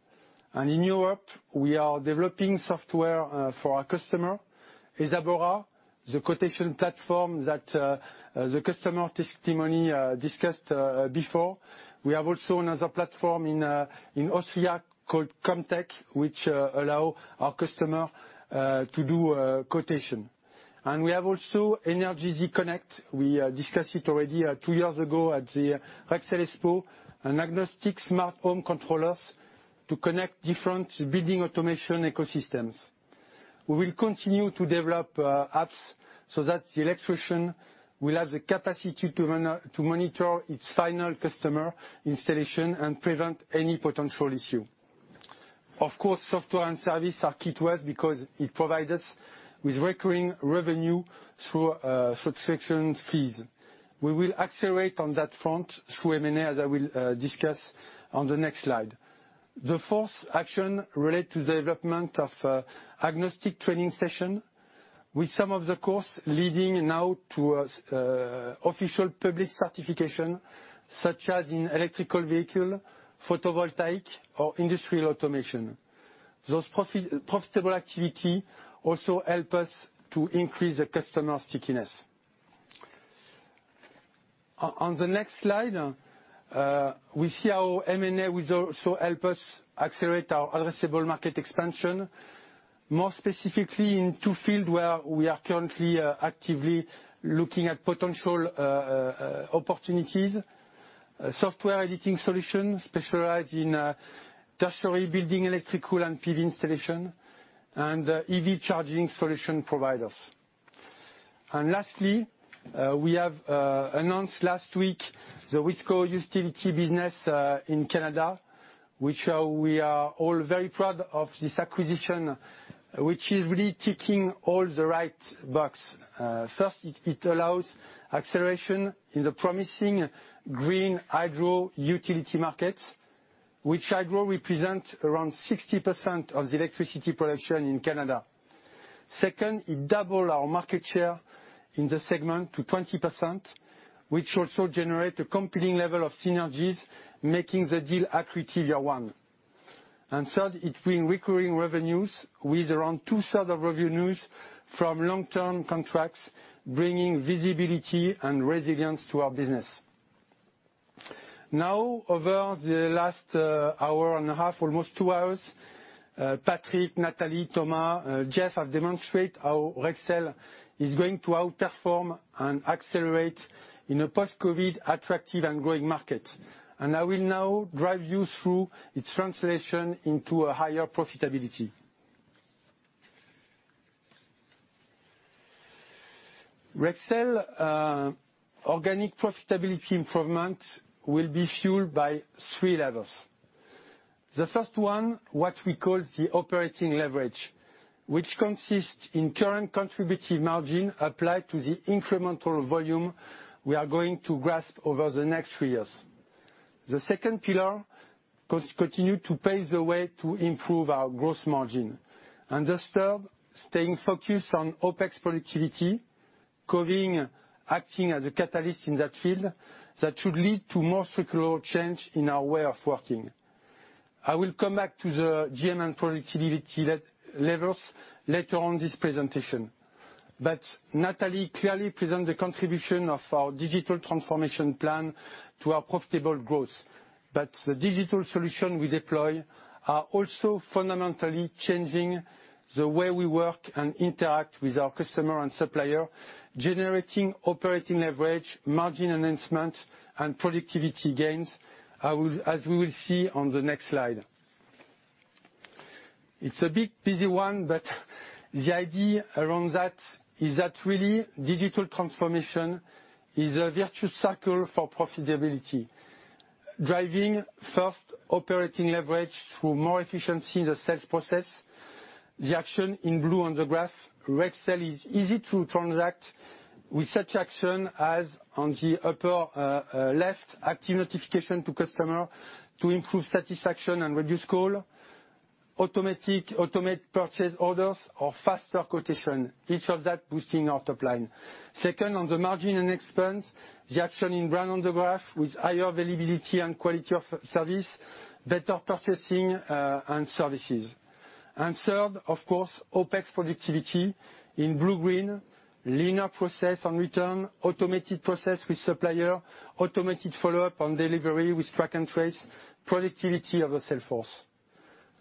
In Europe, we are developing software for our customer Esabora, the quotation platform that the customer testimony discussed before. We have also another platform in Austria called Comtech, which allow our customer to do a quotation. We have also Energeasy Connect. We discussed it already two years ago at the Rexel Expo, an agnostic smart home controllers to connect different building automation ecosystems. We will continue to develop apps so that the electrician will have the capacity to monitor its final customer installation and prevent any potential issue. Of course, software and service are key to us because it provide us with recurring revenue through subscription fees. We will accelerate on that front through M&A, as I will discuss on the next slide. The fourth action relates to development of agnostic training session. With some of the course leading now to official public certification, such as in electrical vehicle, photovoltaic, or industrial automation. Those profitable activities also help us to increase the customer stickiness. On the next slide, we see how M&A will also help us accelerate our addressable market expansion, more specifically in two fields where we are currently actively looking at potential opportunities. Software editing solution specializing in industrial building, electrical, and PV installation, and EV charging solution providers. Lastly, we have announced last week the Wesco Utility business in Canada, which we are all very proud of this acquisition, which is really ticking all the right boxes. First, it allows acceleration in the promising green hydro utility market, which hydro represents around 60% of the electricity production in Canada. Second, it double our market share in the segment to 20%, which also generate a competing level of synergies, making the deal accretive year one. Third, it bring recurring revenues with around 2/3 of revenues from long-term contracts, bringing visibility and resilience to our business. Now, over the last hour and a half, almost two hours, Patrick, Nathalie, Thomas, Jeff have demonstrate how Rexel is going to outperform and accelerate in a post-COVID attractive and growing market. I will now drive you through its translation into a higher profitability. Rexel organic profitability improvement will be fueled by three levers. The first one, what we call the operating leverage, which consists in current contributing margin applied to the incremental volume we are going to grasp over the next three years. The second pillar, continue to pave the way to improve our gross margin. The third, staying focused on OpEx productivity, COVID acting as a catalyst in that field, that should lead to more structural change in our way of working. I will come back to the GM and productivity levers later on this presentation. Nathalie clearly present the contribution of our digital transformation plan to our profitable growth. The digital solution we deploy are also fundamentally changing the way we work and interact with our customer and supplier, generating operating leverage, margin enhancement, and productivity gains, as we will see on the next slide. It's a bit busy one, but the idea around that is that really digital transformation is a virtual circle for profitability. Driving first operating leverage through more efficiency in the sales process. The action in blue on the graph, Rexel is easy to transact with such action as on the upper left, active notification to customer to improve satisfaction and reduce call, automate purchase orders or faster quotation, each of that boosting our top line. Second, on the margin and expense, the action in brown on the graph with higher availability and quality of service, better purchasing and services. Third, of course, OpEx productivity in blue-green, leaner process on return, automated process with supplier, automated follow-up on delivery with track and trace, productivity of the sales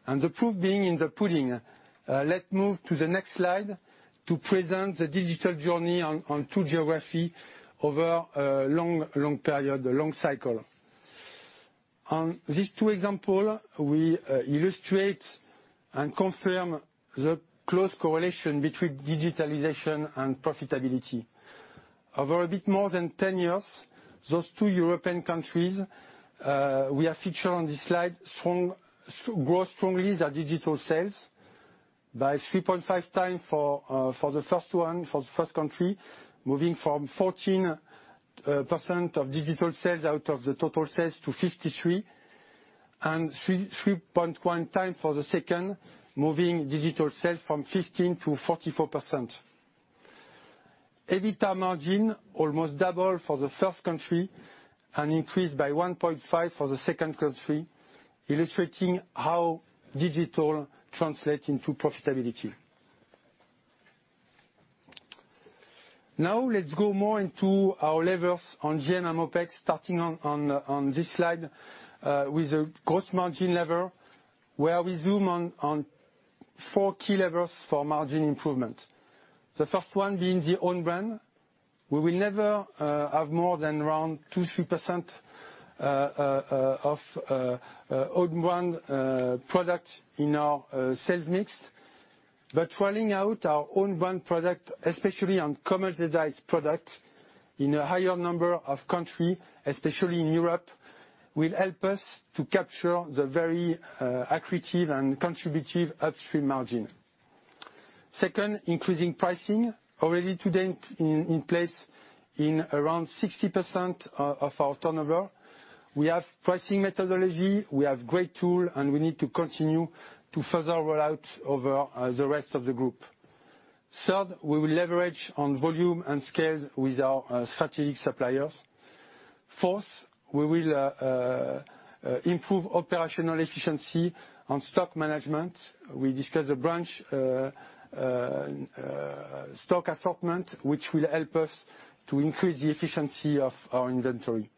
force. The proof being in the pudding, let move to the next slide to present the digital journey on two geography over a long period, a long cycle. On these two example, we illustrate and confirm the close correlation between digitalization and profitability. Over a bit more than 10 years, those two European countries, we have featured on this slide, grow strongly their digital sales by 3.5 times for the first one, for the first country, moving from 14% of digital sales out of the total sales to 53%. 3.1 time for the second, moving digital sales from 15% to 44%. EBITDA margin almost double for the first country and increased by 1.5 for the second country, illustrating how digital translate into profitability. Let's go more into our levers on GM and OpEx, starting on this slide, with a gross margin lever, where we zoom on four key levers for margin improvement. The first one being the own brand. We will never have more than around 2%-3% of own brand product in our sales mix. Rolling out our own brand product, especially on commercialized product in a higher number of country, especially in Europe, will help us to capture the very accretive and contributive upstream margin. Second, increasing pricing. Already today in place in around 60% of our turnover. We have pricing methodology, we have great tool, and we need to continue to further roll out over the rest of the group. Third, we will leverage on volume and scale with our strategic suppliers. Fourth, we will improve operational efficiency on stock management. We discuss the branch stock assortment, which will help us to increase the efficiency of our inventory.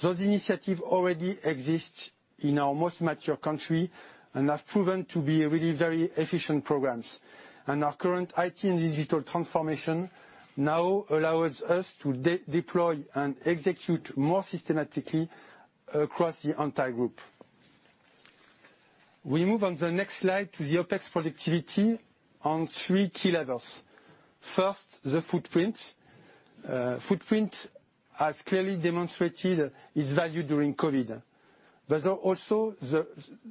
Those initiative already exist in our most mature country and have proven to be really very efficient programs, and our current IT and digital transformation now allows us to deploy and execute more systematically across the entire group. We move on the next slide to the OpEx productivity on three key levels. First, the footprint. Footprint has clearly demonstrated its value during COVID, but also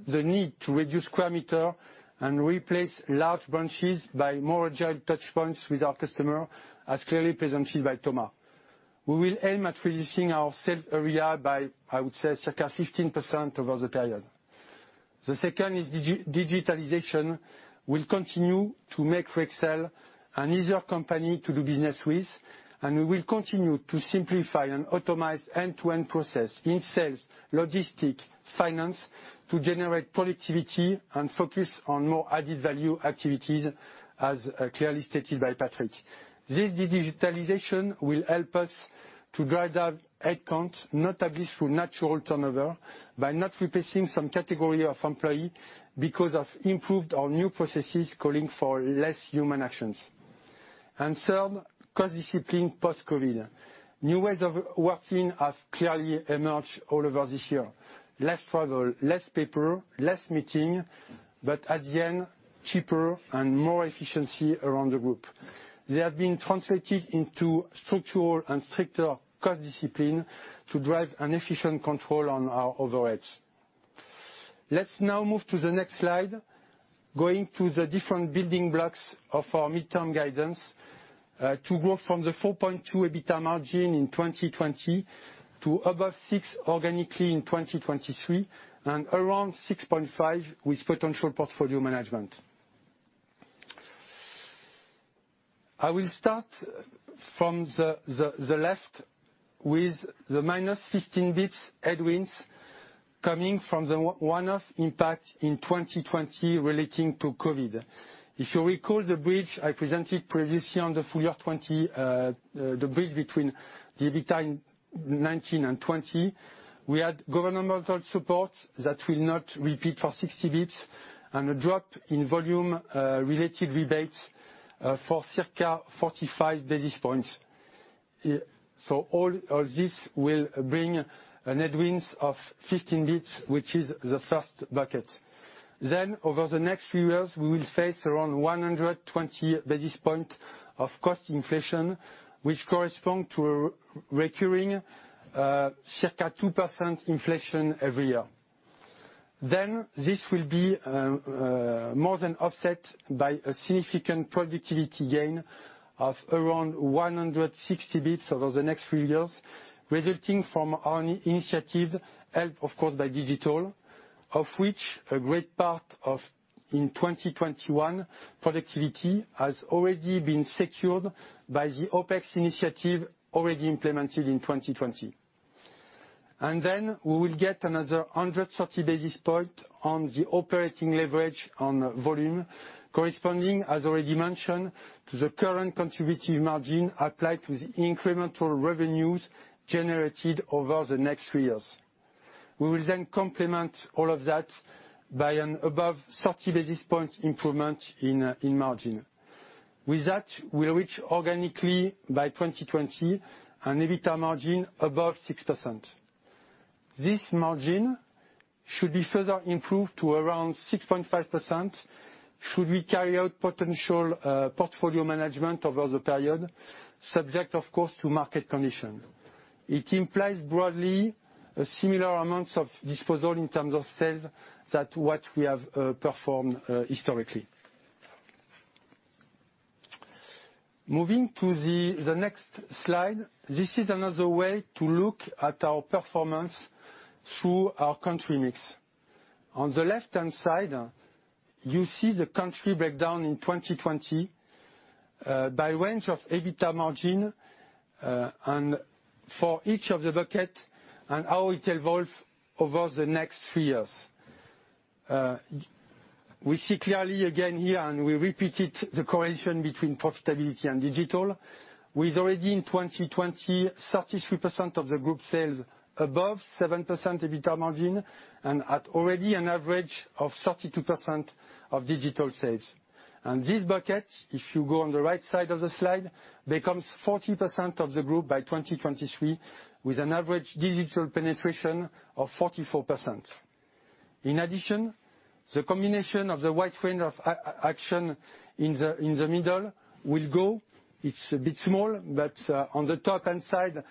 the need to reduce square meter and replace large branches by more agile touchpoints with our customer, as clearly presented by Thomas. We will aim at reducing our sales area by, I would say, circa 15% over the period. The second is digitalization. We'll continue to make Rexel an easier company to do business with, and we will continue to simplify and automize end-to-end process in sales, logistic, finance, to generate productivity and focus on more added value activities, as clearly stated by Patrick. This digitalization will help us to drive down headcounts, notably through natural turnover, by not replacing some category of employee because of improved or new processes calling for less human actions. Third, cost discipline post-COVID. New ways of working have clearly emerged all over this year. Less travel, less paper, less meeting, but at the end, cheaper and more efficiency around the group. They have been translated into structural and stricter cost discipline to drive an efficient control on our overheads. Let's now move to the next slide, going through the different building blocks of our midterm guidance to grow from the 4.2% EBITDA margin in 2020 to above 6% organically in 2023, and around 6.5% with potential portfolio management. I will start from the left with the -15 basis points headwinds coming from the one-off impact in 2020 relating to COVID-19. If you recall the bridge I presented previously on the full year 2020, the bridge between the EBITDA in 2019 and 2020, we had governmental support that will not repeat for 60 basis points and a drop in volume related rebates for circa 45 basis points. All of this will bring a headwinds of 15 basis points, which is the first bucket. Over the next few years, we will face around 120 basis points of cost inflation, which correspond to recurring circa 2% inflation every year. This will be more than offset by a significant productivity gain of around 160 basis points over the next few years, resulting from our initiative, helped of course by digital, of which a great part of in 2021 productivity has already been secured by the OpEx initiative already implemented in 2020. We will get another 130 basis points on the operating leverage on volume, corresponding, as already mentioned, to the current contributing margin applied to the incremental revenues generated over the next three years. We will complement all of that by an above 30 basis points improvement in margin. With that, we'll reach organically by 2020 an EBITDA margin above 6%. This margin should be further improved to around 6.5% should we carry out potential portfolio management over the period, subject of course to market condition. It implies broadly similar amounts of disposal in terms of sales that what we have performed historically. Moving to the next slide. This is another way to look at our performance through our country mix. On the left-hand side, you see the country breakdown in 2020, by range of EBITDA margin, and for each of the bucket and how it evolve over the next three years. We see clearly again here, we repeated the correlation between profitability and digital, with already in 2020, 33% of the group sales above 7% EBITDA margin and at already an average of 32% of digital sales. This bucket, if you go on the right side of the slide, becomes 40% of the group by 2023, with an average digital penetration of 44%. In addition, the combination of the wide range of action in the middle will go. It's a bit small, but on the top-hand side,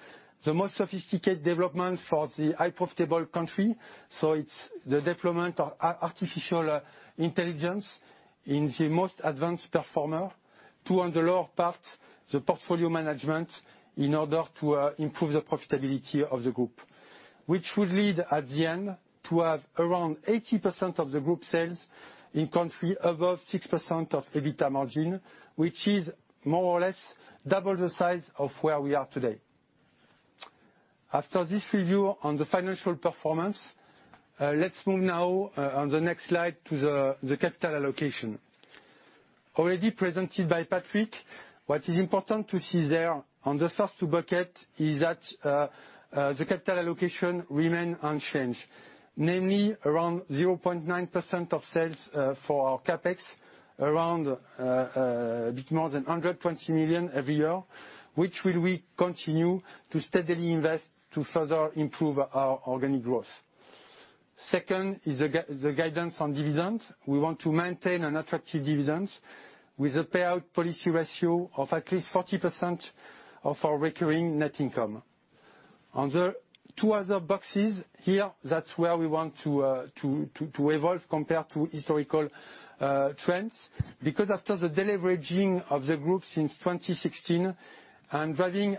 the most sophisticated development for the high profitable country. It's the deployment of artificial intelligence in the most advanced performer to on the lower part, the portfolio management in order to improve the profitability of the group. Which would lead at the end to have around 80% of the group sales in country above 6% of EBITDA margin, which is more or less double the size of where we are today. After this review on the financial performance, let's move now on the next slide to the capital allocation. Already presented by Patrick, what is important to see there on the first two bucket is that the capital allocation remain unchanged, namely around 0.9% of sales for our CapEx around a bit more than 120 million every year, which will we continue to steadily invest to further improve our organic growth. Second is the guidance on dividend. We want to maintain an attractive dividend with a payout policy ratio of at least 40% of our recurring net income. On the two other boxes here, that's where we want to evolve compared to historical trends. After the deleveraging of the group since 2016 and driving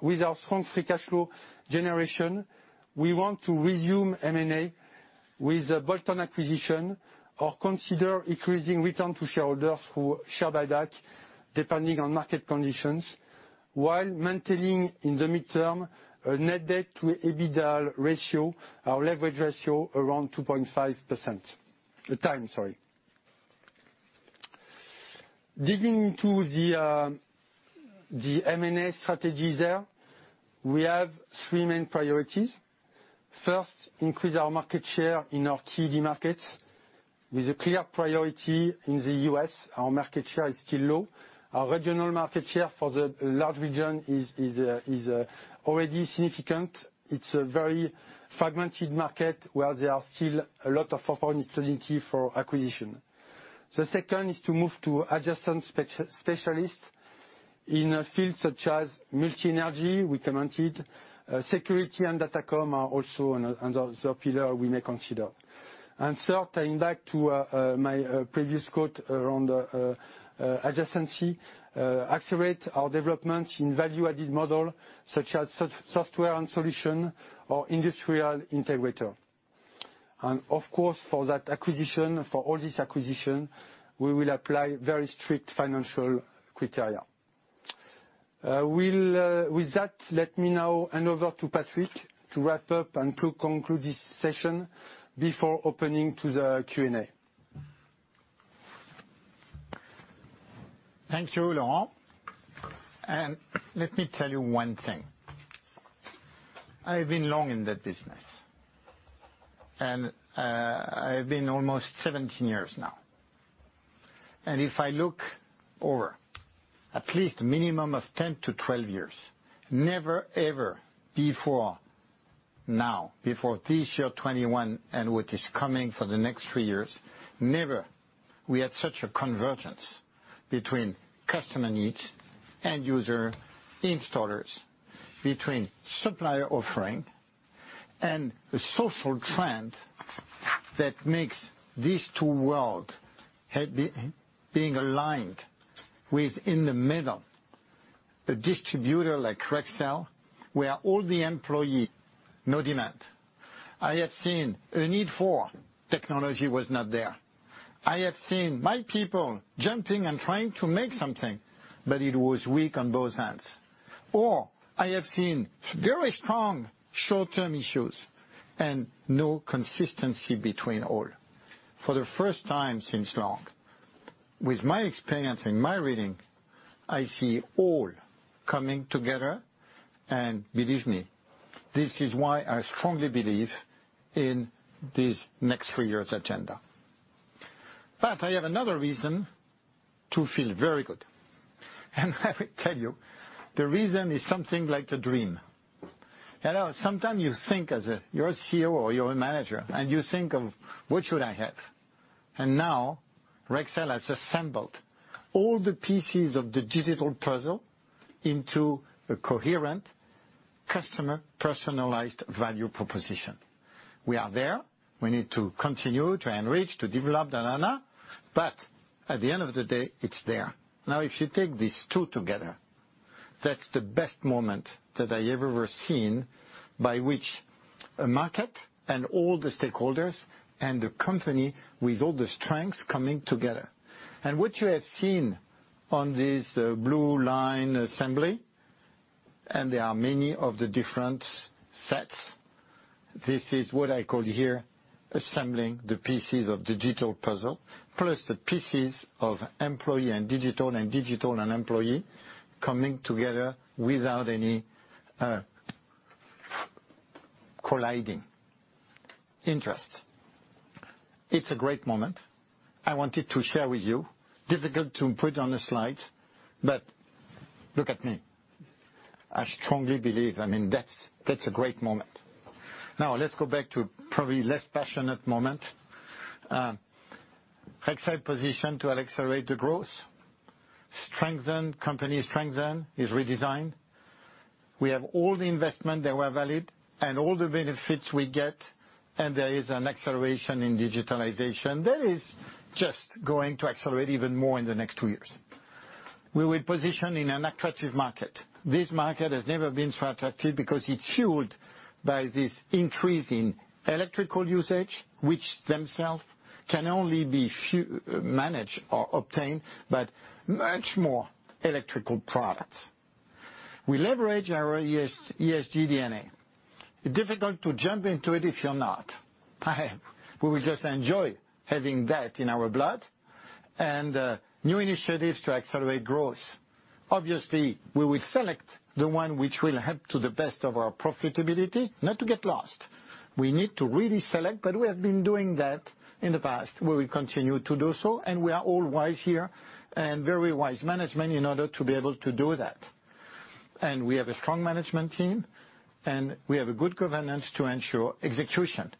with our strong free cash flow generation, we want to resume M&A with a bolt-on acquisition or consider increasing return to shareholders through share buyback depending on market conditions, while maintaining in the midterm a net debt to EBITDA ratio, our leverage ratio around 2.5%. Digging into the M&A strategy there, we have three main priorities. First, increase our market share in our key markets. With a clear priority in the U.S., our market share is still low. Our regional market share for the large region is already significant. It's a very fragmented market where there are still a lot of opportunity for acquisition. The second is to move to adjacent specialists in a field such as multi-energy, we commented. Security and Datacom are also another pillar we may consider. Third, tying back to my previous quote around adjacency, accelerate our development in value-added model such as software and solution or industrial integrator. Of course, for all this acquisition, we will apply very strict financial criteria. With that, let me now hand over to Patrick to wrap up and to conclude this session before opening to the Q&A. Thank you, Laurent. Let me tell you one thing. I've been long in the business, and I've been almost 17 years now. If I look over at least minimum of 10-12 years, never, ever before now, before this year 2021 and what is coming for the next three years, never we had such a convergence between customer needs, end user, installers, between supplier offering and the social trend that makes these two world being aligned with in the middle a distributor like Rexel where all the employee, no demand. I have seen a need for technology was not there. I have seen my people jumping and trying to make something, but it was weak on both ends. I have seen very strong short-term issues and no consistency between all. For the first time since long, with my experience and my reading, I see all coming together. Believe me, this is why I strongly believe in this next three years agenda. I have another reason to feel very good. I will tell you the reason is something like a dream. Sometimes you think you're a CEO or you're a manager, and you think of what should I have? Now Rexel has assembled all the pieces of the digital puzzle into a coherent customer personalized value proposition. We are there. We need to continue to enrich, to develop. At the end of the day, it's there. If you take these two together, that's the best moment that I ever seen by which a market and all the stakeholders and the company with all the strengths coming together. What you have seen on this blue line assembly, and there are many of the different sets. This is what I call here assembling the pieces of digital puzzle, plus the pieces of employee and digital and digital and employee coming together without any colliding interest. It's a great moment. I wanted to share with you, difficult to put on the slides, but look at me. I strongly believe, that's a great moment. Now let's go back to probably less passionate moment. Rexel position to accelerate the growth. Strengthen, company strengthen is redesigned. We have all the investment that were valid and all the benefits we get, and there is an acceleration in digitalization. That is just going to accelerate even more in the next two years. We will position in an attractive market. This market has never been so attractive because it's fueled by this increase in electrical usage, which themselves can only be managed or obtained by much more electrical products. We leverage our ESG DNA. Difficult to jump into it if you're not. We will just enjoy having that in our blood and new initiatives to accelerate growth. We will select the one which will help to the best of our profitability. Not to get lost. We need to really select, we have been doing that in the past. We will continue to do so, we are all wise here and very wise management in order to be able to do that. We have a strong management team, and we have a good governance to ensure execution.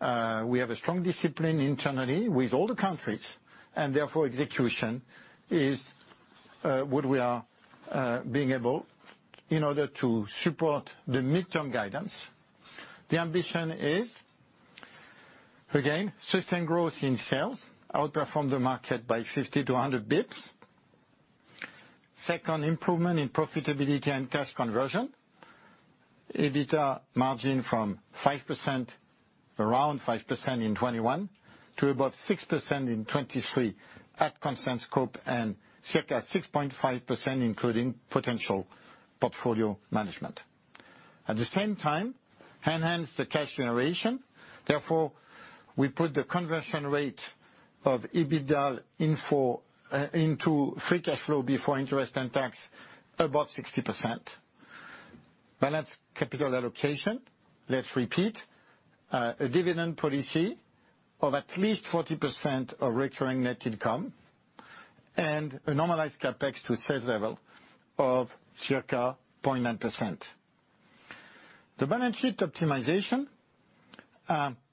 We have a strong discipline internally with all the countries and execution is what we are being able in order to support the mid-term guidance. The ambition is, again, sustained growth in sales, outperform the market by 50 to 100 basis points. Second, improvement in profitability and cash conversion. EBITDA margin from around 5% in 2021 to above 6% in 2023 at constant scope and circa at 6.5%, including potential portfolio management. At the same time, enhance the cash generation. We put the conversion rate of EBITDA into free cash flow before interest and tax above 60%. Balanced capital allocation. Let's repeat. A dividend policy of at least 40% of recurring net income and a normalized CapEx to sales level of circa 0.9%. The balance sheet optimization,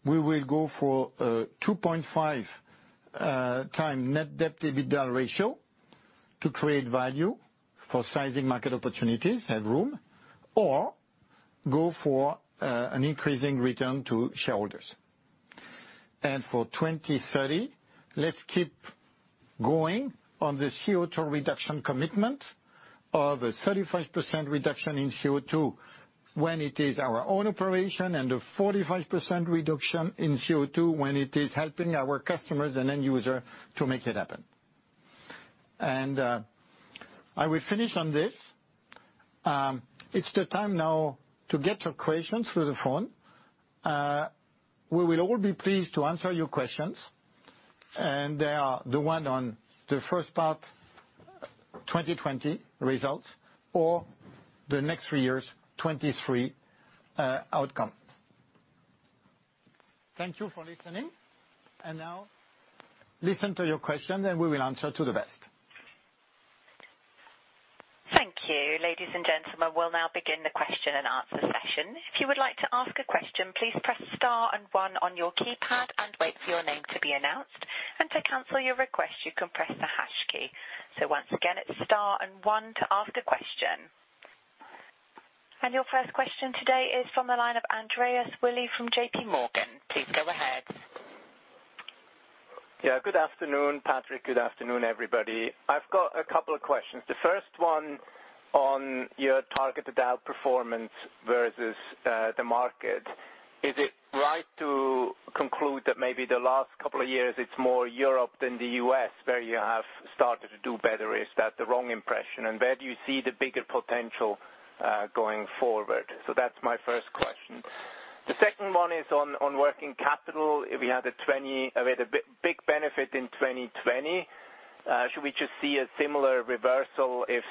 we will go for a 2.5 times net debt EBITDA ratio to create value for sizing market opportunities, headroom, or go for an increasing return to shareholders. For 2030, let's keep going on the CO2 reduction commitment of a 35% reduction in CO2 when it is our own operation, and a 45% reduction in CO2 when it is helping our customers and end user to make it happen. I will finish on this. It's the time now to get your questions through the phone. We will all be pleased to answer your questions, and they are the one on the first part, 2020 results, or the next three years, 2023 outcome. Thank you for listening. Now listen to your question and we will answer to the best. Thank you. Ladies and gentlemen, we'll now begin the question and answer session. If you would like to ask a question, please press star and one on your keypad and wait for your name to be announced. To cancel your request, you can press the hash key. Once again, it's star and one to ask the question. Your first question today is from the line of Andreas Willi from JPMorgan. Please go ahead. Good afternoon, Patrick. Good afternoon, everybody. I've got a couple of questions. The first one on your targeted outperformance versus the market. Is it right to conclude that maybe the last couple of years it's more Europe than the U.S. where you have started to do better? Is that the wrong impression? Where do you see the bigger potential going forward? That's my first question. The second one is on working capital. We had a big benefit in 2020. Should we just see a similar reversal if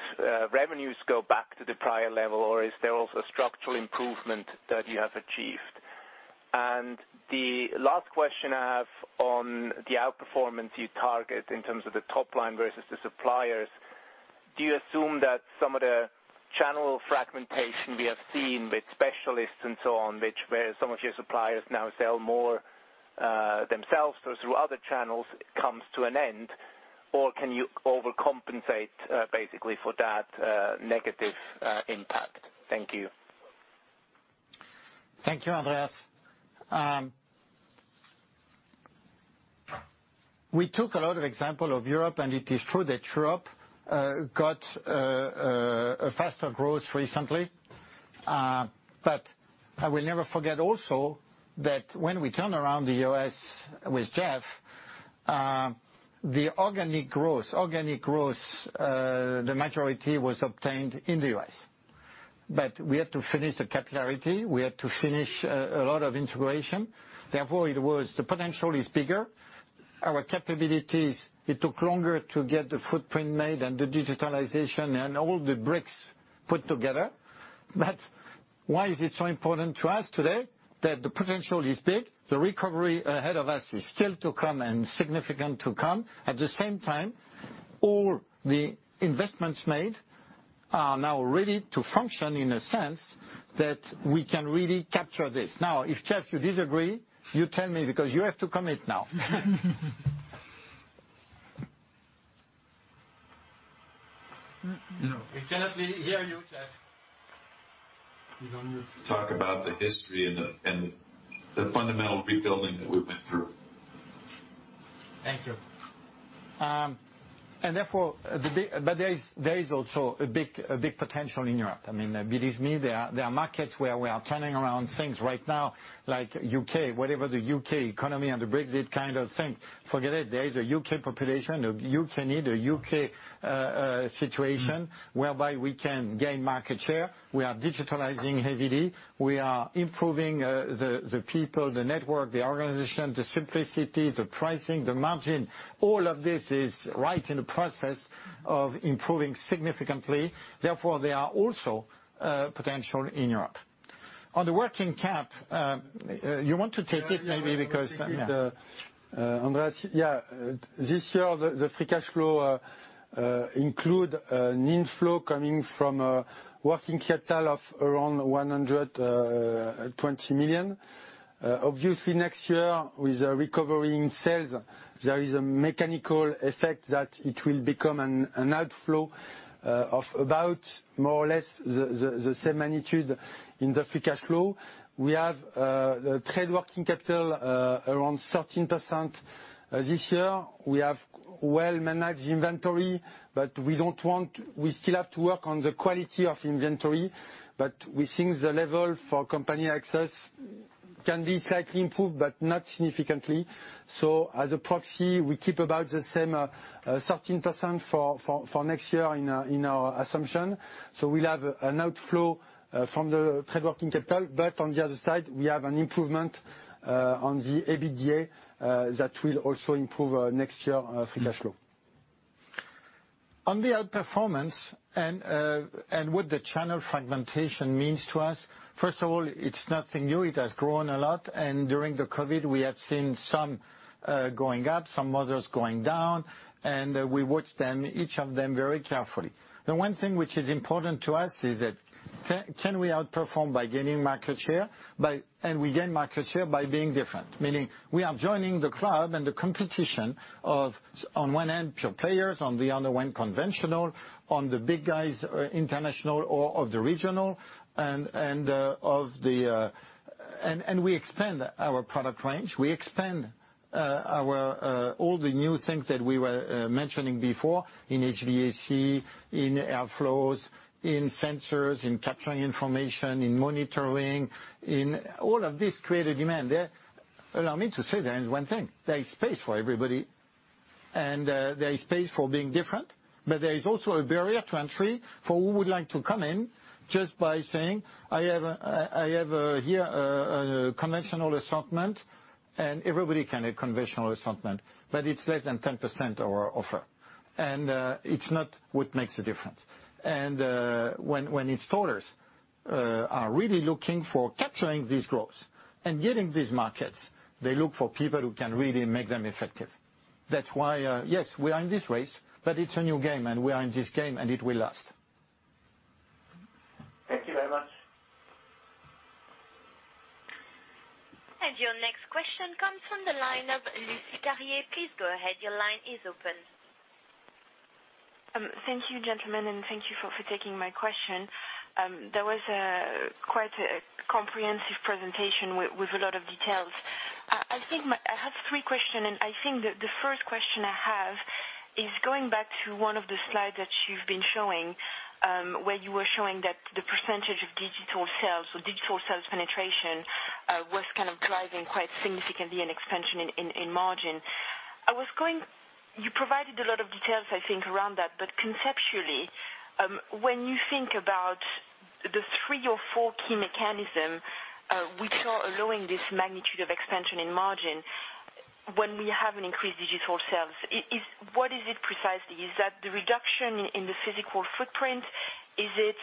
revenues go back to the prior level, or is there also structural improvement that you have achieved? The last question I have on the outperformance you target in terms of the top line versus the suppliers, do you assume that some of the channel fragmentation we have seen with specialists and so on, where some of your suppliers now sell more themselves or through other channels, comes to an end? Or can you overcompensate basically for that negative impact? Thank you. Thank you, Andreas. We took a lot of example of Europe. It is true that Europe got a faster growth recently. I will never forget also that when we turn around the U.S. with Jeff, the organic growth, the majority was obtained in the U.S. We had to finish the capillarity. We had to finish a lot of integration. Therefore, the potential is bigger. Our capabilities, it took longer to get the footprint made and the digitalization and all the bricks put together. Why is it so important to us today? That the potential is big. The recovery ahead of us is still to come and significant to come. At the same time, all the investments made are now ready to function in a sense that we can really capture this. Now, if Jeff, you disagree, you tell me because you have to commit now. No. We cannot hear you, Jeff. He's on mute. Talk about the history and the fundamental rebuilding that we've been through. Thank you. Therefore, there is also a big potential in Europe. Believe me, there are markets where we are turning around things right now, like U.K., whatever the U.K. economy and the Brexit kind of thing, forget it. There is a U.K. population, a U.K. need, a U.K. situation whereby we can gain market share. We are digitalizing heavily. We are improving the people, the network, the organization, the simplicity, the pricing, the margin. All of this is right in the process of improving significantly. Therefore, there are also potential in Europe. On the working cap, you want to take it maybe because- Yeah. This year, the free cash flow include an inflow coming from a working capital of around 120 million. Obviously, next year with a recovery in sales, there is a mechanical effect that it will become an outflow of about more or less the same magnitude in the free cash flow. We have the trade working capital around 13% this year. We have well managed inventory, but we still have to work on the quality of inventory, but we think the level for company assets can be slightly improved, but not significantly. As a proxy, we keep about the same 13% for next year in our assumption. We'll have an outflow from the trade working capital. On the other side, we have an improvement on the EBITDA that will also improve next year free cash flow. On the outperformance and what the channel fragmentation means to us, first of all, it's nothing new. It has grown a lot, and during the COVID, we have seen some going up, some others going down, and we watch each of them very carefully. The one thing which is important to us is that can we outperform by gaining market share? We gain market share by being different, meaning we are joining the club and the competition of, on one end, pure players, on the other one, conventional, on the big guys, international or of the regional, and we expand our product range. We expand all the new things that we were mentioning before in HVAC, in air flows, in sensors, in capturing information, in monitoring, in all of this create a demand there. Allow me to say then one thing. There is space for everybody, and there is space for being different, but there is also a barrier to entry for who would like to come in just by saying, "I have here a conventional assortment," and everybody can have conventional assortment, but it's less than 10% of our offer. It's not what makes a difference. When installers are really looking for capturing these growths and getting these markets, they look for people who can really make them effective. That's why, yes, we are in this race, but it's a new game and we are in this game and it will last. Thank you very much. Your next question comes from the line of Lucie Terrier. Please go ahead. Your line is open. Thank you, gentlemen. Thank you for taking my question. That was quite a comprehensive presentation with a lot of details. I have three questions. I think that the first question I have is going back to one of the slides that you've been showing, where you were showing that the percentage of digital sales or digital sales penetration was kind of driving quite significantly an expansion in margin. You provided a lot of details, I think, around that. Conceptually, when you think about the three or four key mechanisms which are allowing this magnitude of expansion in margin when we have an increased digital sales, what is it precisely? Is that the reduction in the physical footprint? Is it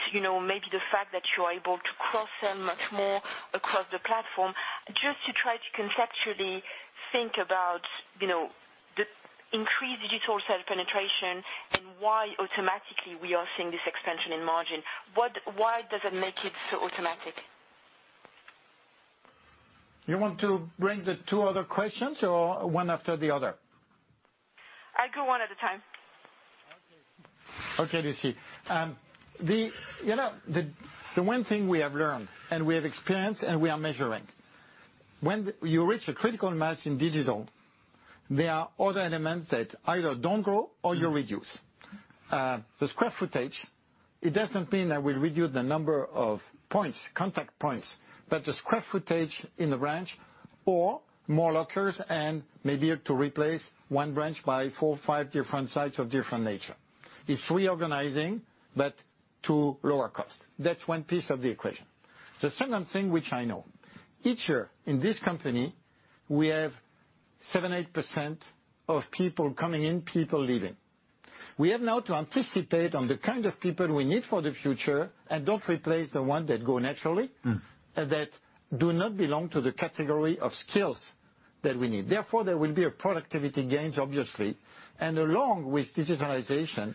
maybe the fact that you are able to cross-sell much more across the platform? Just to try to conceptually think about the increased digital sales penetration and why automatically we are seeing this expansion in margin. Why does it make it so automatic? You want to bring the two other questions or one after the other? I go one at a time. Okay, Lucie. The one thing we have learned, we have experienced, and we are measuring, when you reach a critical mass in digital, there are other elements that either don't grow or you reduce. The square footage, it does not mean that we reduce the number of points, contact points, but the square footage in the branch or more lockers and maybe to replace one branch by four or five different sites of different nature. It's reorganizing to lower cost. That's one piece of the equation. The second thing which I know, each year in this company, we have 7%-8% of people coming in, people leaving. We have now to anticipate on the kind of people we need for the future and don't replace the one that go naturally and that do not belong to the category of skills that we need. Therefore, there will be a productivity gains, obviously. Along with digitalization,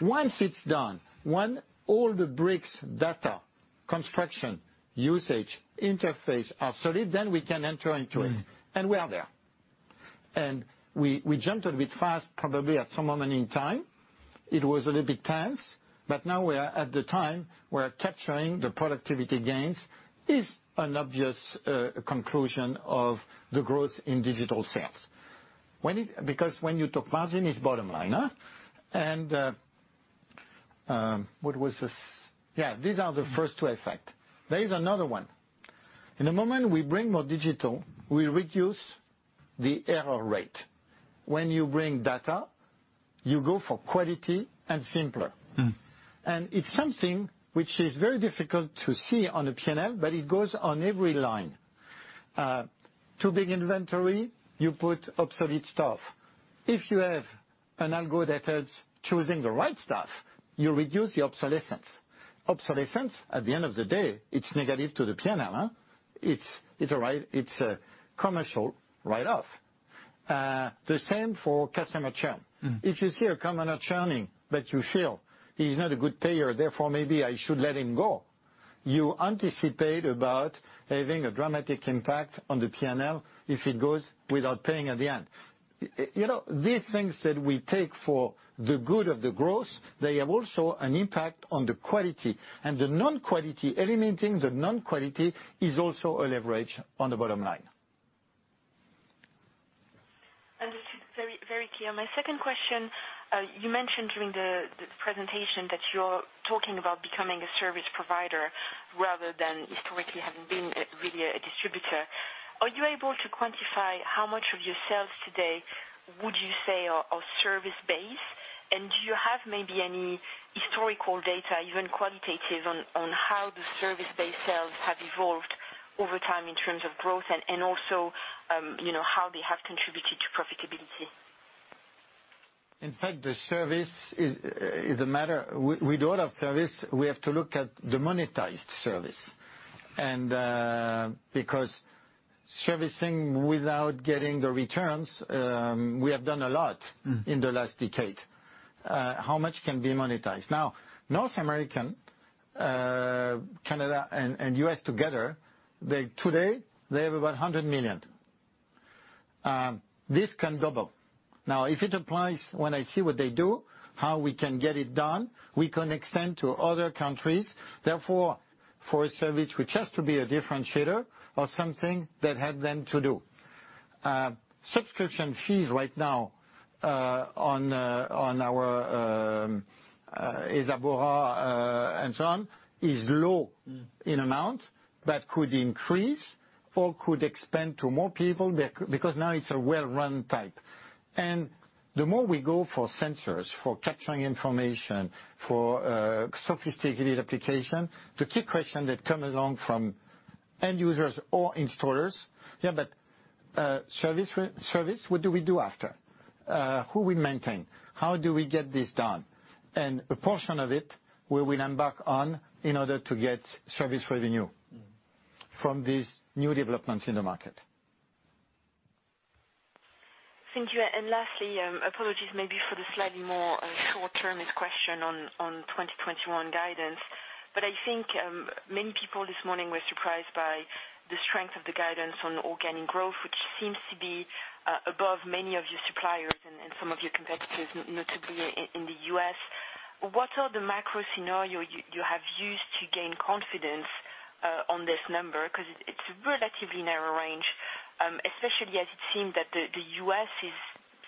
once it's done, when all the bricks, data, construction, usage, interface are solid, then we can enter into it. We are there. We jumped a bit fast probably at some moment in time. It was a little bit tense. Now we are at the time where capturing the productivity gains is an obvious conclusion of the growth in digital sales. When you talk margin, it's bottom line. These are the first two effects. There is another one. In the moment we bring more digital, we reduce the error rate. When you bring data, you go for quality and simpler. It's something which is very difficult to see on a P&L, but it goes on every line. Too big inventory, you put obsolete stuff. If you have an algo that helps choosing the right stuff, you reduce the obsolescence. Obsolescence, at the end of the day, it's negative to the P&L. It's a commercial write-off. The same for customer churn. If you see a customer churning, but you feel he's not a good payer, therefore, maybe I should let him go. You anticipate about having a dramatic impact on the P&L if it goes without paying at the end. These things that we take for the good of the growth, they have also an impact on the quality. Eliminating the non-quality is also a leverage on the bottom line. Understood. Very clear. My second question, you mentioned during the presentation that you're talking about becoming a service provider rather than historically having been really a distributor. Are you able to quantify how much of your sales today would you say are service-based? Do you have maybe any historical data, even qualitative, on how the service-based sales have evolved over time in terms of growth and also, how they have contributed to profitability? In fact, the service is a matter. With all our service, we have to look at the monetized service. Servicing without getting the returns, we have done a lot. in the last decade. How much can be monetized? North American, Canada and U.S. together, today, they have about 100 million. This can double. If it applies when I see what they do, how we can get it done, we can extend to other countries. For a service which has to be a differentiator or something that help them to do. Subscription fees right now on our and so on is low in amount, but could increase or could expand to more people because now it's a well-run type. The more we go for sensors, for capturing information, for sophisticated application, the key question that come along from end users or installers, "Yeah, but service, what do we do after? Who will maintain? How do we get this done? A portion of it we will embark on in order to get service revenue from these new developments in the market. Thank you. Lastly, apologies maybe for the slightly more short-termist question on 2021 guidance, I think many people this morning were surprised by the strength of the guidance on organic growth, which seems to be above many of your suppliers and some of your competitors, notably in the U.S. What are the macro scenario you have used to gain confidence on this number? It's a relatively narrow range, especially as it seems that the U.S.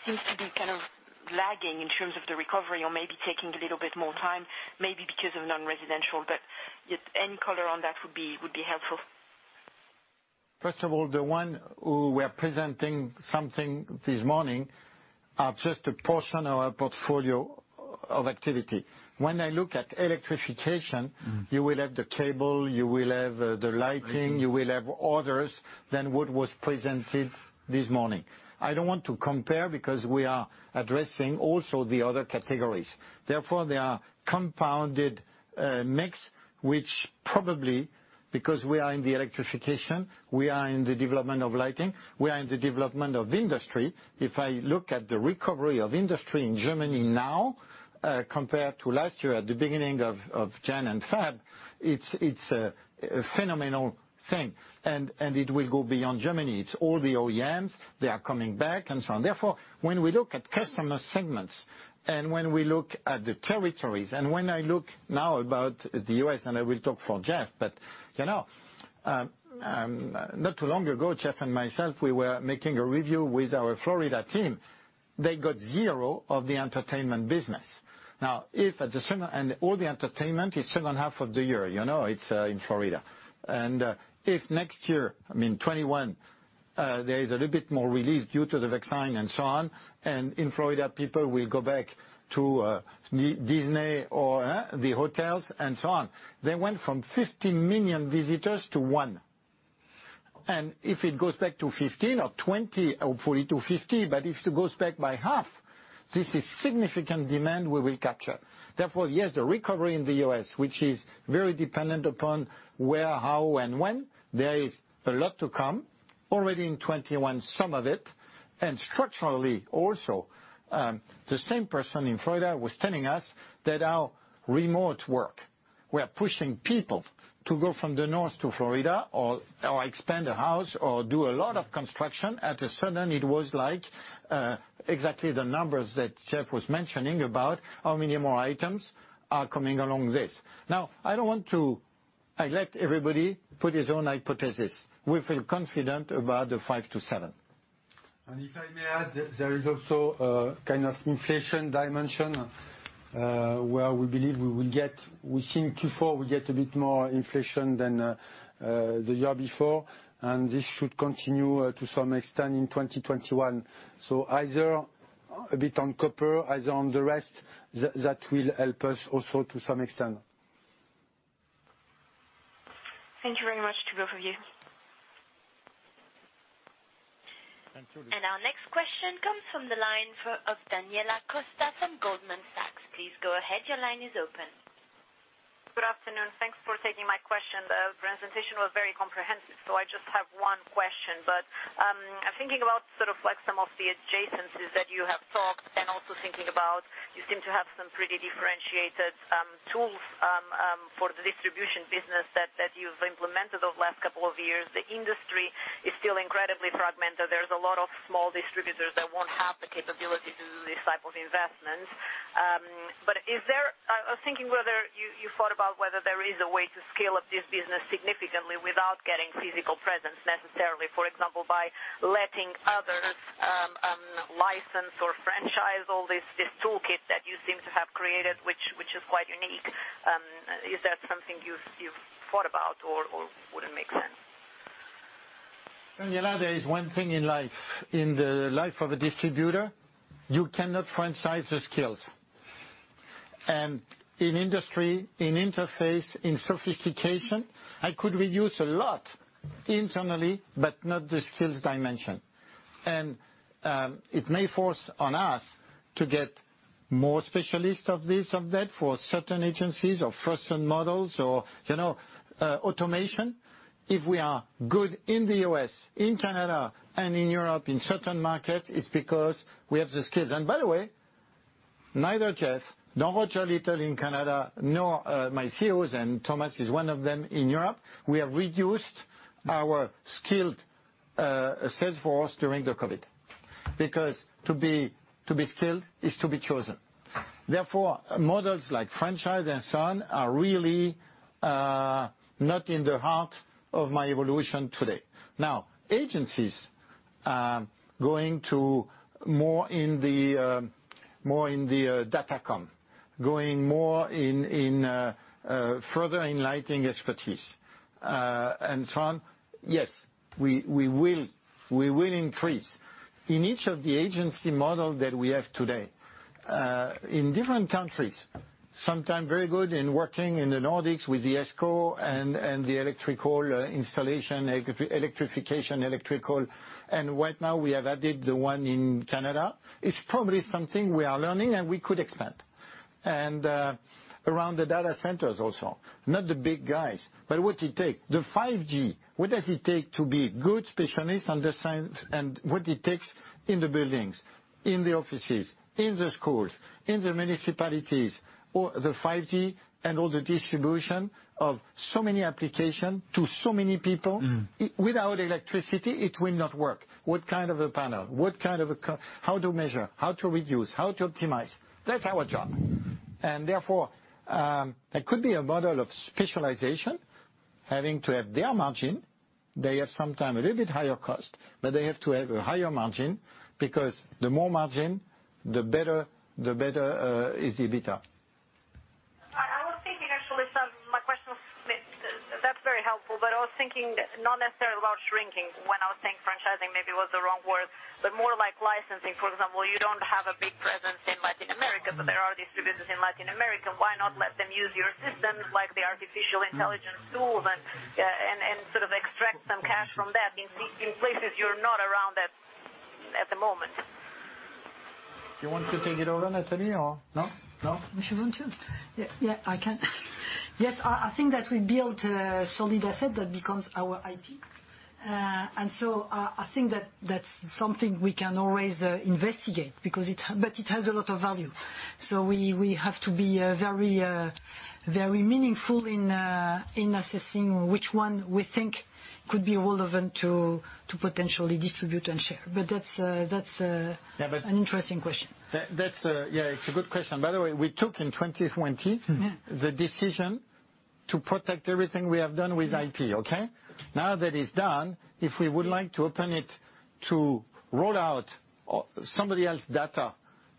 seems to be kind of lagging in terms of the recovery or maybe taking a little bit more time, maybe because of non-residential. Any color on that would be helpful. First of all, the one who were presenting something this morning are just a portion of our portfolio of activity. When I look at electrification, you will have the cable, you will have the lighting- You will have others than what was presented this morning. I don't want to compare because we are addressing also the other categories. They are compounded mix, which probably because we are in the electrification, we are in the development of lighting, we are in the development of industry. If I look at the recovery of industry in Germany now compared to last year at the beginning of January and February, it's a phenomenal thing, and it will go beyond Germany. It's all the OEMs, they are coming back and so on. When we look at customer segments and when we look at the territories, and when I look now about the U.S., and I will talk for Jeff, but not too long ago, Jeff and myself, we were making a review with our Florida team. They got zero of the entertainment business. All the entertainment is second half of the year. It's in Florida. If next year, I mean 2021, there is a little bit more relief due to the vaccine and so on, and in Florida, people will go back to Disney or the hotels and so on. They went from 50 million visitors to one. If it goes back to 15 or 20, hopefully to 50, but if it goes back by half, this is significant demand we will capture. Therefore, yes, the recovery in the U.S., which is very dependent upon where, how and when, there is a lot to come. Already in 2021, some of it. Structurally also, the same person in Florida was telling us that now remote work. We are pushing people to go from the north to Florida or expand a house or do a lot of construction. At a sudden, it was like exactly the numbers that Jeff was mentioning about how many more items are coming along this. Now, I let everybody put his own hypothesis. We feel confident about the five to seven. If I may add, there is also a kind of inflation dimension, where we believe we will get, we think Q4, we get a bit more inflation than the year before. This should continue to some extent in 2021. Either a bit on copper, either on the rest, that will help us also to some extent. Thank you very much to both of you. Thank you, Lucie. Our next question comes from the line of Daniela Costa from Goldman Sachs. Please go ahead. Your line is open. Good afternoon. Thanks for taking my question. The presentation was very comprehensive, so I just have one question. I'm thinking about some of the adjacencies that you have talked, and also thinking about you seem to have some pretty differentiated tools for the distribution business that you've implemented over the last couple of years. The industry is still incredibly fragmented. There's a lot of small distributors that won't have the capability to do this type of investment. I was thinking whether you thought about whether there is a way to scale up this business significantly without getting physical presence necessarily. For example, by letting others license or franchise all this toolkit that you seem to have created, which is quite unique. Is that something you've thought about, or would it make sense? Daniela, there is one thing in life, in the life of a distributor, you cannot franchise the skills. In industry, in interface, in sophistication, I could reduce a lot internally, but not the skills dimension. It may force on us to get more specialists of this, of that for certain agencies or fresh models or automation. If we are good in the U.S., in Canada, and in Europe, in certain markets, it's because we have the skills. By the way, neither Jeff nor Roger Little in Canada, nor my CEOs, and Thomas is one of them in Europe, we have reduced our skilled sales force during the COVID. Because to be skilled is to be chosen. Therefore, models like franchise and so on are really not in the heart of my evolution today. Agencies going to more in the datacom, going more in further in lighting expertise, and so on, yes, we will increase. In each of the agency model that we have today, in different countries, sometimes very good in working in the Nordics with the ESCO and the electrical installation, electrification, electrical. Right now, we have added the one in Canada. It's probably something we are learning, and we could expand. Around the data centers also, not the big guys, but what it take, the 5G, what does it take to be good specialist, understand and what it takes in the buildings, in the offices, in the schools, in the municipalities, or the 5G and all the distribution of so many application to so many people. Without electricity, it will not work. What kind of a panel? How to measure? How to reduce? How to optimize? That's our job. Therefore, there could be a model of specialization having to have their margin. They have sometimes a little bit higher cost, but they have to have a higher margin because the more margin, the better is the EBITA. I was thinking actually. That's very helpful, but I was thinking not necessarily about shrinking when I was saying franchising maybe was the wrong word, but more like licensing. For example, you don't have a big presence in Latin America, but there are distributors in Latin America. Why not let them use your systems like the artificial intelligence tools and sort of extract some cash from that in places you're not around at the moment? You want to take it over, Nathalie, or no? If you want to. Yeah, I can. Yes, I think that we built a solid asset that becomes our IP. I think that that's something we can always investigate. It has a lot of value, so we have to be very meaningful in assessing which one we think could be relevant to potentially distribute and share. That's an interesting question. Yeah, it's a good question. By the way, we took in 2020- Yeah -the decision to protect everything we have done with IP, okay? Now that it's done, if we would like to open it to roll out somebody else data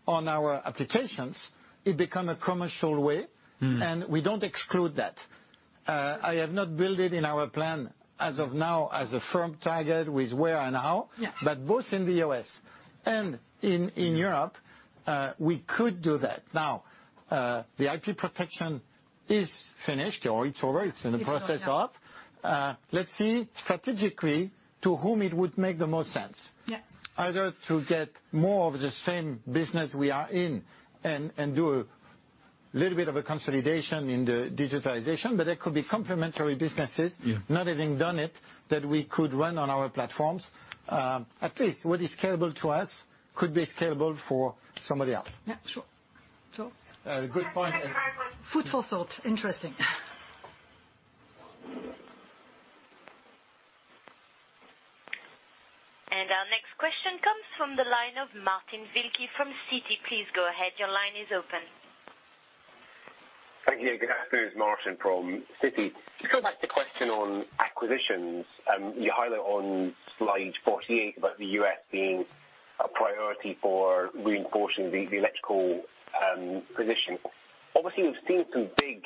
on our applications, it become a commercial way. We don't exclude that. I have not built it in our plan as of now as a firm target with where and how. Yeah. Both in the U.S. and in Europe, we could do that. The IP protection is finished or it's over, it's in the process of. Let's see strategically to whom it would make the most sense. Yeah. Either to get more of the same business we are in and do a little bit of a consolidation in the digitalization, but they could be complementary businesses. Yeah Not having done it, that we could run on our platforms. At least what is scalable to us could be scalable for somebody else. Yeah, sure. A good point. Thank you very much. Food for thought. Interesting. Our next question comes from the line of Martin Wilkie from Citi. Please go ahead. Your line is open. Thank you. Good afternoon. It's Martin from Citi. To go back to the question on acquisitions, you highlight on slide 48 about the U.S. being a priority for reinforcing the electrical position. Obviously, we've seen some big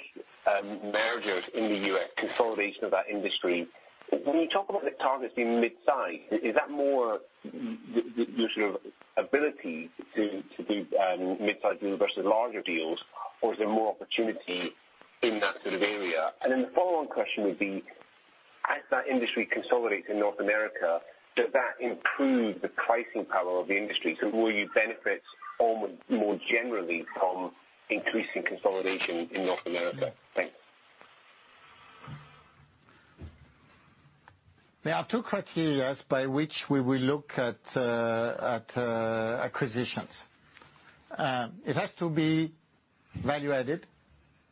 mergers in the U.S., consolidation of that industry. When you talk about the targets being mid-size, is that more your sort of ability to do mid-size deals versus larger deals, or is there more opportunity in that sort of area? The follow-on question would be, as that industry consolidates in North America, does that improve the pricing power of the industry? Will you benefit more generally from increasing consolidation in North America? Thanks. There are two criteria by which we will look at acquisitions. It has to be value added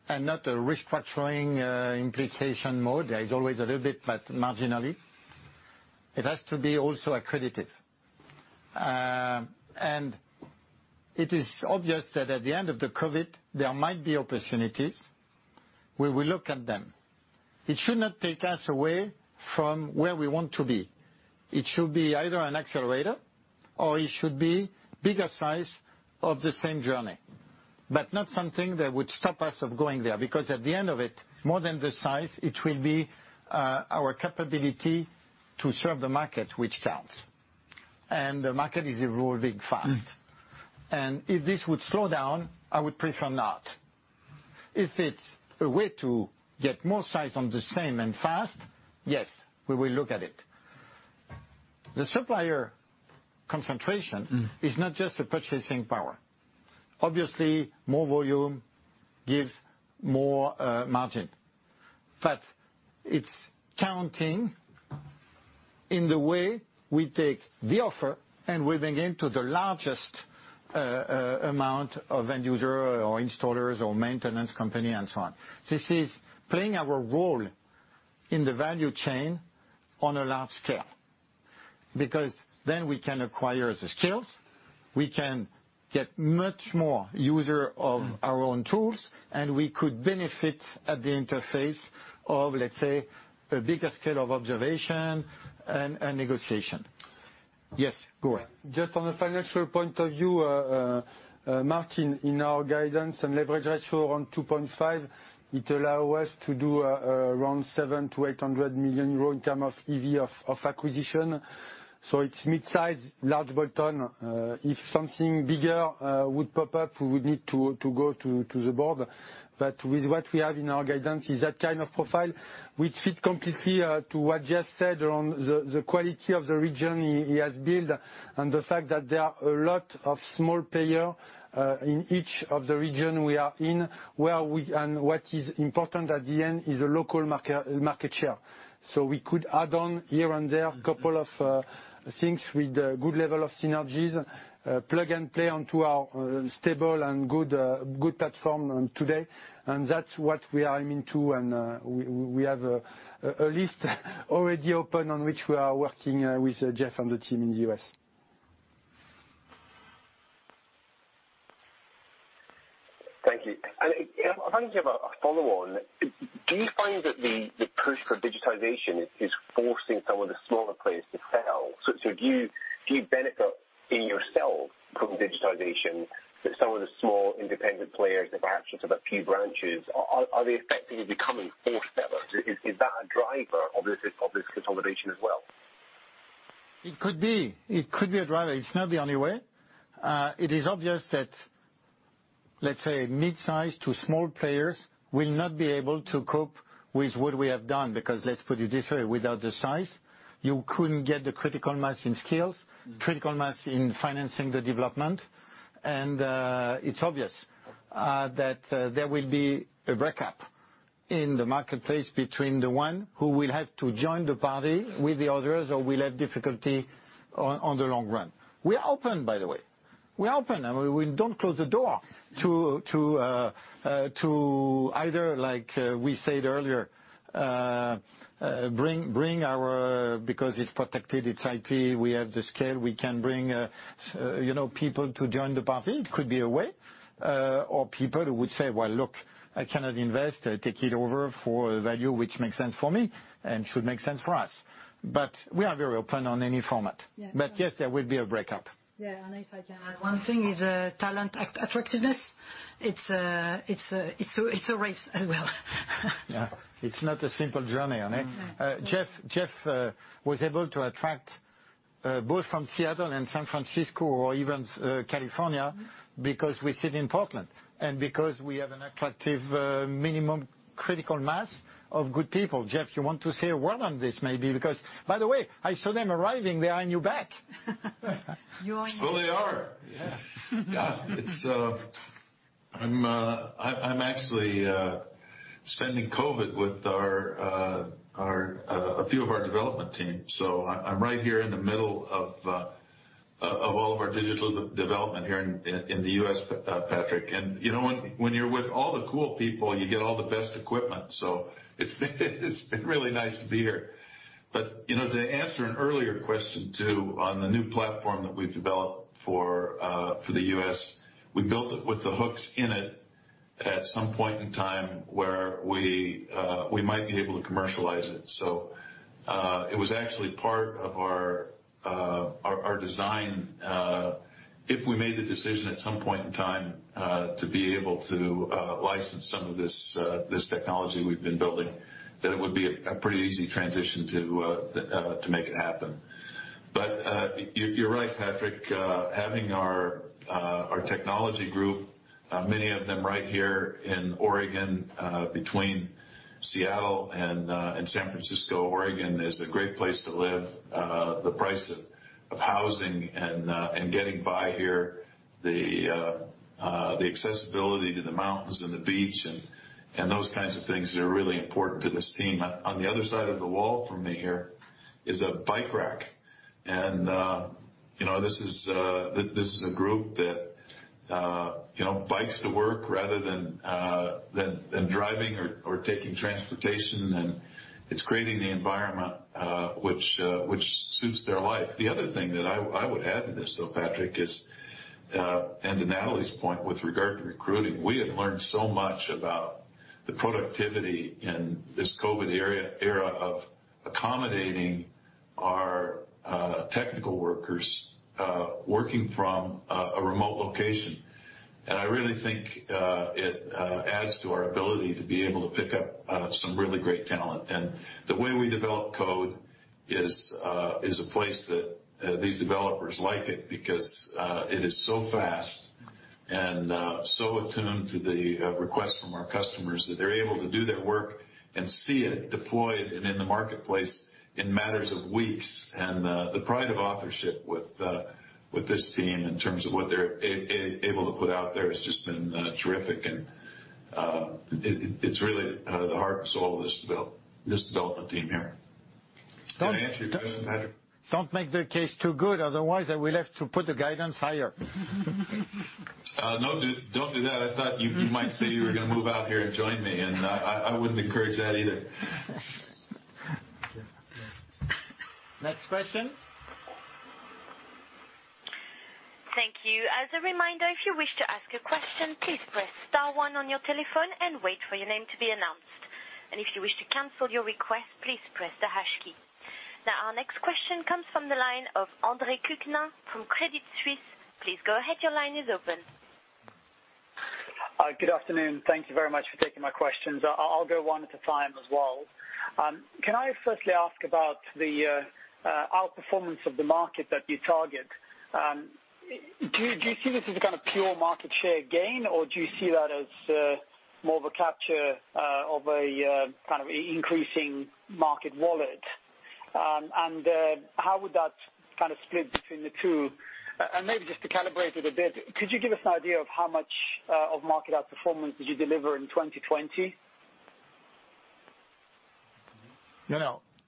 and not a restructuring implication mode. There is always a little bit, but marginally. It has to be also accretive. It is obvious that at the end of the COVID, there might be opportunities. We will look at them. It should not take us away from where we want to be. It should be either an accelerator or it should be bigger size of the same journey. Not something that would stop us of going there, because at the end of it, more than the size, it will be our capability to serve the market which counts. The market is evolving fast. If this would slow down, I would prefer not. If it's a way to get more size on the same and fast, yes, we will look at it. The supplier concentration is not just a purchasing power. Obviously, more volume gives more margin. It's counting in the way we take the offer and we bring in to the largest amount of end-user or installers or maintenance company and so on. This is playing our role in the value chain on a large scale, because then we can acquire the skills, we can get much more user of our own tools, and we could benefit at the interface of, let's say, a bigger scale of observation and negotiation. Yes, go on. On a financial point of view, Martin, in our guidance and leverage ratio on 2.5, it allows us to do around 700 million-800 million euro in terms of EV of acquisition. It is midsize, large bolt-on. If something bigger would pop up, we would need to go to the board. With what we have in our guidance is that kind of profile, which fits completely to what Jeff said around the quality of the region he has built and the fact that there are a lot of small players in each of the region we are in, and what is important at the end is a local market share. We could add on here and there couple of things with good level of synergies, plug and play onto our stable and good platform on today. That's what we are aiming to. We have a list already open on which we are working with Jeff and the team in the U.S. Thank you. If I can give a follow-on, do you find that the push for digitization is forcing some of the smaller players to sell? Do you benefit in yourselves from digitization that some of the small independent players that perhaps just have a few branches, are they effectively becoming forced sellers? Is that a driver of this consolidation as well? It could be. It could be a driver. It's not the only way. It is obvious that, let's say, mid-size to small players will not be able to cope with what we have done, because let's put it this way, without the size, you couldn't get the critical mass in skills, critical mass in financing the development. It's obvious that there will be a breakup in the marketplace between the one who will have to join the party with the others or will have difficulty on the long run. We're open, by the way. We're open, we don't close the door to either, like we said earlier. Because it's protected, it's IP, we have the scale, we can bring people to join the party. It could be a way. People who would say, "Well, look, I cannot invest. Take it over for a value which makes sense for me," and should make sense for us. We are very open on any format. Yeah. Yes, there will be a breakup. Yeah, if I can add one thing is talent attractiveness. It's a race as well. Yeah. It's not a simple journey. No. Jeff was able to attract both from Seattle and San Francisco or even California because we sit in Portland and because we have an attractive minimum critical mass of good people. Jeff, you want to say a word on this maybe, because by the way, I saw them arriving. They are in your back. You are in your- Oh, they are. Yeah. Yeah. I'm actually spending COVID with a few of our development team. I'm right here in the middle of all of our digital development here in the U.S., Patrick. When you're with all the cool people, you get all the best equipment. It's been really nice to be here. To answer an earlier question, too, on the new platform that we've developed for the U.S., we built it with the hooks in it at some point in time where we might be able to commercialize it. It was actually part of our design, if we made the decision at some point in time, to be able to license some of this technology we've been building, that it would be a pretty easy transition to make it happen. You're right, Patrick, having our technology group, many of them right here in Oregon, between Seattle and San Francisco. Oregon is a great place to live. The price of housing and getting by here, the accessibility to the mountains and the beach, and those kinds of things are really important to this team. On the other side of the wall from me here is a bike rack. This is a group that bikes to work rather than driving or taking transportation, and it's creating the environment which suits their life. The other thing that I would add to this, though, Patrick, is, to Nathalie's point with regard to recruiting, we have learned so much about the productivity in this COVID era of accommodating our technical workers working from a remote location. I really think it adds to our ability to be able to pick up some really great talent. The way we develop code is a place that these developers like it because it is so fast and so attuned to the request from our customers that they're able to do their work and see it deployed and in the marketplace in matters of weeks. The pride of authorship with this team in terms of what they're able to put out there has just been terrific and it's really the heart and soul of this development team here. Did I answer your question, Patrick? Don't make the case too good, otherwise I will have to put the guidance higher. No, don't do that. I thought you might say you were going to move out here and join me, and I wouldn't encourage that either. Next question. Thank you. As a reminder, if you wish to ask a question, please press star one on your telephone and wait for your name to be announced. If you wish to cancel your request, please press the hash key. Now, our next question comes from the line of Andre Kukhnin from Credit Suisse. Please go ahead, your line is open. Good afternoon. Thank you very much for taking my questions. I'll go one at a time as well. Can I firstly ask about the outperformance of the market that you target? Do you see this as a kind of pure market share gain, or do you see that as more of a capture of a kind of increasing market wallet? How would that kind of split between the two? Maybe just to calibrate it a bit, could you give us an idea of how much of market outperformance did you deliver in 2020?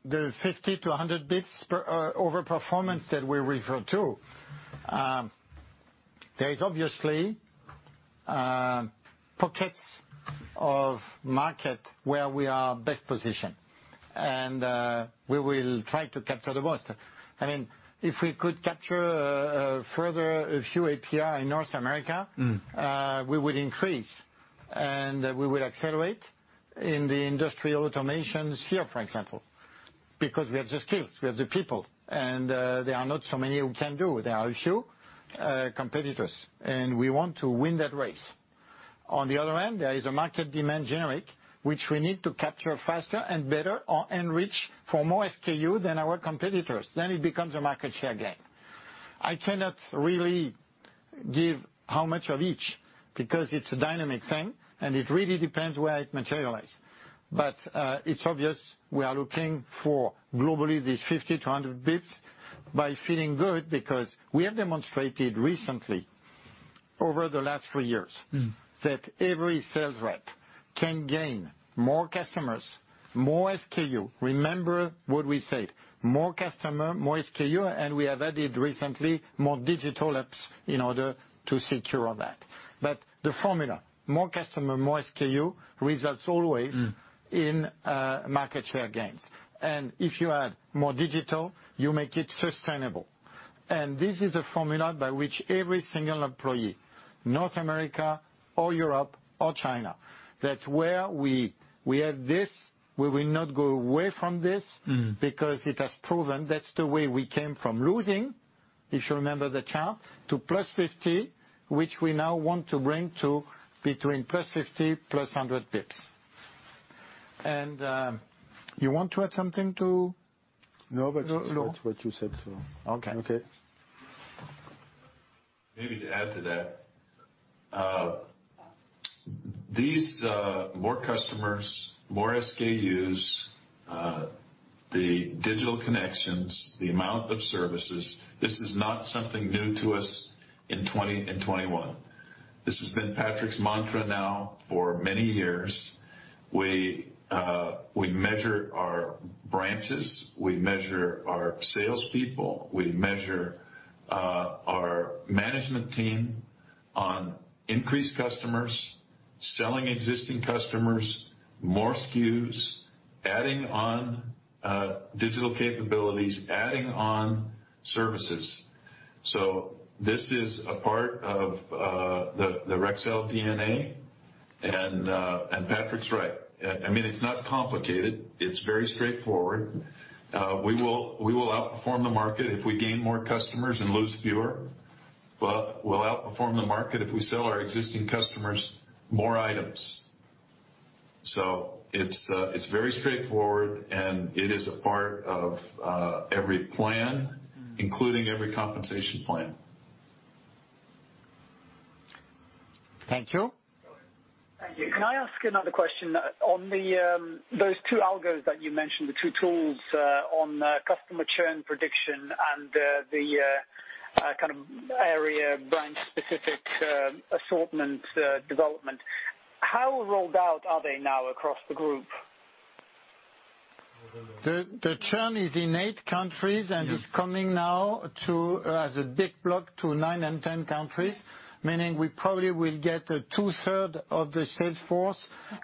The 50-100 basis points overperformance that we refer to, there is obviously pockets of market where we are best positioned, and we will try to capture the most. If we could capture a further few API in North America. We would increase, and we would accelerate in the industrial automation sphere, for example, because we have the skills, we have the people, and there are not so many who can do. There are a few competitors, and we want to win that race. On the other hand, there is a market demand generic, which we need to capture faster and better or enrich for more SKU than our competitors, then it becomes a market share gain. I cannot really give how much of each, because it's a dynamic thing, and it really depends where it materialize. It's obvious we are looking for globally these 50 to 100 basis points by feeling good, because we have demonstrated recently over the last three years- that every sales rep can gain more customers, more SKU. Remember what we said, more customer, more SKU. We have added recently more digital apps in order to secure all that. The formula, more customer, more SKU. in market share gains. If you add more digital, you make it sustainable. This is a formula by which every single employee, North America or Europe or China, that's where we have this, we will not go away from this because it has proven that's the way we came from losing, if you remember the chart, to +50, which we now want to bring to between +50 and +100 basis points. You want to add something? No, that's what you said. Okay. Okay. Maybe to add to that. These more customers, more SKUs, the digital connections, the amount of services, this is not something new to us in 2020 and 2021. This has been Patrick's mantra now for many years. We measure our branches, we measure our salespeople, we measure our management team on increased customers, selling existing customers more SKUs, adding on digital capabilities, adding on services. This is a part of the Rexel DNA, and Patrick's right. It's not complicated. It's very straightforward. We will outperform the market if we gain more customers and lose fewer. We'll outperform the market if we sell our existing customers more items. It's very straightforward, and it is a part of every plan, including every compensation plan. Thank you. Thank you. Can I ask another question? On those two algos that you mentioned, the two tools on customer churn prediction and the area branch specific assortment development, how rolled out are they now across the group? The churn is in eight countries and is coming now as a big block to nine and 10 countries, meaning we probably will get 2/3 of the sales force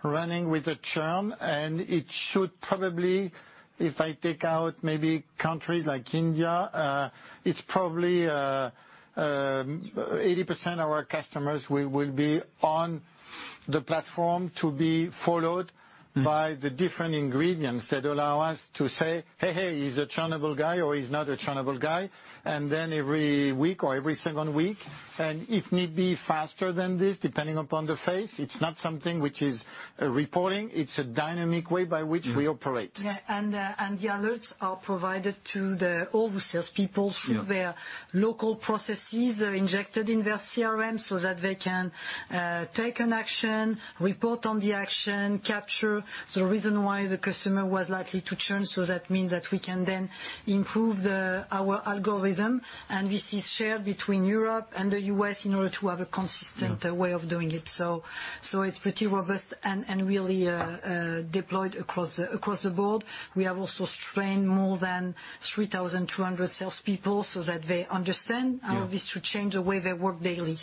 running with the churn, and it should probably, if I take out maybe countries like India, it's probably 80% of our customers will be on the platform to be followed by the different ingredients that allow us to say, "Hey, he's a churnable guy, or he's not a churnable guy." Every week or every second week, and if need be faster than this, depending upon the phase, it's not something which is reporting, it's a dynamic way by which we operate. The alerts are provided to all the salespeople through their local processes. They're injected in their CRM so that they can take an action, report on the action, capture the reason why the customer was likely to churn. That means that we can then improve our algorithm, and this is shared between Europe and the U.S. in order to have a consistent way of doing it. It's pretty robust and really deployed across the board. We have also trained more than 3,200 salespeople so that they understand how this should change the way they work daily.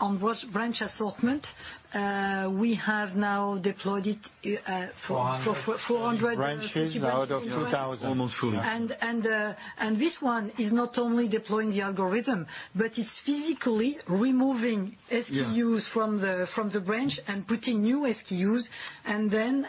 On branch assortment, we have now deployed it for- 400 branches out of 2,000. Almost full, yeah. This one is not only deploying the algorithm, but it's physically removing SKUs from the branch and putting new SKUs and then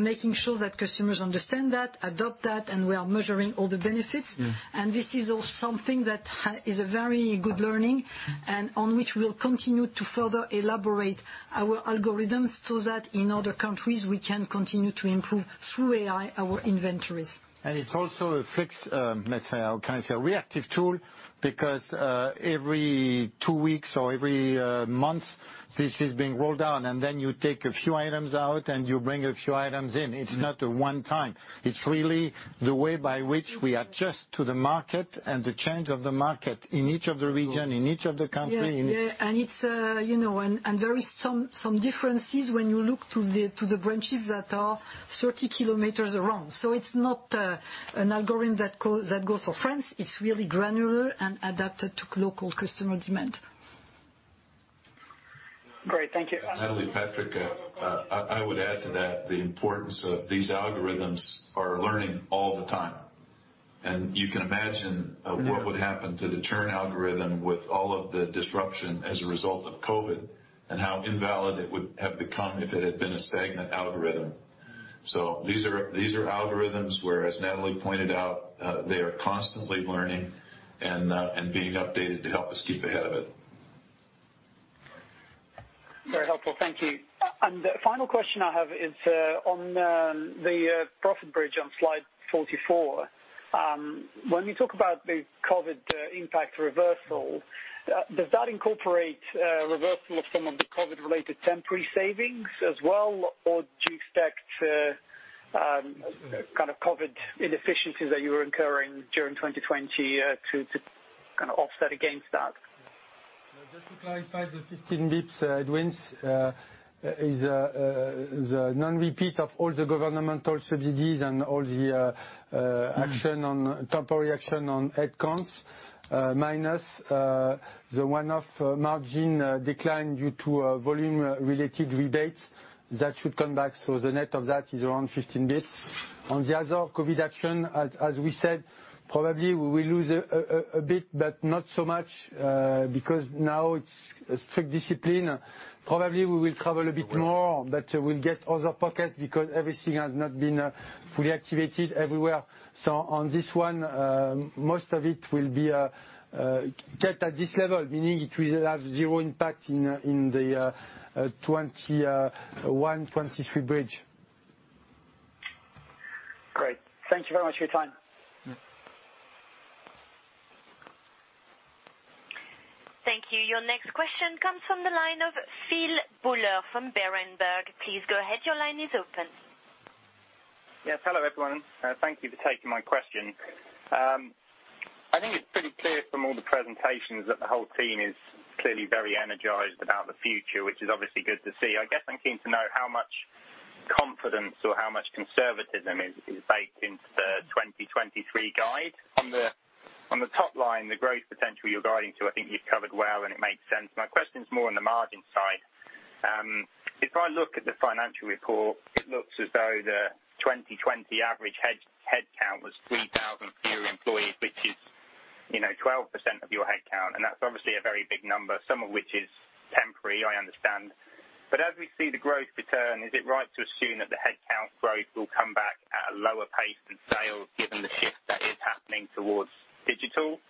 making sure that customers understand that, adopt that, and we are measuring all the benefits. Yeah. This is also something that is a very good learning and on which we'll continue to further elaborate our algorithms so that in other countries we can continue to improve through AI our inventories. It's also a fixed, can I say, a reactive tool because every two weeks or every month, this is being rolled out and then you take a few items out and you bring a few items in. It's not a one time. It's really the way by which we adjust to the market and the change of the market in each of the region, in each of the country, in each. Yeah. There is some differences when you look to the branches that are 30 km around. It's not an algorithm that goes for France. It's really granular and adapted to local customer demand. Great. Thank you. Nathalie, Patrick, I would add to that the importance of these algorithms are learning all the time. You can imagine what would happen to the churn algorithm with all of the disruption as a result of COVID, and how invalid it would have become if it had been a stagnant algorithm. These are algorithms where, as Nathalie pointed out, they are constantly learning and being updated to help us keep ahead of it. Very helpful. Thank you. The final question I have is, on the profit bridge on slide 44. When you talk about the COVID impact reversal, does that incorporate reversal of some of the COVID related temporary savings as well, or do you expect COVID inefficiencies that you were incurring during 2020 to offset against that? Just to clarify the 15 basis points headwinds, is the non-repeat of all the governmental subsidies and all the temporary action on headcounts, minus the one-off margin decline due to volume related rebates that should come back. The net of that is around 15 basis points. On the other COVID-19 action, as we said, probably we will lose a bit, but not so much, because now it's strict discipline. Probably we will travel a bit more, but we'll get other pocket because everything has not been fully activated everywhere. On this one, most of it will be kept at this level, meaning it will have zero impact in the 2021, 2023 bridge. Great. Thank you very much for your time. Thank you. Your next question comes from the line of Philip Buller from Berenberg. Please go ahead. Your line is open. Yes. Hello, everyone. Thank you for taking my question. I think it's pretty clear from all the presentations that the whole team is clearly very energized about the future, which is obviously good to see. I guess I'm keen to know how much confidence or how much conservatism is baked into the 2023 guide. On the top line, the growth potential you're guiding to, I think you've covered well, and it makes sense. My question is more on the margin side. If I look at the financial report, it looks as though the 2020 average headcount was 3,000 fewer employees, which is 12% of your headcount, and that's obviously a very big number, some of which is temporary, I understand. As we see the growth return, is it right to assume that the headcount growth will come back at a lower pace than sales, given the shift that is happening towards digital?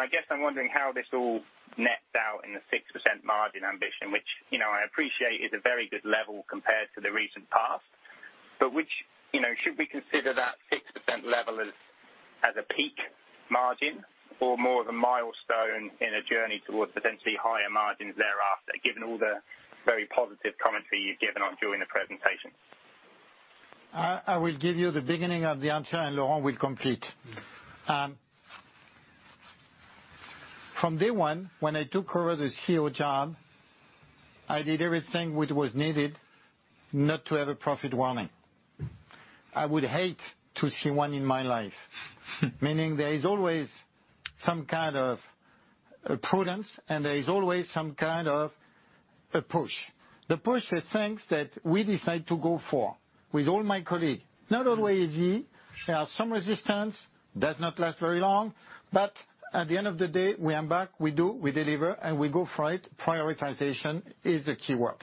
I guess I'm wondering how this all nets out in the 6% margin ambition, which, I appreciate, is a very good level compared to the recent past. Should we consider that 6% level as a peak margin or more of a milestone in a journey towards potentially higher margins thereafter, given all the very positive commentary you've given on during the presentation? I will give you the beginning of the answer, and Laurent will complete. From day 1, when I took over the CEO job, I did everything which was needed not to have a profit warning. I would hate to see one in my life. Meaning there is always some kind of prudence, and there is always some kind of a push. The push are things that we decide to go for with all my colleagues. Not always easy. There are some resistance. Does not last very long. At the end of the day, we embark, we do, we deliver, and we go for it. Prioritization is the key word.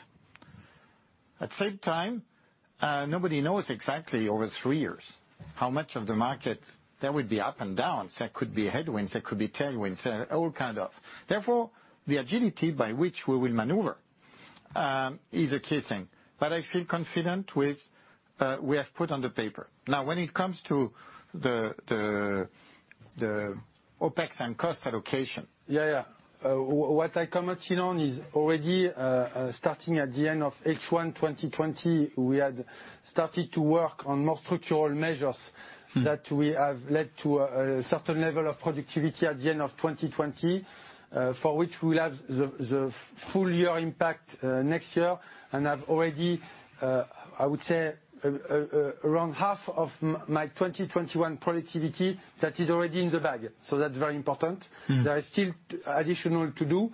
At the same time, nobody knows exactly over three years how much of the market, there will be up and downs, there could be headwinds, there could be tailwinds, all kind of. Therefore, the agility by which we will maneuver is a key thing. I feel confident with we have put on the paper. When it comes to the OpEx and cost allocation. Yeah. What I commented on is already, starting at the end of H1 2020, we had started to work on more structural measures that we have led to a certain level of productivity at the end of 2020, for which we'll have the full year impact next year and have already, I would say, around half of my 2021 productivity that is already in the bag. That's very important. There are still additional to do.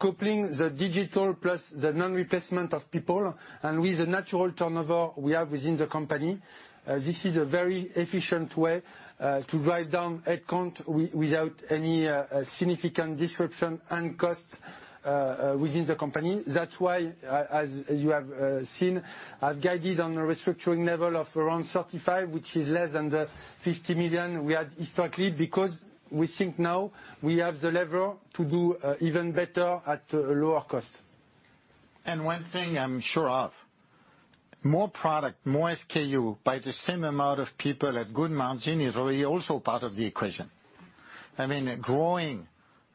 Coupling the digital plus the non-replacement of people and with the natural turnover we have within the company, this is a very efficient way to drive down headcount without any significant disruption and cost within the company. That's why, as you have seen, I've guided on a restructuring level of around 35 million, which is less than the 50 million we had historically, because we think now we have the lever to do even better at a lower cost. One thing I'm sure of, more product, more SKU by the same amount of people at good margin is really also part of the equation. Growing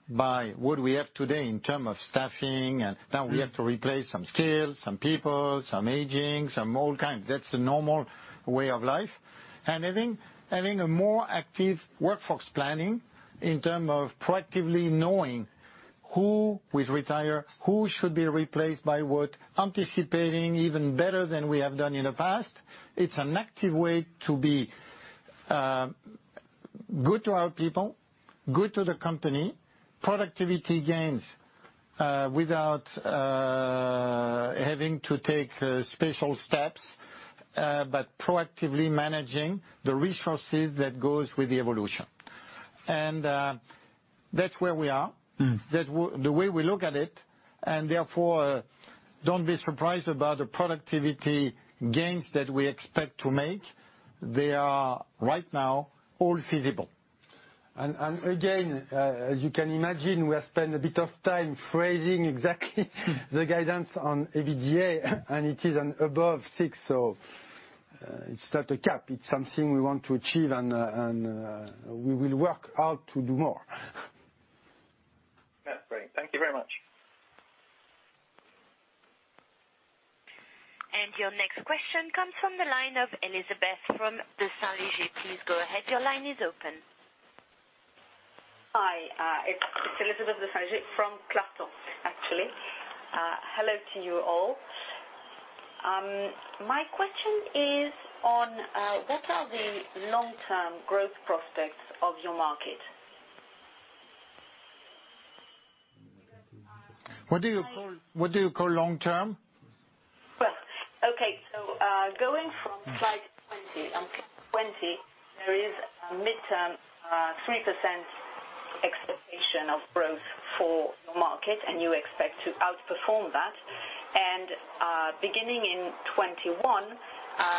by what we have today in terms of staffing. Now we have to replace some skills, some people, some aging, some all kinds. That's the normal way of life. I think a more active workforce planning in terms of proactively knowing who will retire, who should be replaced by what, anticipating even better than we have done in the past. It's an active way to be good to our people, good to the company, productivity gains without having to take special steps, but proactively managing the resources that goes with the evolution. That's where we are. The way we look at it, and therefore, don't be surprised about the productivity gains that we expect to make. They are right now all feasible. Again, as you can imagine, we have spent a bit of time phrasing exactly the guidance on EBITDA, so it's not a cap. It's something we want to achieve, and we will work hard to do more. Yeah. Great. Thank you very much. Your next question comes from the line of Elizabeth from Desjardins. Please go ahead. Your line is open. Hi. It's Elizabeth Desjardins from Clarton, actually. Hello to you all. My question is on, what are the long-term growth prospects of your market? What do you call long term? Okay. Going from slide 20. On slide 20, there is a midterm 3% expectation of growth for your market, and you expect to outperform that. Beginning in 2021, I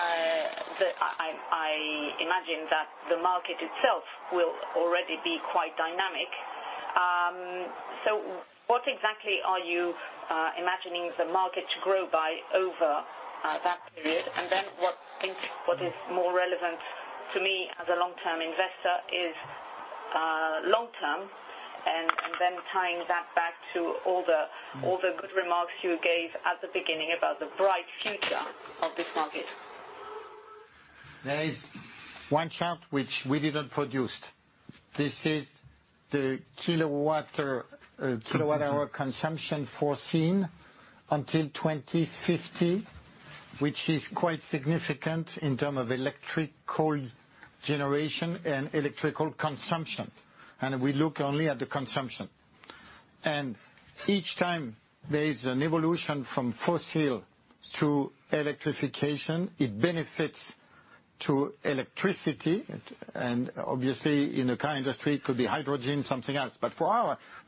imagine that the market itself will already be quite dynamic. What exactly are you imagining the market to grow by over that period? Then what I think is more relevant to me as a long term investor is long term, then tying that back to all the good remarks you gave at the beginning about the bright future of this market. There is one chart which we didn't produce. This is the kilowatt-hour consumption foreseen until 2050, which is quite significant in terms of electrical generation and electrical consumption. We look only at the consumption. Each time there is an evolution from fossil to electrification, it benefits to electricity. Obviously in the car industry it could be hydrogen, something else.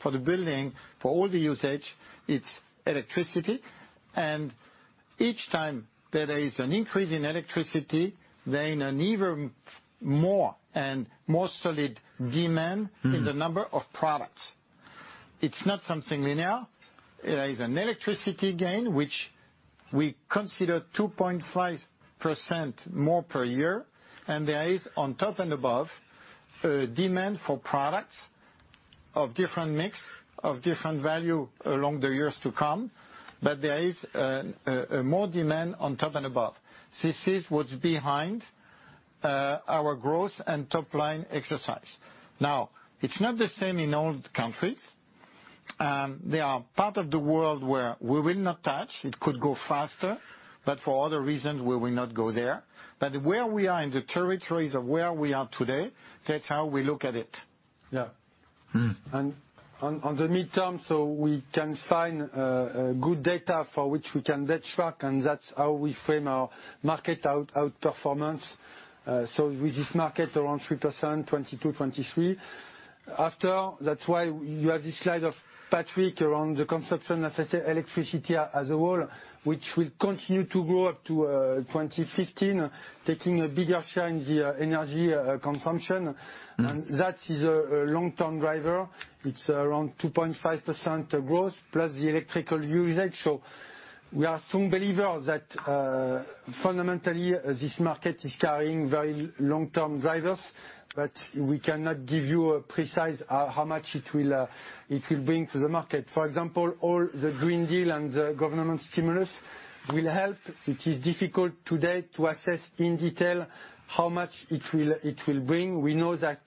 For the building, for all the usage, it's electricity. Each time that there is an increase in electricity, there is an even more and more solid demand in the number of products. It's not something linear. There is an electricity gain, which we consider 2.5% more per year, and there is, on top and above, demand for products of different mix, of different value along the years to come, but there is more demand on top and above. This is what's behind our growth and top-line exercise. It's not the same in all the countries. There are part of the world where we will not touch. It could go faster, but for other reasons, we will not go there. Where we are in the territories of where we are today, that's how we look at it. On the midterm, we can find good data for which we can track, and that's how we frame our market outperformance. With this market around 3%, 2022, 2023. After, that's why you have this slide of Patrick around the consumption of electricity as a whole, which will continue to grow up to 2050, taking a bigger share in the energy consumption. That is a long-term driver. It's around 2.5% growth plus the electrical usage. We are strong believers that fundamentally this market is carrying very long-term drivers, but we cannot give you a precise how much it will bring to the market. For example, all the Green Deal and the government stimulus will help. It is difficult today to assess in detail how much it will bring. We know that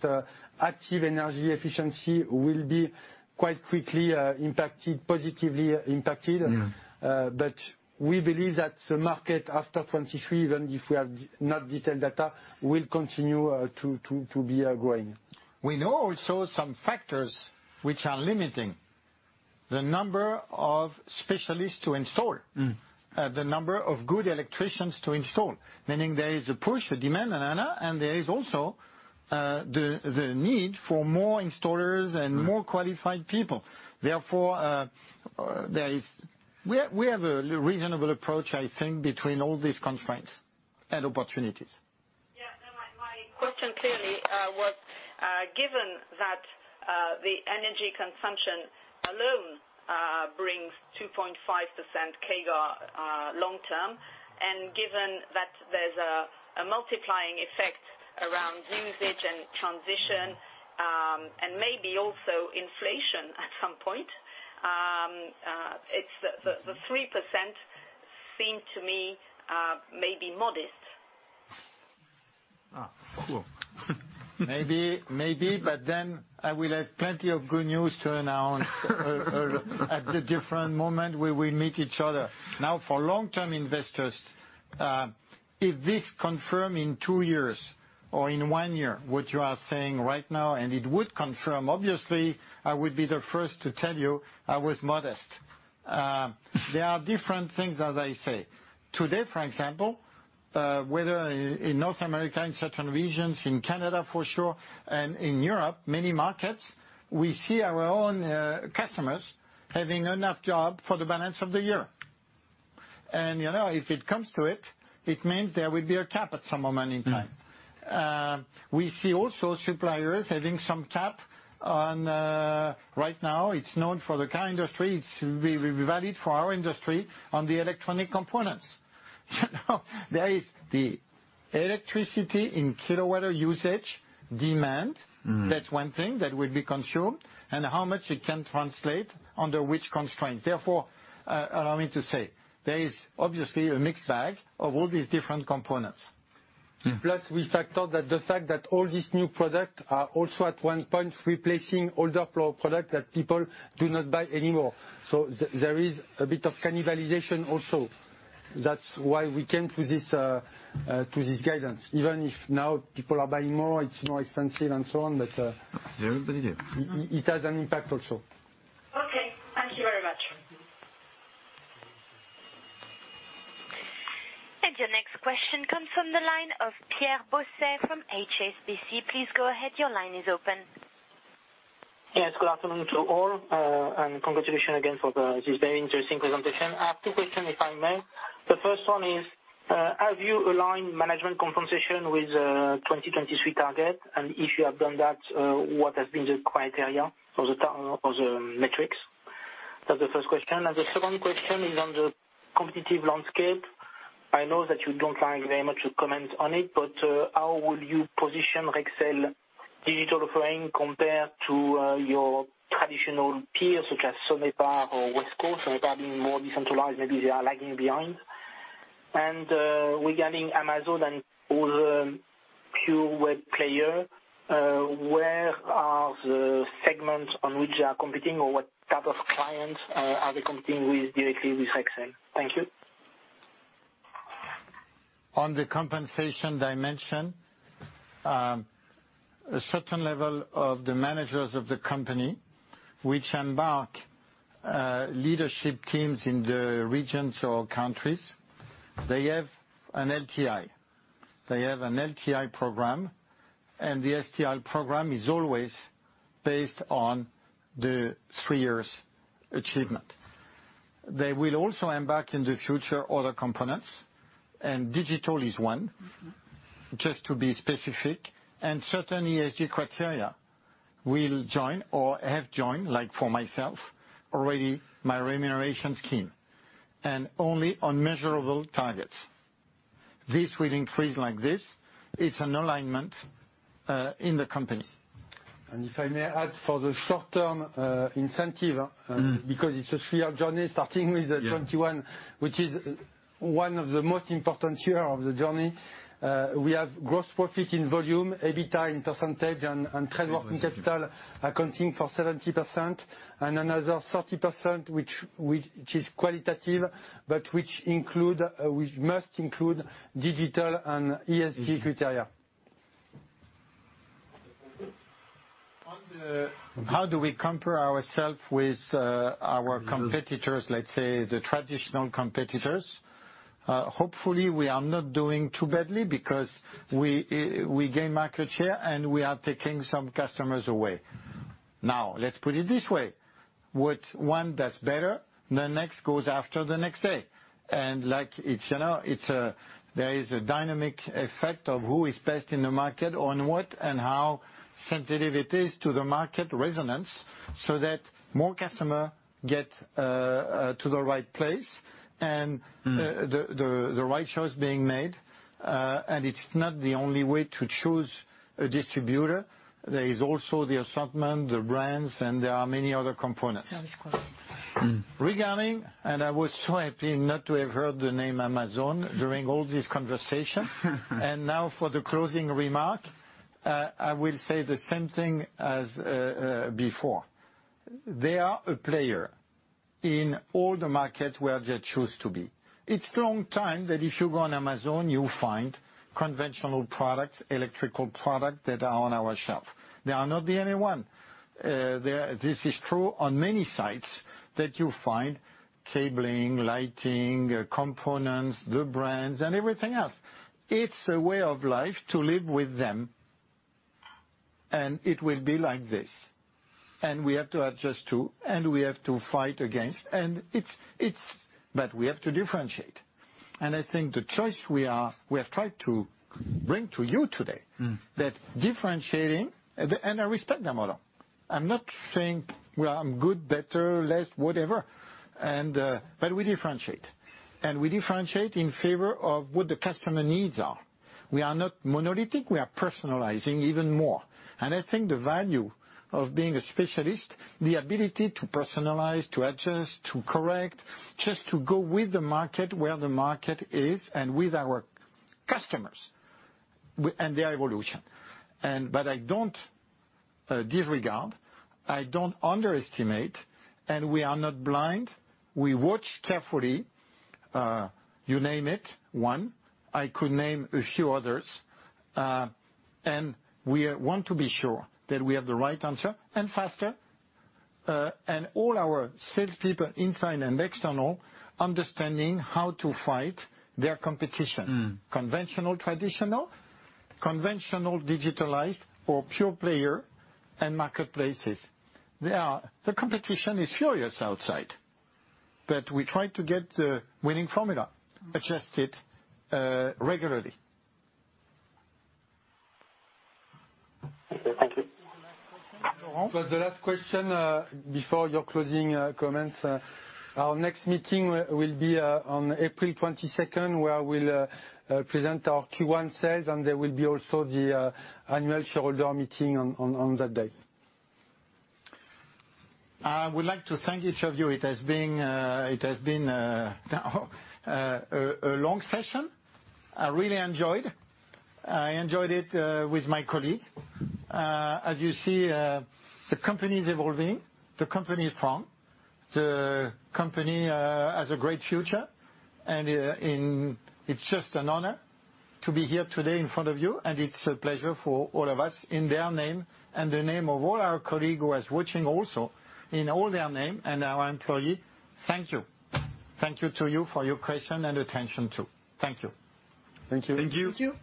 active energy efficiency will be quite quickly positively impacted. We believe that the market after 2023, even if we have not detailed data, will continue to be growing. We know also some factors which are limiting the number of specialists to install. The number of good electricians to install, meaning there is a push, a demand, and there is also the need for more installers and more qualified people. Therefore, we have a reasonable approach, I think, between all these constraints and opportunities. Yeah, no, my question clearly was, given that the energy consumption alone brings 2.5% CAGR long-term, and given that there's a multiplying effect around usage and transition, and maybe also inflation at some point, the 3% seem to me maybe modest. Cool. I will have plenty of good news to announce at the different moments we will meet each other. For long-term investors, if this confirms in two years or in one year what you are saying right now, it would confirm, obviously, I would be the first to tell you I was modest. There are different things that I say. Today, for example, whether in North America, in certain regions, in Canada for sure, and in Europe, many markets, we see our own customers having enough job for the balance of the year. If it comes to it means there will be a cap at some moment in time. We see also suppliers having some cap right now. It's known for the car industry. It's valid for our industry on the electronic components. There is the electricity in kilowatt-hour usage demand. That's one thing that will be consumed, and how much it can translate under which constraint. Allow me to say, there is obviously a mixed bag of all these different components. We factor that the fact that all these new product are also at one point replacing older product that people do not buy anymore. There is a bit of cannibalization also. That's why we came to this guidance. Even if now people are buying more, it's more expensive and so on. Yeah. It has an impact also. Okay. Thank you very much. Your next question comes from the line of Pierre Bosset from HSBC. Please go ahead. Your line is open. Yes, good afternoon to all, and congratulations again for this very interesting presentation. I have two question, if I may. The first one is, have you aligned management compensation with 2023 target? If you have done that, what has been the criteria for the metrics? That's the first question. The second question is on the competitive landscape. I know that you don't like very much to comment on it, but how will you position Rexel digital offering compared to your traditional peers, such as Sonepar or Wesco? Sonepar being more decentralized, maybe they are lagging behind. Regarding Amazon and all the pure web player, where are the segments on which you are competing, or what type of clients are they competing with directly with Rexel? Thank you. On the compensation dimension, a certain level of the managers of the company, which embark leadership teams in the regions or countries, they have an LTI program. The LTI program is always based on the three years' achievement. They will also embark in the future other components. Digital is one, just to be specific. Certain ESG criteria will join or have joined, like for myself, already my remuneration scheme. Only on measurable targets. This will increase like this. It's an alignment in the company. If I may add for the short-term incentive, because it's a three-year journey, starting with 2021, which is one of the most important year of the journey. We have gross profit in volume, EBITDA in percentage and trading working capital accounting for 70%, and another 30%, which is qualitative, but which must include digital and ESG criteria. How do we compare ourselves with our competitors, let's say the traditional competitors. Hopefully, we are not doing too badly because we gain market share, and we are taking some customers away. Let's put it this way. With one that's better, the next goes after the next day. There is a dynamic effect of who is best in the market, on what, and how sensitive it is to the market resonance, so that more customers get to the right place and the right choice being made. It's not the only way to choose a distributor. There is also the assortment, the brands, and there are many other components. Service quality. Regarding, I was so happy not to have heard the name Amazon during all this conversation. Now for the closing remark, I will say the same thing as before. They are a player in all the markets where they choose to be. It's long time that if you go on Amazon, you'll find conventional products, electrical product that are on our shelf. They are not the only one. This is true on many sites that you'll find cabling, lighting, components, good brands, and everything else. It's a way of life to live with them, and it will be like this, and we have to adjust to, and we have to fight against, but we have to differentiate. I think the choice we have tried to bring to you today, that differentiating, and I respect their model. I'm not saying we are good, better, less, whatever, but we differentiate. We differentiate in favor of what the customer needs are. We are not monolithic. We are personalizing even more. I think the value of being a specialist, the ability to personalize, to adjust, to correct, just to go with the market where the market is and with our customers and their evolution. I don't disregard, I don't underestimate, and we are not blind. We watch carefully. You name it, one, I could name a few others. We want to be sure that we have the right answer and faster. All our salespeople, inside and external, understanding how to fight their competition. Conventional, traditional, conventional, digitalized or pure player and marketplaces. The competition is furious outside, but we try to get the winning formula, adjust it regularly. Okay, thank you. This is the last question. Laurent? For the last question, before your closing comments, our next meeting will be on April 22nd, where we'll present our Q1 sales, and there will be also the annual shareholder meeting on that day. I would like to thank each of you. It has been a long session. I really enjoyed. I enjoyed it with my colleague. As you see, the company is evolving. The company is firm. The company has a great future, and it's just an honor to be here today in front of you, and it's a pleasure for all of us in their name and the name of all our colleague who is watching also in all their name and our employee, thank you. Thank you to you for your question and attention, too. Thank you. Thank you. Thank you.